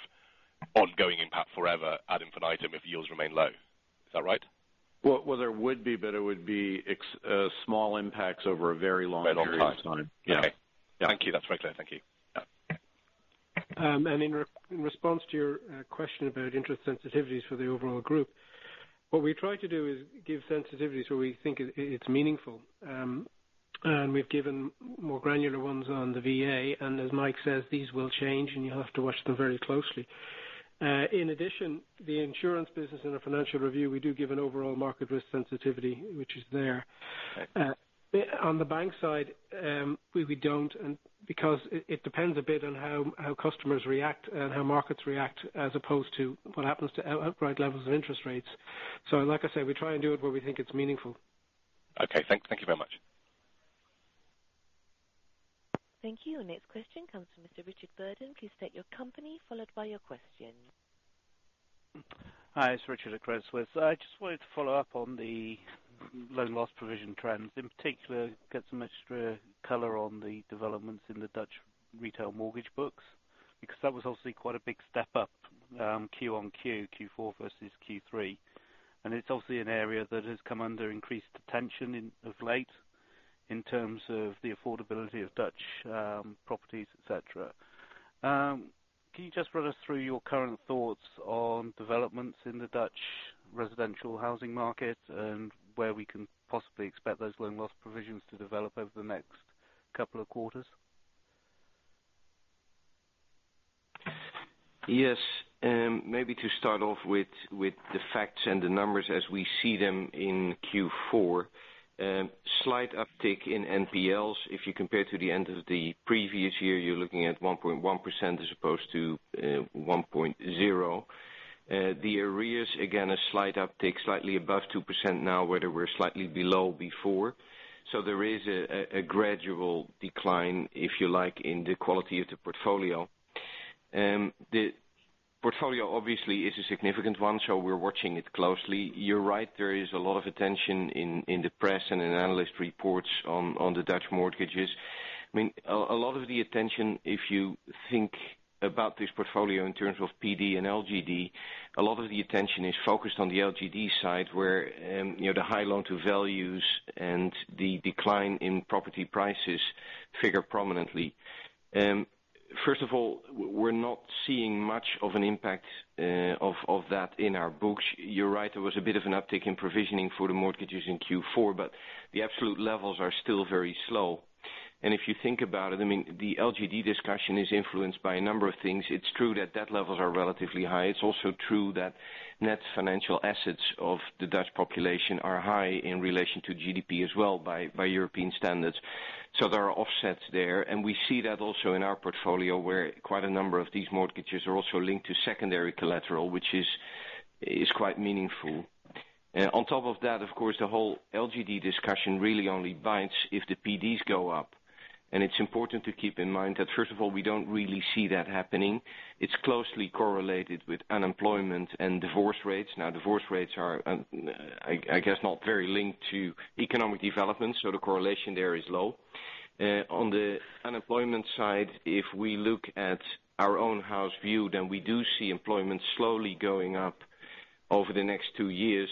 ongoing impact forever ad infinitum if yields remain low. Is that right? There would be, but it would be small impacts over a very long period of time. Very long period of time. Thank you. That's very clear. Thank you. In response to your question about interest sensitivities for the overall group, what we try to do is give sensitivities where we think it's meaningful. We've given more granular ones on the VA, and as Mike says, these will change, and you'll have to watch them very closely. In addition, the insurance business and our financial review, we do give an overall market risk sensitivity, which is there. On the bank side, we don't because it depends a bit on how customers react and how markets react as opposed to what happens to outright levels of interest rates. Like I say, we try and do it where we think it's meaningful. Okay, thank you very much. Thank you. Next question comes from Mr. Richard Burden. Please state your company followed by your question. Hi, it's Richard at Credit Suisse. I just wanted to follow up on the loan loss provision trends. In particular, get some extra color on the developments in the Dutch retail mortgage books because that was obviously quite a big step up Q on Q, Q4 versus Q3. It's obviously an area that has come under increased attention of late in terms of the affordability of Dutch properties, etc. Can you just run us through your current thoughts on developments in the Dutch residential housing market and where we can possibly expect those loan loss provisions to develop over the next couple of quarters? Yes. Maybe to start off with the facts and the numbers as we see them in Q4, slight uptick in NPLs. If you compare to the end of the previous year, you're looking at 1.1% as opposed to 1.0%. The arrears, again, a slight uptick, slightly above 2% now, where we were slightly below before. There is a gradual decline, if you like, in the quality of the portfolio. The portfolio obviously is a significant one, so we're watching it closely. You're right, there is a lot of attention in the press and in analyst reports on the Dutch mortgages. A lot of the attention, if you think about this portfolio in terms of PD and LGD, is focused on the LGD side where the high loan-to-values and the decline in property prices figure prominently. First of all, we're not seeing much of an impact of that in our books. You're right, there was a bit of an uptick in provisioning for the mortgages in Q4, but the absolute levels are still very low. If you think about it, the LGD discussion is influenced by a number of things. It's true that debt levels are relatively high. It's also true that net financial assets of the Dutch population are high in relation to GDP as well by European standards. There are offsets there. We see that also in our portfolio where quite a number of these mortgages are also linked to secondary collateral, which is quite meaningful. On top of that, of course, the whole LGD discussion really only bites if the PDs go up. It's important to keep in mind that, first of all, we don't really see that happening. It's closely correlated with unemployment and divorce rates. Now, divorce rates are, I guess, not very linked to economic developments, so the correlation there is low. On the unemployment side, if we look at our own house view, then we do see unemployment slowly going up over the next two years.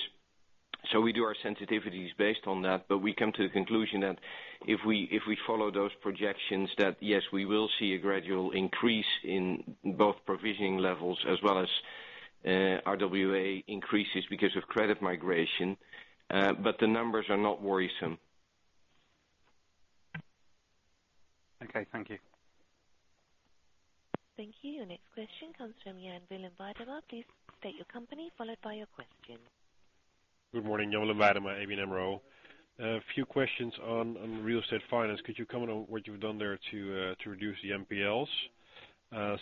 We do our sensitivities based on that. We come to the conclusion that if we follow those projections, yes, we will see a gradual increase in both provisioning levels as well as RWA increases because of credit migration. The numbers are not worrisome. Okay. Thank you. Thank you. Next question comes from Jan Willem Weidema. Please state your company followed by your question. Good morning. Jan Willem Weidema, ABN AMRO. A few questions on real estate finance. Could you comment on what you've done there to reduce the NPLs?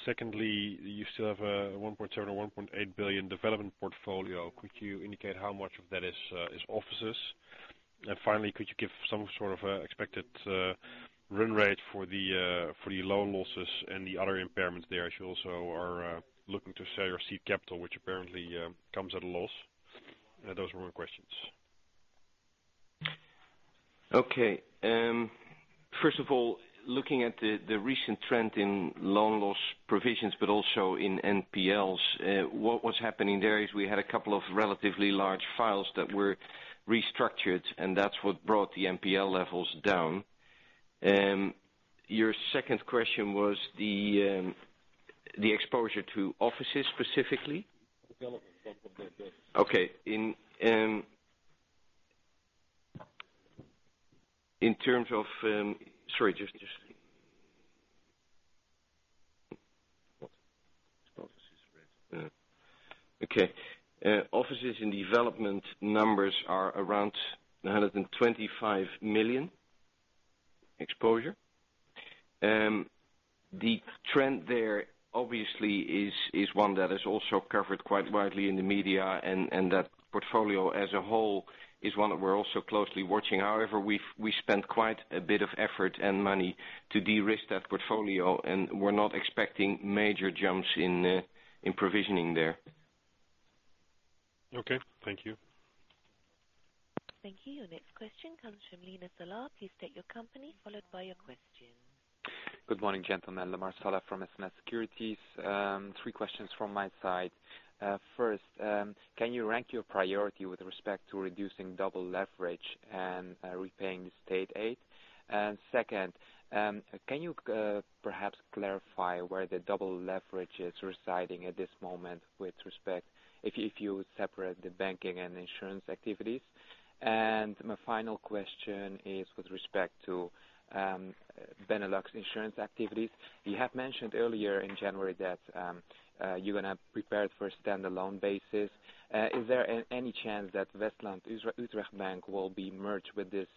Secondly, you still have a $1.7 or $1.8 billion development portfolio. Could you indicate how much of that is offices? Finally, could you give some sort of an expected run rate for the loan losses and the other impairments there as you also are looking to sell your seed capital, which apparently comes at a loss? Those were my questions. Okay. First of all, looking at the recent trend in loan loss provisions, but also in NPLs, what was happening there is we had a couple of relatively large files that were restructured, and that's what brought the NPL levels down. Your second question was the exposure to offices specifically? Yes, yes. Okay. In terms of, sorry, just. Not office rent. Okay. Offices in development numbers are around $125 million exposure. The trend there obviously is one that is also covered quite widely in the media, and that portfolio as a whole is one that we're also closely watching. However, we spent quite a bit of effort and money to de-risk that portfolio, and we're not expecting major jumps in provisioning there. Okay, thank you. Thank you. Next question comes from Lemer Salah. Please state your company followed by your question. Good morning, gentlemen. Lemer Salah from SMS Securities. Three questions from my side. First, can you rank your priority with respect to reducing double leverage and repaying the state aid? Second, can you perhaps clarify where the double leverage is residing at this moment with respect if you separate the banking and insurance activities? My final question is with respect to Benelux insurance activities. You have mentioned earlier in January that you're going to prepare it for a standalone basis. Is there any chance that WestlandUtrecht Bank will be merged with this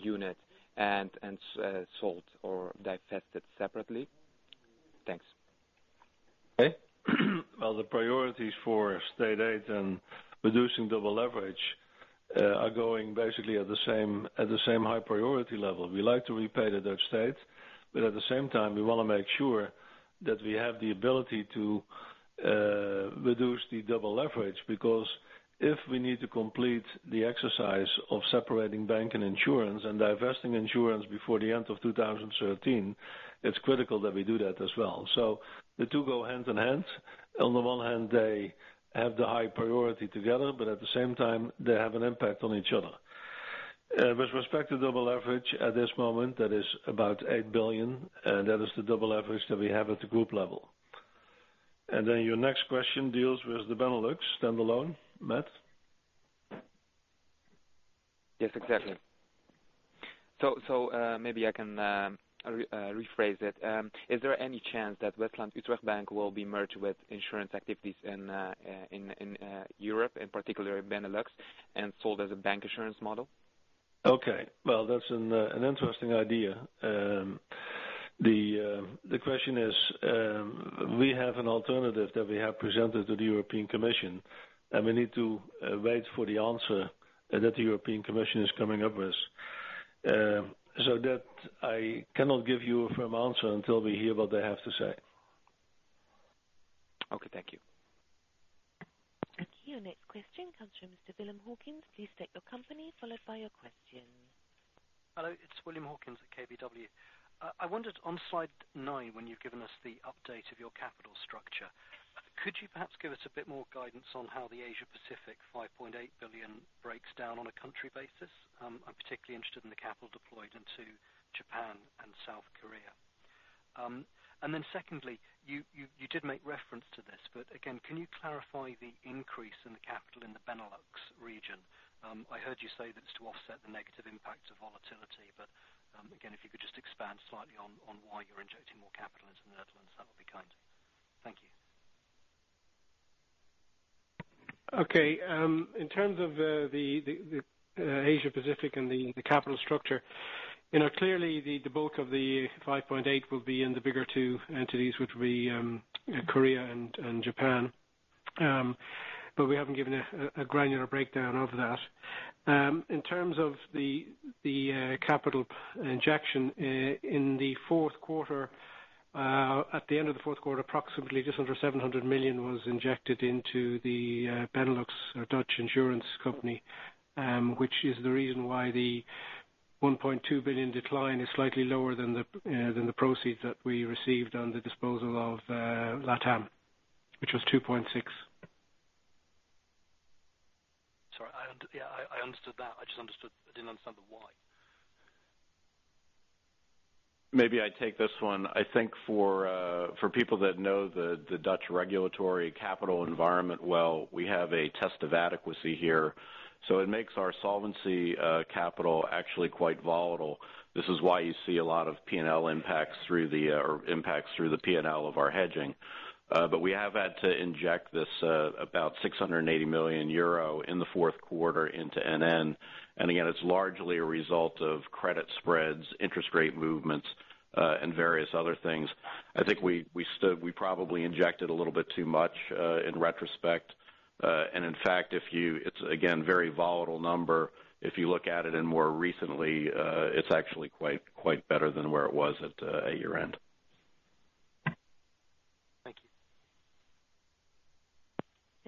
unit and sold or divested separately? Thanks. Okay. The priorities for state aid and reducing double leverage are going basically at the same high priority level. We like to repay the Dutch state, but at the same time, we want to make sure that we have the ability to reduce the double leverage because if we need to complete the exercise of separating bank and insurance and divesting insurance before the end of 2013, it's critical that we do that as well. The two go hand in hand. On the one hand, they have the high priority together, but at the same time, they have an impact on each other. With respect to double leverage at this moment, that is about €8 billion, and that is the double leverage that we have at the group level. Then your next question deals with the Benelux standalone. Matt? Yes, exactly. Maybe I can rephrase it. Is there any chance that WestlandUtrecht Bank will be merged with insurance activities in Europe, in particular in Benelux, and sold as bank insurance model? Okay. That's an interesting idea. The question is, we have an alternative that we have presented to the European Commission, and we need to wait for the answer that the European Commission is coming up with. I cannot give you a firm answer until we hear what they have to say. Okay, thank you. Thank you. Next question comes from Mr. William Hawkins. Please state your company followed by your question. Hello. It's William Hawkins. at KBW. i wondered on slide nine when you've given us the update of your capital structure, could you perhaps give us a bit more guidance on how the Asia Pacific $5.8 billion breaks down on a country basis? I'm particularly interested in the capital deployed into Japan and South Korea. Secondly, you did make reference to this, but again, can you clarify the increase in the capital in the Benelux region? I heard you say that it's to offset the negative impact of volatility, but again, if you could just expand slightly on why you're injecting more capital into the Netherlands, that would be kind. Thank you. Okay. In terms of the Asia Pacific and the capital structure, you know clearly the bulk of the $5.8 billion will be in the bigger two entities, which would be Korea and Japan, but we haven't given a granular breakdown of that. In terms of the capital injection, at the end of the fourth quarter, approximately just under $700 million was injected into the Benelux or Dutch insurance company, which is the reason why the $1.2 billion decline is slightly lower than the proceeds that we received on the disposal of Latin America, which was $2.6 billion. Sorry. Yeah, I understood that. I just understood I didn't understand the why. Maybe I take this one. I think for people that know the Dutch regulatory capital environment well, we have a test of adequacy here. It makes our solvency capital actually quite volatile. This is why you see a lot of P&L impacts through the P&L of our hedging. We have had to inject about €680 million in the fourth quarter into NN. Again, it's largely a result of credit spreads, interest rate movements, and various other things. I think we probably injected a little bit too much in retrospect. In fact, it's again a very volatile number. If you look at it more recently, it's actually quite better than where it was at year-end.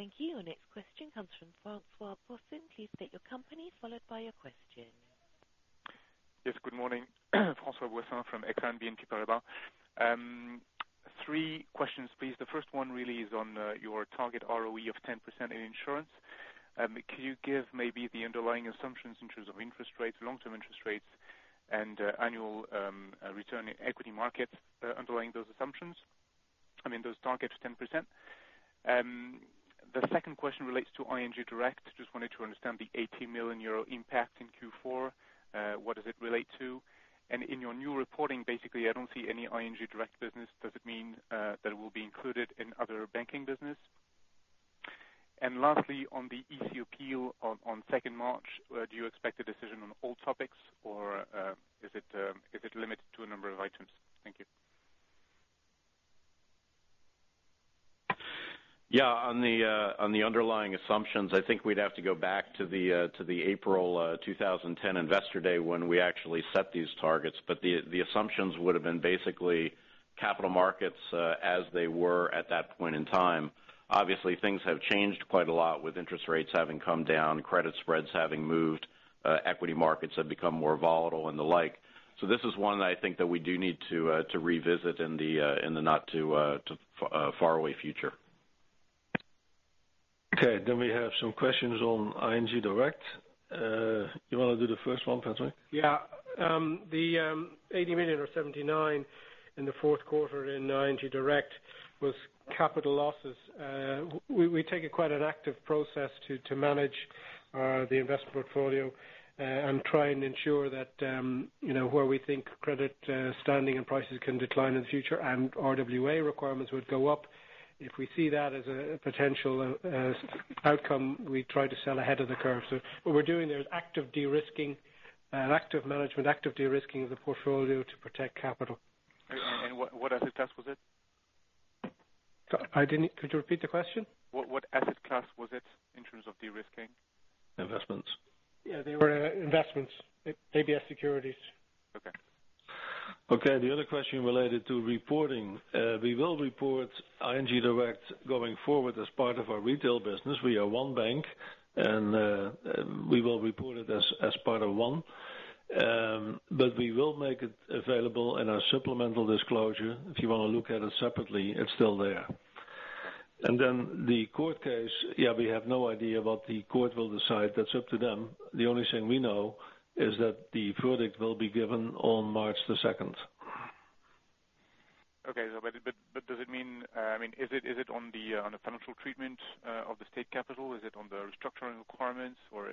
Thank you. Thank you. Our next question comes from Francois Bossin. Please state your company followed by your question. Yes. Good morning. Francois Bossin from Exane BNP Paribas. Three questions, please. The first one really is on your target ROE of 10% in insurance. Can you give maybe the underlying assumptions in terms of interest rates, long-term interest rates, and annual return in equity markets underlying those assumptions? I mean, those targets of 10%. The second question relates to ING Direct. Just wanted to understand the €18 million impact in Q4. What does it relate to? In your new reporting, basically, I don't see any ING Direct business. Does it mean that it will be included in other banking business? Lastly, on the European Commission appeal on 2nd March, do you expect a decision on all topics, or is it limited to a number of items? Thank you. On the underlying assumptions, I think we'd have to go back to the April 2010 Investor Day when we actually set these targets. The assumptions would have been basically capital markets as they were at that point in time. Obviously, things have changed quite a lot with interest rates having come down, credit spreads having moved, equity markets have become more volatile and the like. This is one that I think that we do need to revisit in the not-too-faraway future. Okay. We have some questions on ING Direct. You want to do the first one, Patrick? Yeah. The $80 million or $79 million in the fourth quarter in ING Direct was capital losses. We take it quite an active process to manage the investment portfolio and try and ensure that where we think credit standing and prices can decline in the future and RWA requirements would go up. If we see that as a potential outcome, we try to sell ahead of the curve. What we're doing there is active de-risking, active management, active de-risking of the portfolio to protect capital. What asset class was it? Could you repeat the question? What asset class was it in terms of de-risking? Investments. Yeah, they were investments, ABS securities. Okay. Okay. The other question related to reporting. We will report ING Direct going forward as part of our retail business. We are one bank, and we will report it as part of one. We will make it available in our supplemental disclosure. If you want to look at it separately, it's still there. The court case, we have no idea what the court will decide. That's up to them. The only thing we know is that the verdict will be given on March 2nd. Okay. Does it mean, I mean, is it on the financial treatment of the state capital? Is it on the restructuring requirements? I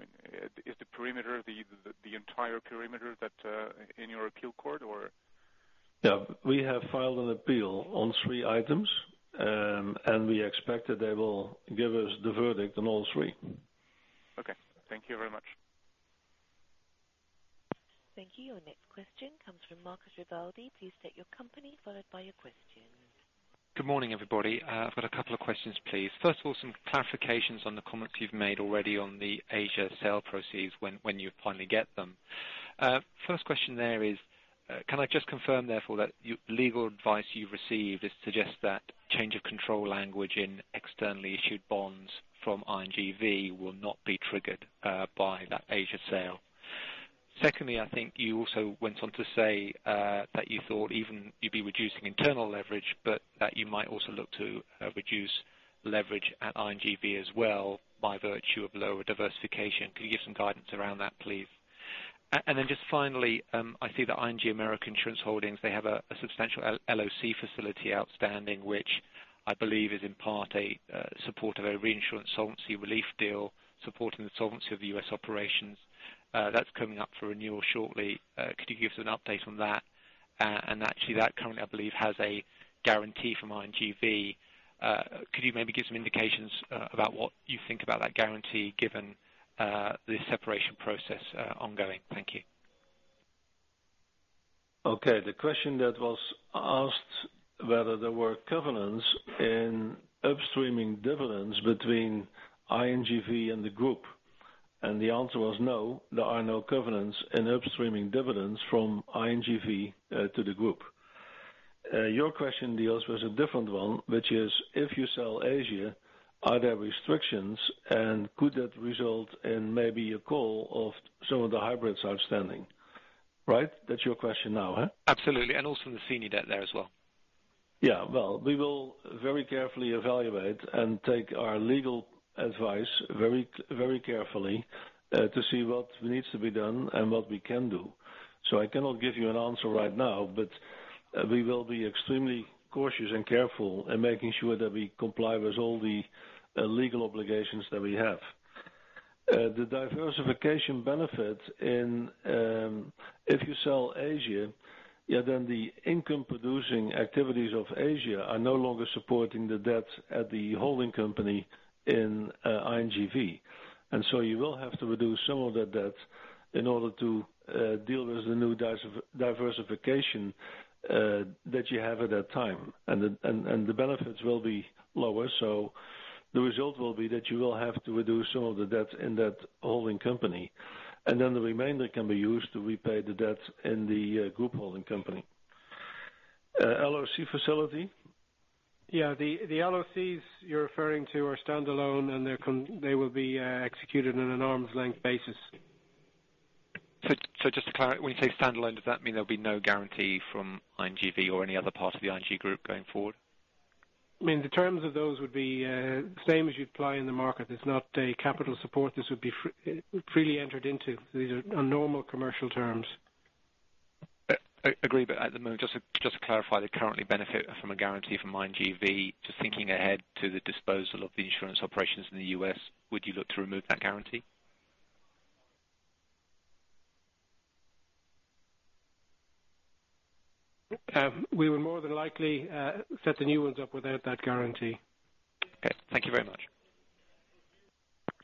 mean, is the perimeter, the entire perimeter that in your appeal court, or? Yeah, we have filed an appeal on three items, and we expect that they will give us the verdict on all three. Okay, thank you very much. Thank you. Our next question comes from Marcus Rivalde. Please state your company followed by your question. Good morning, everybody. I've got a couple of questions, please. First of all, some clarifications on the comments you've made already on the Asia sale proceeds when you finally get them. First question there is, can I just confirm therefore that the legal advice you received suggests that change of control language in externally ING V. will not be triggered by that Asia sale? Secondly, I think you also went on to say that you thought even you'd be reducing internal leverage, but that you might also look to ING V. as well by virtue of lower diversification. Can you give some guidance around that, please? Finally, I see that ING American Insurance Holdings, they have a substantial LOC facility outstanding, which I believe is in part a supporter of a reinsurance solvency relief deal supporting the solvency of the U.S. operations. That's coming up for renewal shortly. Could you give us an update on that? Actually, that currently, I believe, has ING V. could you maybe give some indications about what you think about that guarantee given the separation process ongoing? Thank you. Okay. The question that was asked was whether there were covenants in upstreaming between ING V. and the group. The answer was no, there are no covenants in ING V. to the group. Your question deals with a different one, which is if you sell Asia, are there restrictions and could that result in maybe a call of some of the hybrids outstanding? Right? That's your question now, huh? Absolutely. Also the senior debt there as well. Yeah. We will very carefully evaluate and take our legal advice very, very carefully to see what needs to be done and what we can do. I cannot give you an answer right now, but we will be extremely cautious and careful in making sure that we comply with all the legal obligations that we have. The diversification benefit in if you sell Asia, yeah, then the income-producing activities of Asia are no longer supporting the debts at the holding company ING V. you will have to reduce some of the debts in order to deal with the new diversification that you have at that time, and the benefits will be lower. The result will be that you will have to reduce some of the debts in that holding company, and the remainder can be used to repay the debts in the group holding company. LOC facility? Yeah. The LOCs you're referring to are standalone, and they will be executed on an arm's length basis. Just to clarify, when you say standalone, does that mean there'll be ING V. or any other part of the ING group going forward? I mean, the terms of those would be the same as you'd apply in the market. It's not a capital support. This would be freely entered into. These are normal commercial terms. Agree. At the moment, just to clarify, they currently benefit from ING V. just thinking ahead to the disposal of the insurance operations in the U.S., would you look to remove that guarantee? We would more than likely set the new ones up without that guarantee. Okay, thank you very much.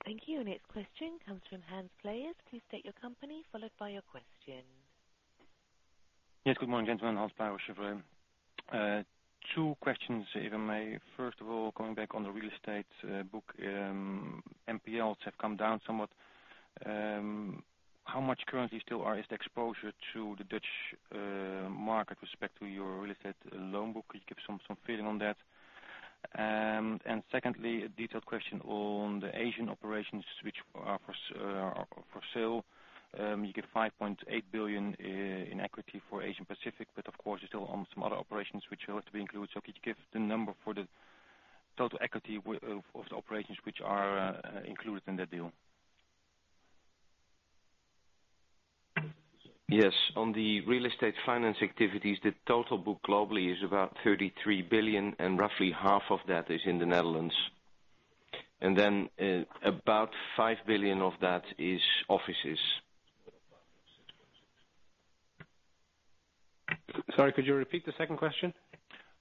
Thank you. Next question comes from Hans Pluijgers. Please state your company followed by your question. Yes. Good morning, gentlemen. Hans Pluijgers with Cheuvreux. Two questions, if I may. First of all, coming back on the real estate book, NPLs have come down somewhat. How much currently still is the exposure to the Dutch market with respect to your real estate loan book? Could you give some feeling on that? Secondly, a detailed question on the Asian operations, which are for sale. You get €5.8 billion in equity for Asia Pacific, but of course, you're still on some other operations which are left to be included. Could you give the number for the total equity of the operations which are included in that deal? Yes. On the real estate finance activities, the total book globally is about €33 billion, and roughly half of that is in the Netherlands. About €5 billion of that is offices. Sorry, could you repeat the second question?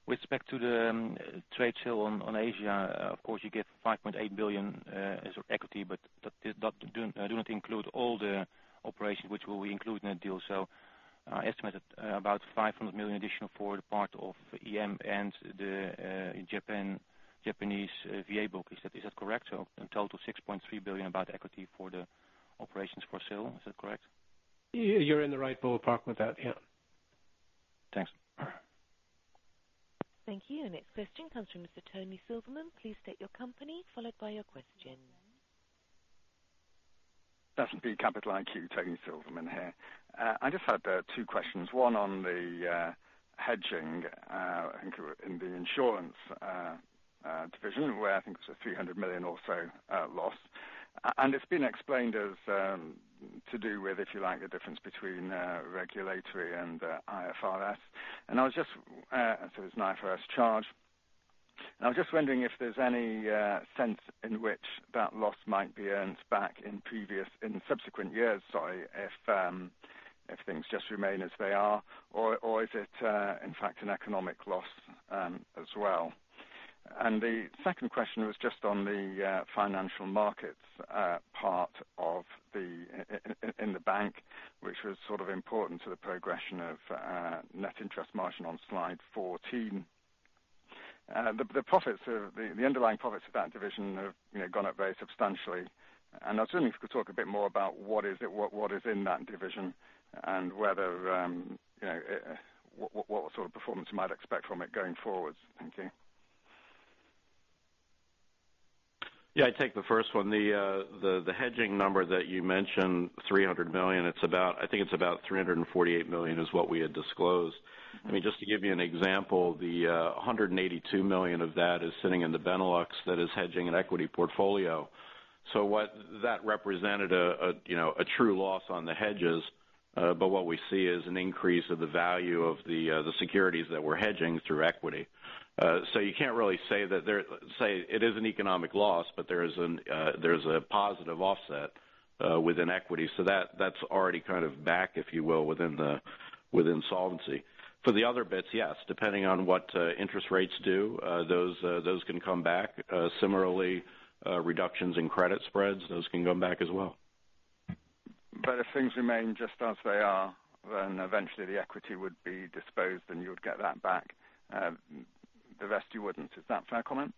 With respect to the trade sale on Asia, of course, you get €5.8 billion as equity, but that does not include all the operations which will be included in that deal. I estimated about €500 million additional for the part of EM and the Japanese VA book. Is that correct? In total, €6.3 billion about equity for the operations for sale. Is that correct? You're in the right ballpark with that. Yeah. Thanks. Thank you. Next question comes from Mr. Tony Silverman. Please state your company followed by your question. That's B Capital IQ, Tony Silverman here. I just had two questions. One on the hedging. I think in the insurance division where I think it's a $300 million or so loss, and it's been explained as to do with, if you like, the difference between regulatory and IFRS. I was just, so it's an IFRS charge. I was just wondering if there's any sense in which that loss might be earned back in subsequent years, if things just remain as they are, or is it, in fact, an economic loss as well? The second question was just on the financial markets part of the bank, which was sort of important to the progression of net interest margin on slide 14. The underlying profits of that division have gone up very substantially. I was wondering if you could talk a bit more about what is in that division and what sort of performance you might expect from it going forwards. Thank you. Yeah. I take the first one. The hedging number that you mentioned, $300 million, I think it's about $348 million is what we had disclosed. I mean, just to give you an example, $182 million of that is sitting in the Benelux that is hedging an equity portfolio. What that represented is a true loss on the hedges, but what we see is an increase of the value of the securities that we're hedging through equity. You can't really say that it is an economic loss, but there's a positive offset within equity. That's already kind of back, if you will, within solvency. For the other bits, yes, depending on what interest rates do, those can come back. Similarly, reductions in credit spreads, those can come back as well. If things remain just as they are, eventually the equity would be disposed and you would get that back. The rest, you wouldn't. Is that a fair comment?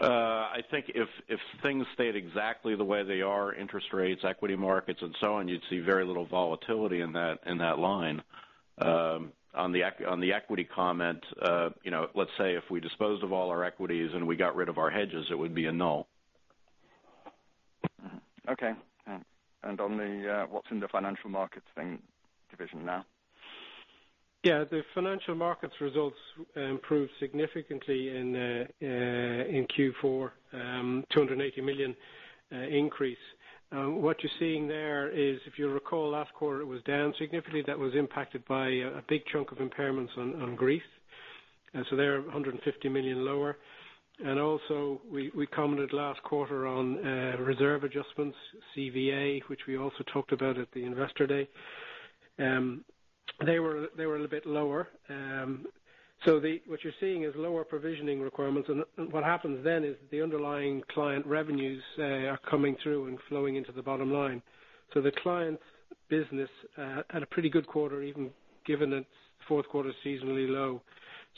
I think if things stayed exactly the way they are, interest rates, equity markets, and so on, you'd see very little volatility in that line. On the equity comment, let's say if we disposed of all our equities and we got rid of our hedges, it would be a null. Okay. What's in the financial markets division now? Yeah. The financial markets results improved significantly in Q4, $280 million increase. What you're seeing there is, if you recall, last quarter it was down significantly. That was impacted by a big chunk of impairments on Greece. They're $150 million lower. Also, we commented last quarter on reserve adjustments, CVA, which we also talked about at the Investor Day. They were a little bit lower. What you're seeing is lower provisioning requirements. What happens then is the underlying client revenues are coming through and flowing into the bottom line. The client's business had a pretty good quarter, even given its fourth quarter seasonally low.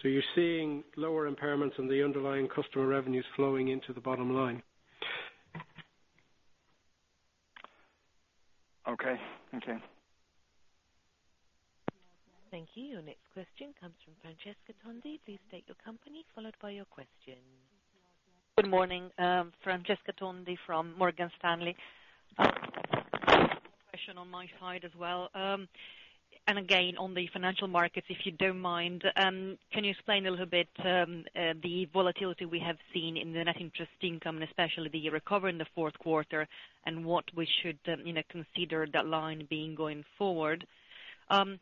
You're seeing lower impairments and the underlying customer revenues flowing into the bottom line. Okay. Okay. Thank you. Next question comes from Francesca Tondi. Please state your company followed by your question. Good morning. Francesca Tondi from Morgan Stanley. Question on my side as well. On the financial markets, if you don't mind, can you explain a little bit the volatility we have seen in the net interest income, and especially the year recovery in the fourth quarter, and what we should consider that line being going forward?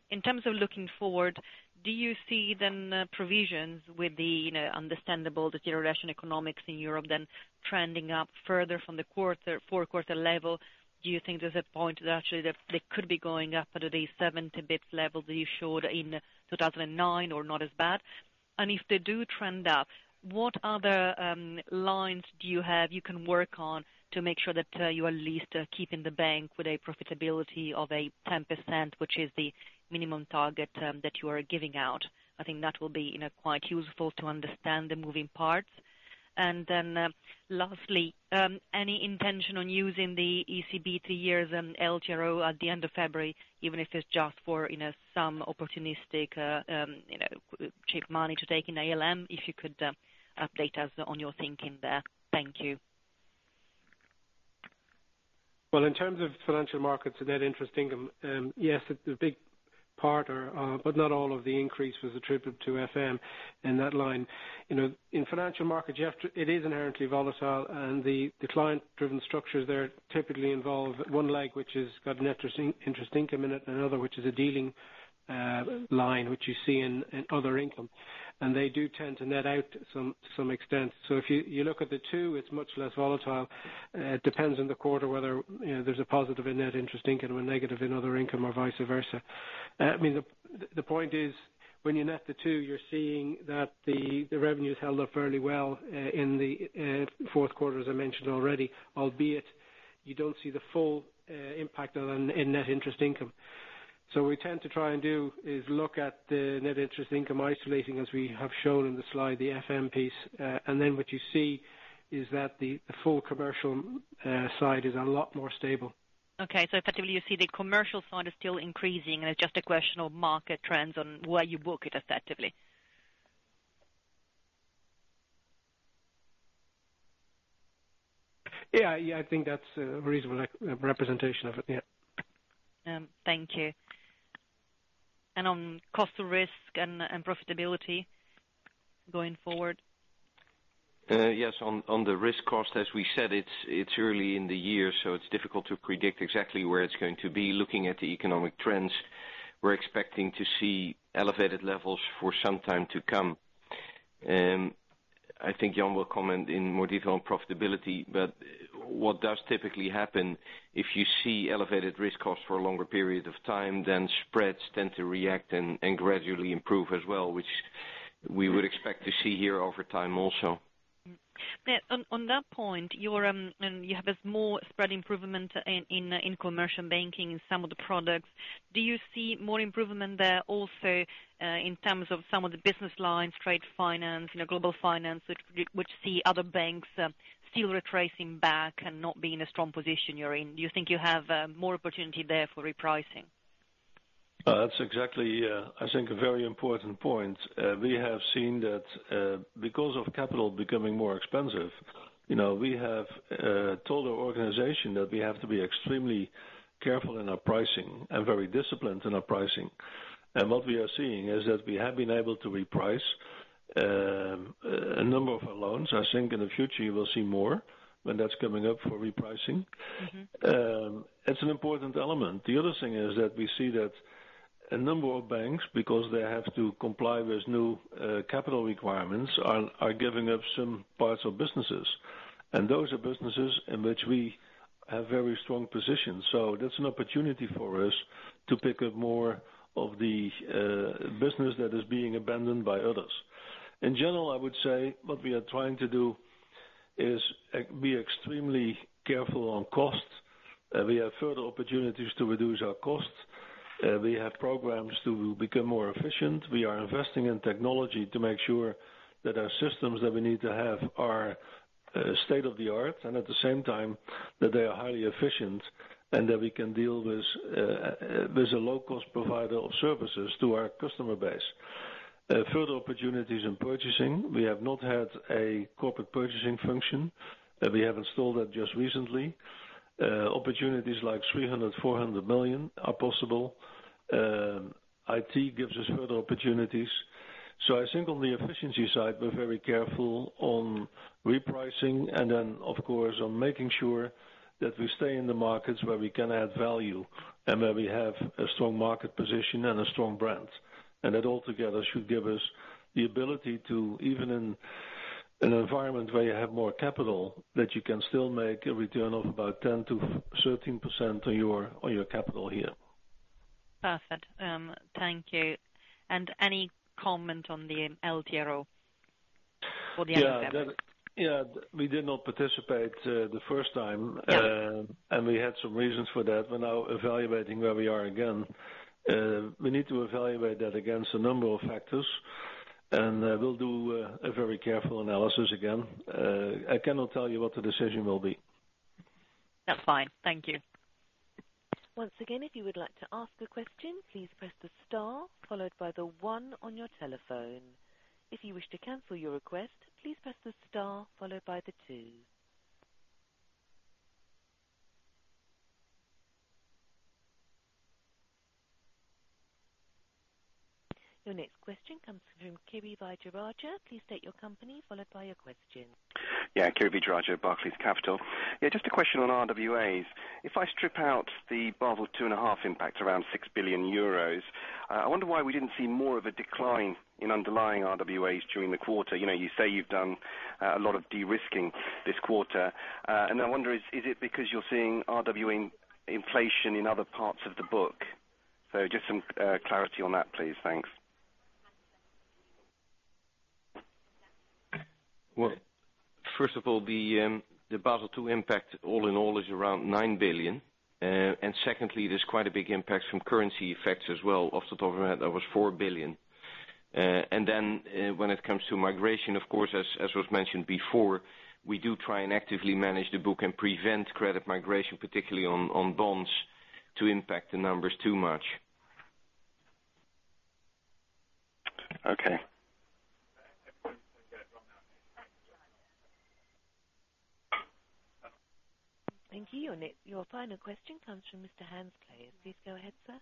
In terms of looking forward, do you see then provisions with the understandable deterioration economics in Europe then trending up further from the fourth quarter level? Do you think there's a point that actually they could be going up at the 70-basis points level that you showed in 2009 or not as bad? If they do trend up, what other lines do you have you can work on to make sure that you at least keep in the bank with a profitability of 10%, which is the minimum target that you are giving out? I think that will be quite useful to understand the moving parts. Lastly, any intention on using the ECB three-year LTRO at the end of February, even if it's just for some opportunistic cheap money to take in ALM, if you could update us on your thinking there. Thank you. In terms of financial markets and net interest income, yes, the big part, but not all of the increase was attributable to FM in that line. In financial markets, it is inherently volatile, and the client-driven structures there typically involve one leg, which has got net interest income in it, and another, which is a dealing line, which you see in other income. They do tend to net out to some extent. If you look at the two, it's much less volatile. It depends on the quarter whether there's a positive in net interest income or negative in other income or vice versa. The point is when you net the two, you're seeing that the revenue is held up fairly well in the fourth quarter, as I mentioned already, albeit you don't see the full impact in net interest income. What we tend to try and do is look at the net interest income isolating, as we have shown in the slide, the FM piece. Then what you see is that the full commercial side is a lot more stable. Okay. Effectively, you see the commercial side is still increasing, and it's just a question of market trends on where you book it effectively. Yeah, I think that's a reasonable representation of it. Yeah. Thank you. On cost of risk and profitability going forward? Yes. On the risk cost, as we said, it's early in the year, so it's difficult to predict exactly where it's going to be. Looking at the economic trends, we're expecting to see elevated levels for some time to come. I think Jan will comment in more detail on profitability. What does typically happen if you see elevated risk costs for a longer period of time is that spreads tend to react and gradually improve as well, which we would expect to see here over time also. On that point, you have a small spread improvement in commercial banking in some of the products. Do you see more improvement there also in terms of some of the business lines, trade finance, you know, global finance, which see other banks still retracing back and not being in a strong position you're in? Do you think you have more opportunity there for repricing? That's exactly, I think, a very important point. We have seen that because of capital becoming more expensive, you know, we have told our organization that we have to be extremely careful in our pricing and very disciplined in our pricing. What we are seeing is that we have been able to reprice a number of our loans. I think in the future, you will see more when that's coming up for repricing. It's an important element. The other thing is that we see that a number of banks, because they have to comply with new capital requirements, are giving up some parts of businesses. Those are businesses in which we have very strong positions. That's an opportunity for us to pick up more of the business that is being abandoned by others. In general, I would say what we are trying to do is be extremely careful on cost. We have further opportunities to reduce our costs. We have programs to become more efficient. We are investing in technology to make sure that our systems that we need to have are state-of-the-art and at the same time that they are highly efficient and that we can deal with a low-cost provider of services to our customer base. Further opportunities in purchasing. We have not had a corporate purchasing function. We have installed that just recently. Opportunities like $300 million, $400 million are possible. IT gives us further opportunities. I think on the efficiency side, we're very careful on repricing and then, of course, on making sure that we stay in the markets where we can add value and where we have a strong market position and a strong brand. That altogether should give us the ability to, even in an environment where you have more capital, you can still make a return of about 10%-13% on your capital here. Perfect. Thank you. Any comment on the LTRO for the next step? We did not participate the first time, and we had some reasons for that. We're now evaluating where we are again. We need to evaluate that against a number of factors, and we'll do a very careful analysis again. I cannot tell you what the decision will be. That's fine. Thank you. Once again, if you would like to ask a question, please press the star followed by the one on your telephone. If you wish to cancel your request, please press the star followed by the two. Your next question comes from Kirishanthan Vijayarajah. Please state your company followed by your question. Yeah. Kirishanthan Vijayarajah, Barclays Bank. Yeah, just a question on RWAs. If I strip out the Basel II.5 impacts, around €6 billion, I wonder why we didn't see more of a decline in underlying RWAs during the quarter. You know, you say you've done a lot of de-risking this quarter. I wonder, is it because you're seeing RWA inflation in other parts of the book? Just some clarity on that, please. Thanks. First of all, the bottle two impact all in all is around €9 billion. There's quite a big impact from currency effects as well. Off the top of my head, that was €4 billion. When it comes to migration, of course, as was mentioned before, we do try and actively manage the book and prevent credit migration, particularly on bonds, to impact the numbers too much. Okay. Thank you. Your final question comes from Mr. Hans Claeys. Please go ahead, sir.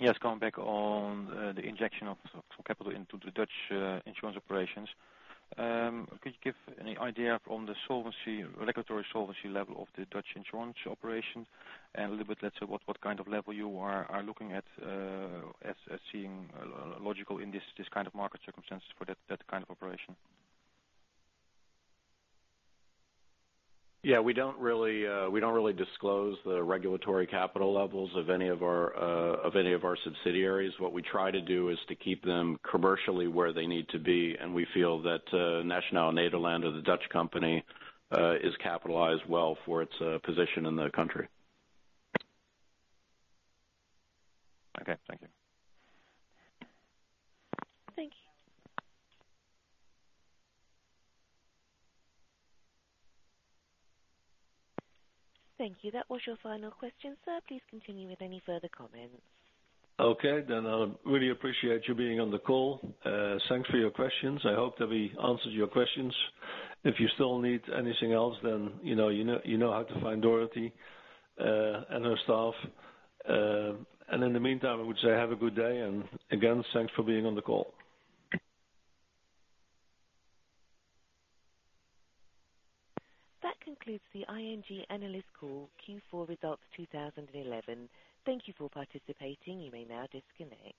Yes. Coming back on the injection of capital into the Dutch insurance operations, could you give any idea on the regulatory solvency level of the Dutch insurance operation? What kind of level are you looking at as seeing logical in this kind of market circumstances for that kind of operation? Yeah. We don't really disclose the regulatory capital levels of any of our subsidiaries. What we try to do is to keep them commercially where they need to be. We feel that Nationale-Nederlandener, the Dutch company, is capitalized well for its position in the country. Okay, thank you. Thank you. Thank you. That was your final question, sir. Please continue with any further comments. Okay. I really appreciate you being on the call. Thanks for your questions. I hope that we answered your questions. If you still need anything else, you know how to find Dorothy and her staff. In the meantime, I would say have a good day. Again, thanks for being on the call. That concludes the ING Analyst Call Q4 Results 2011. Thank you for participating. You may now disconnect.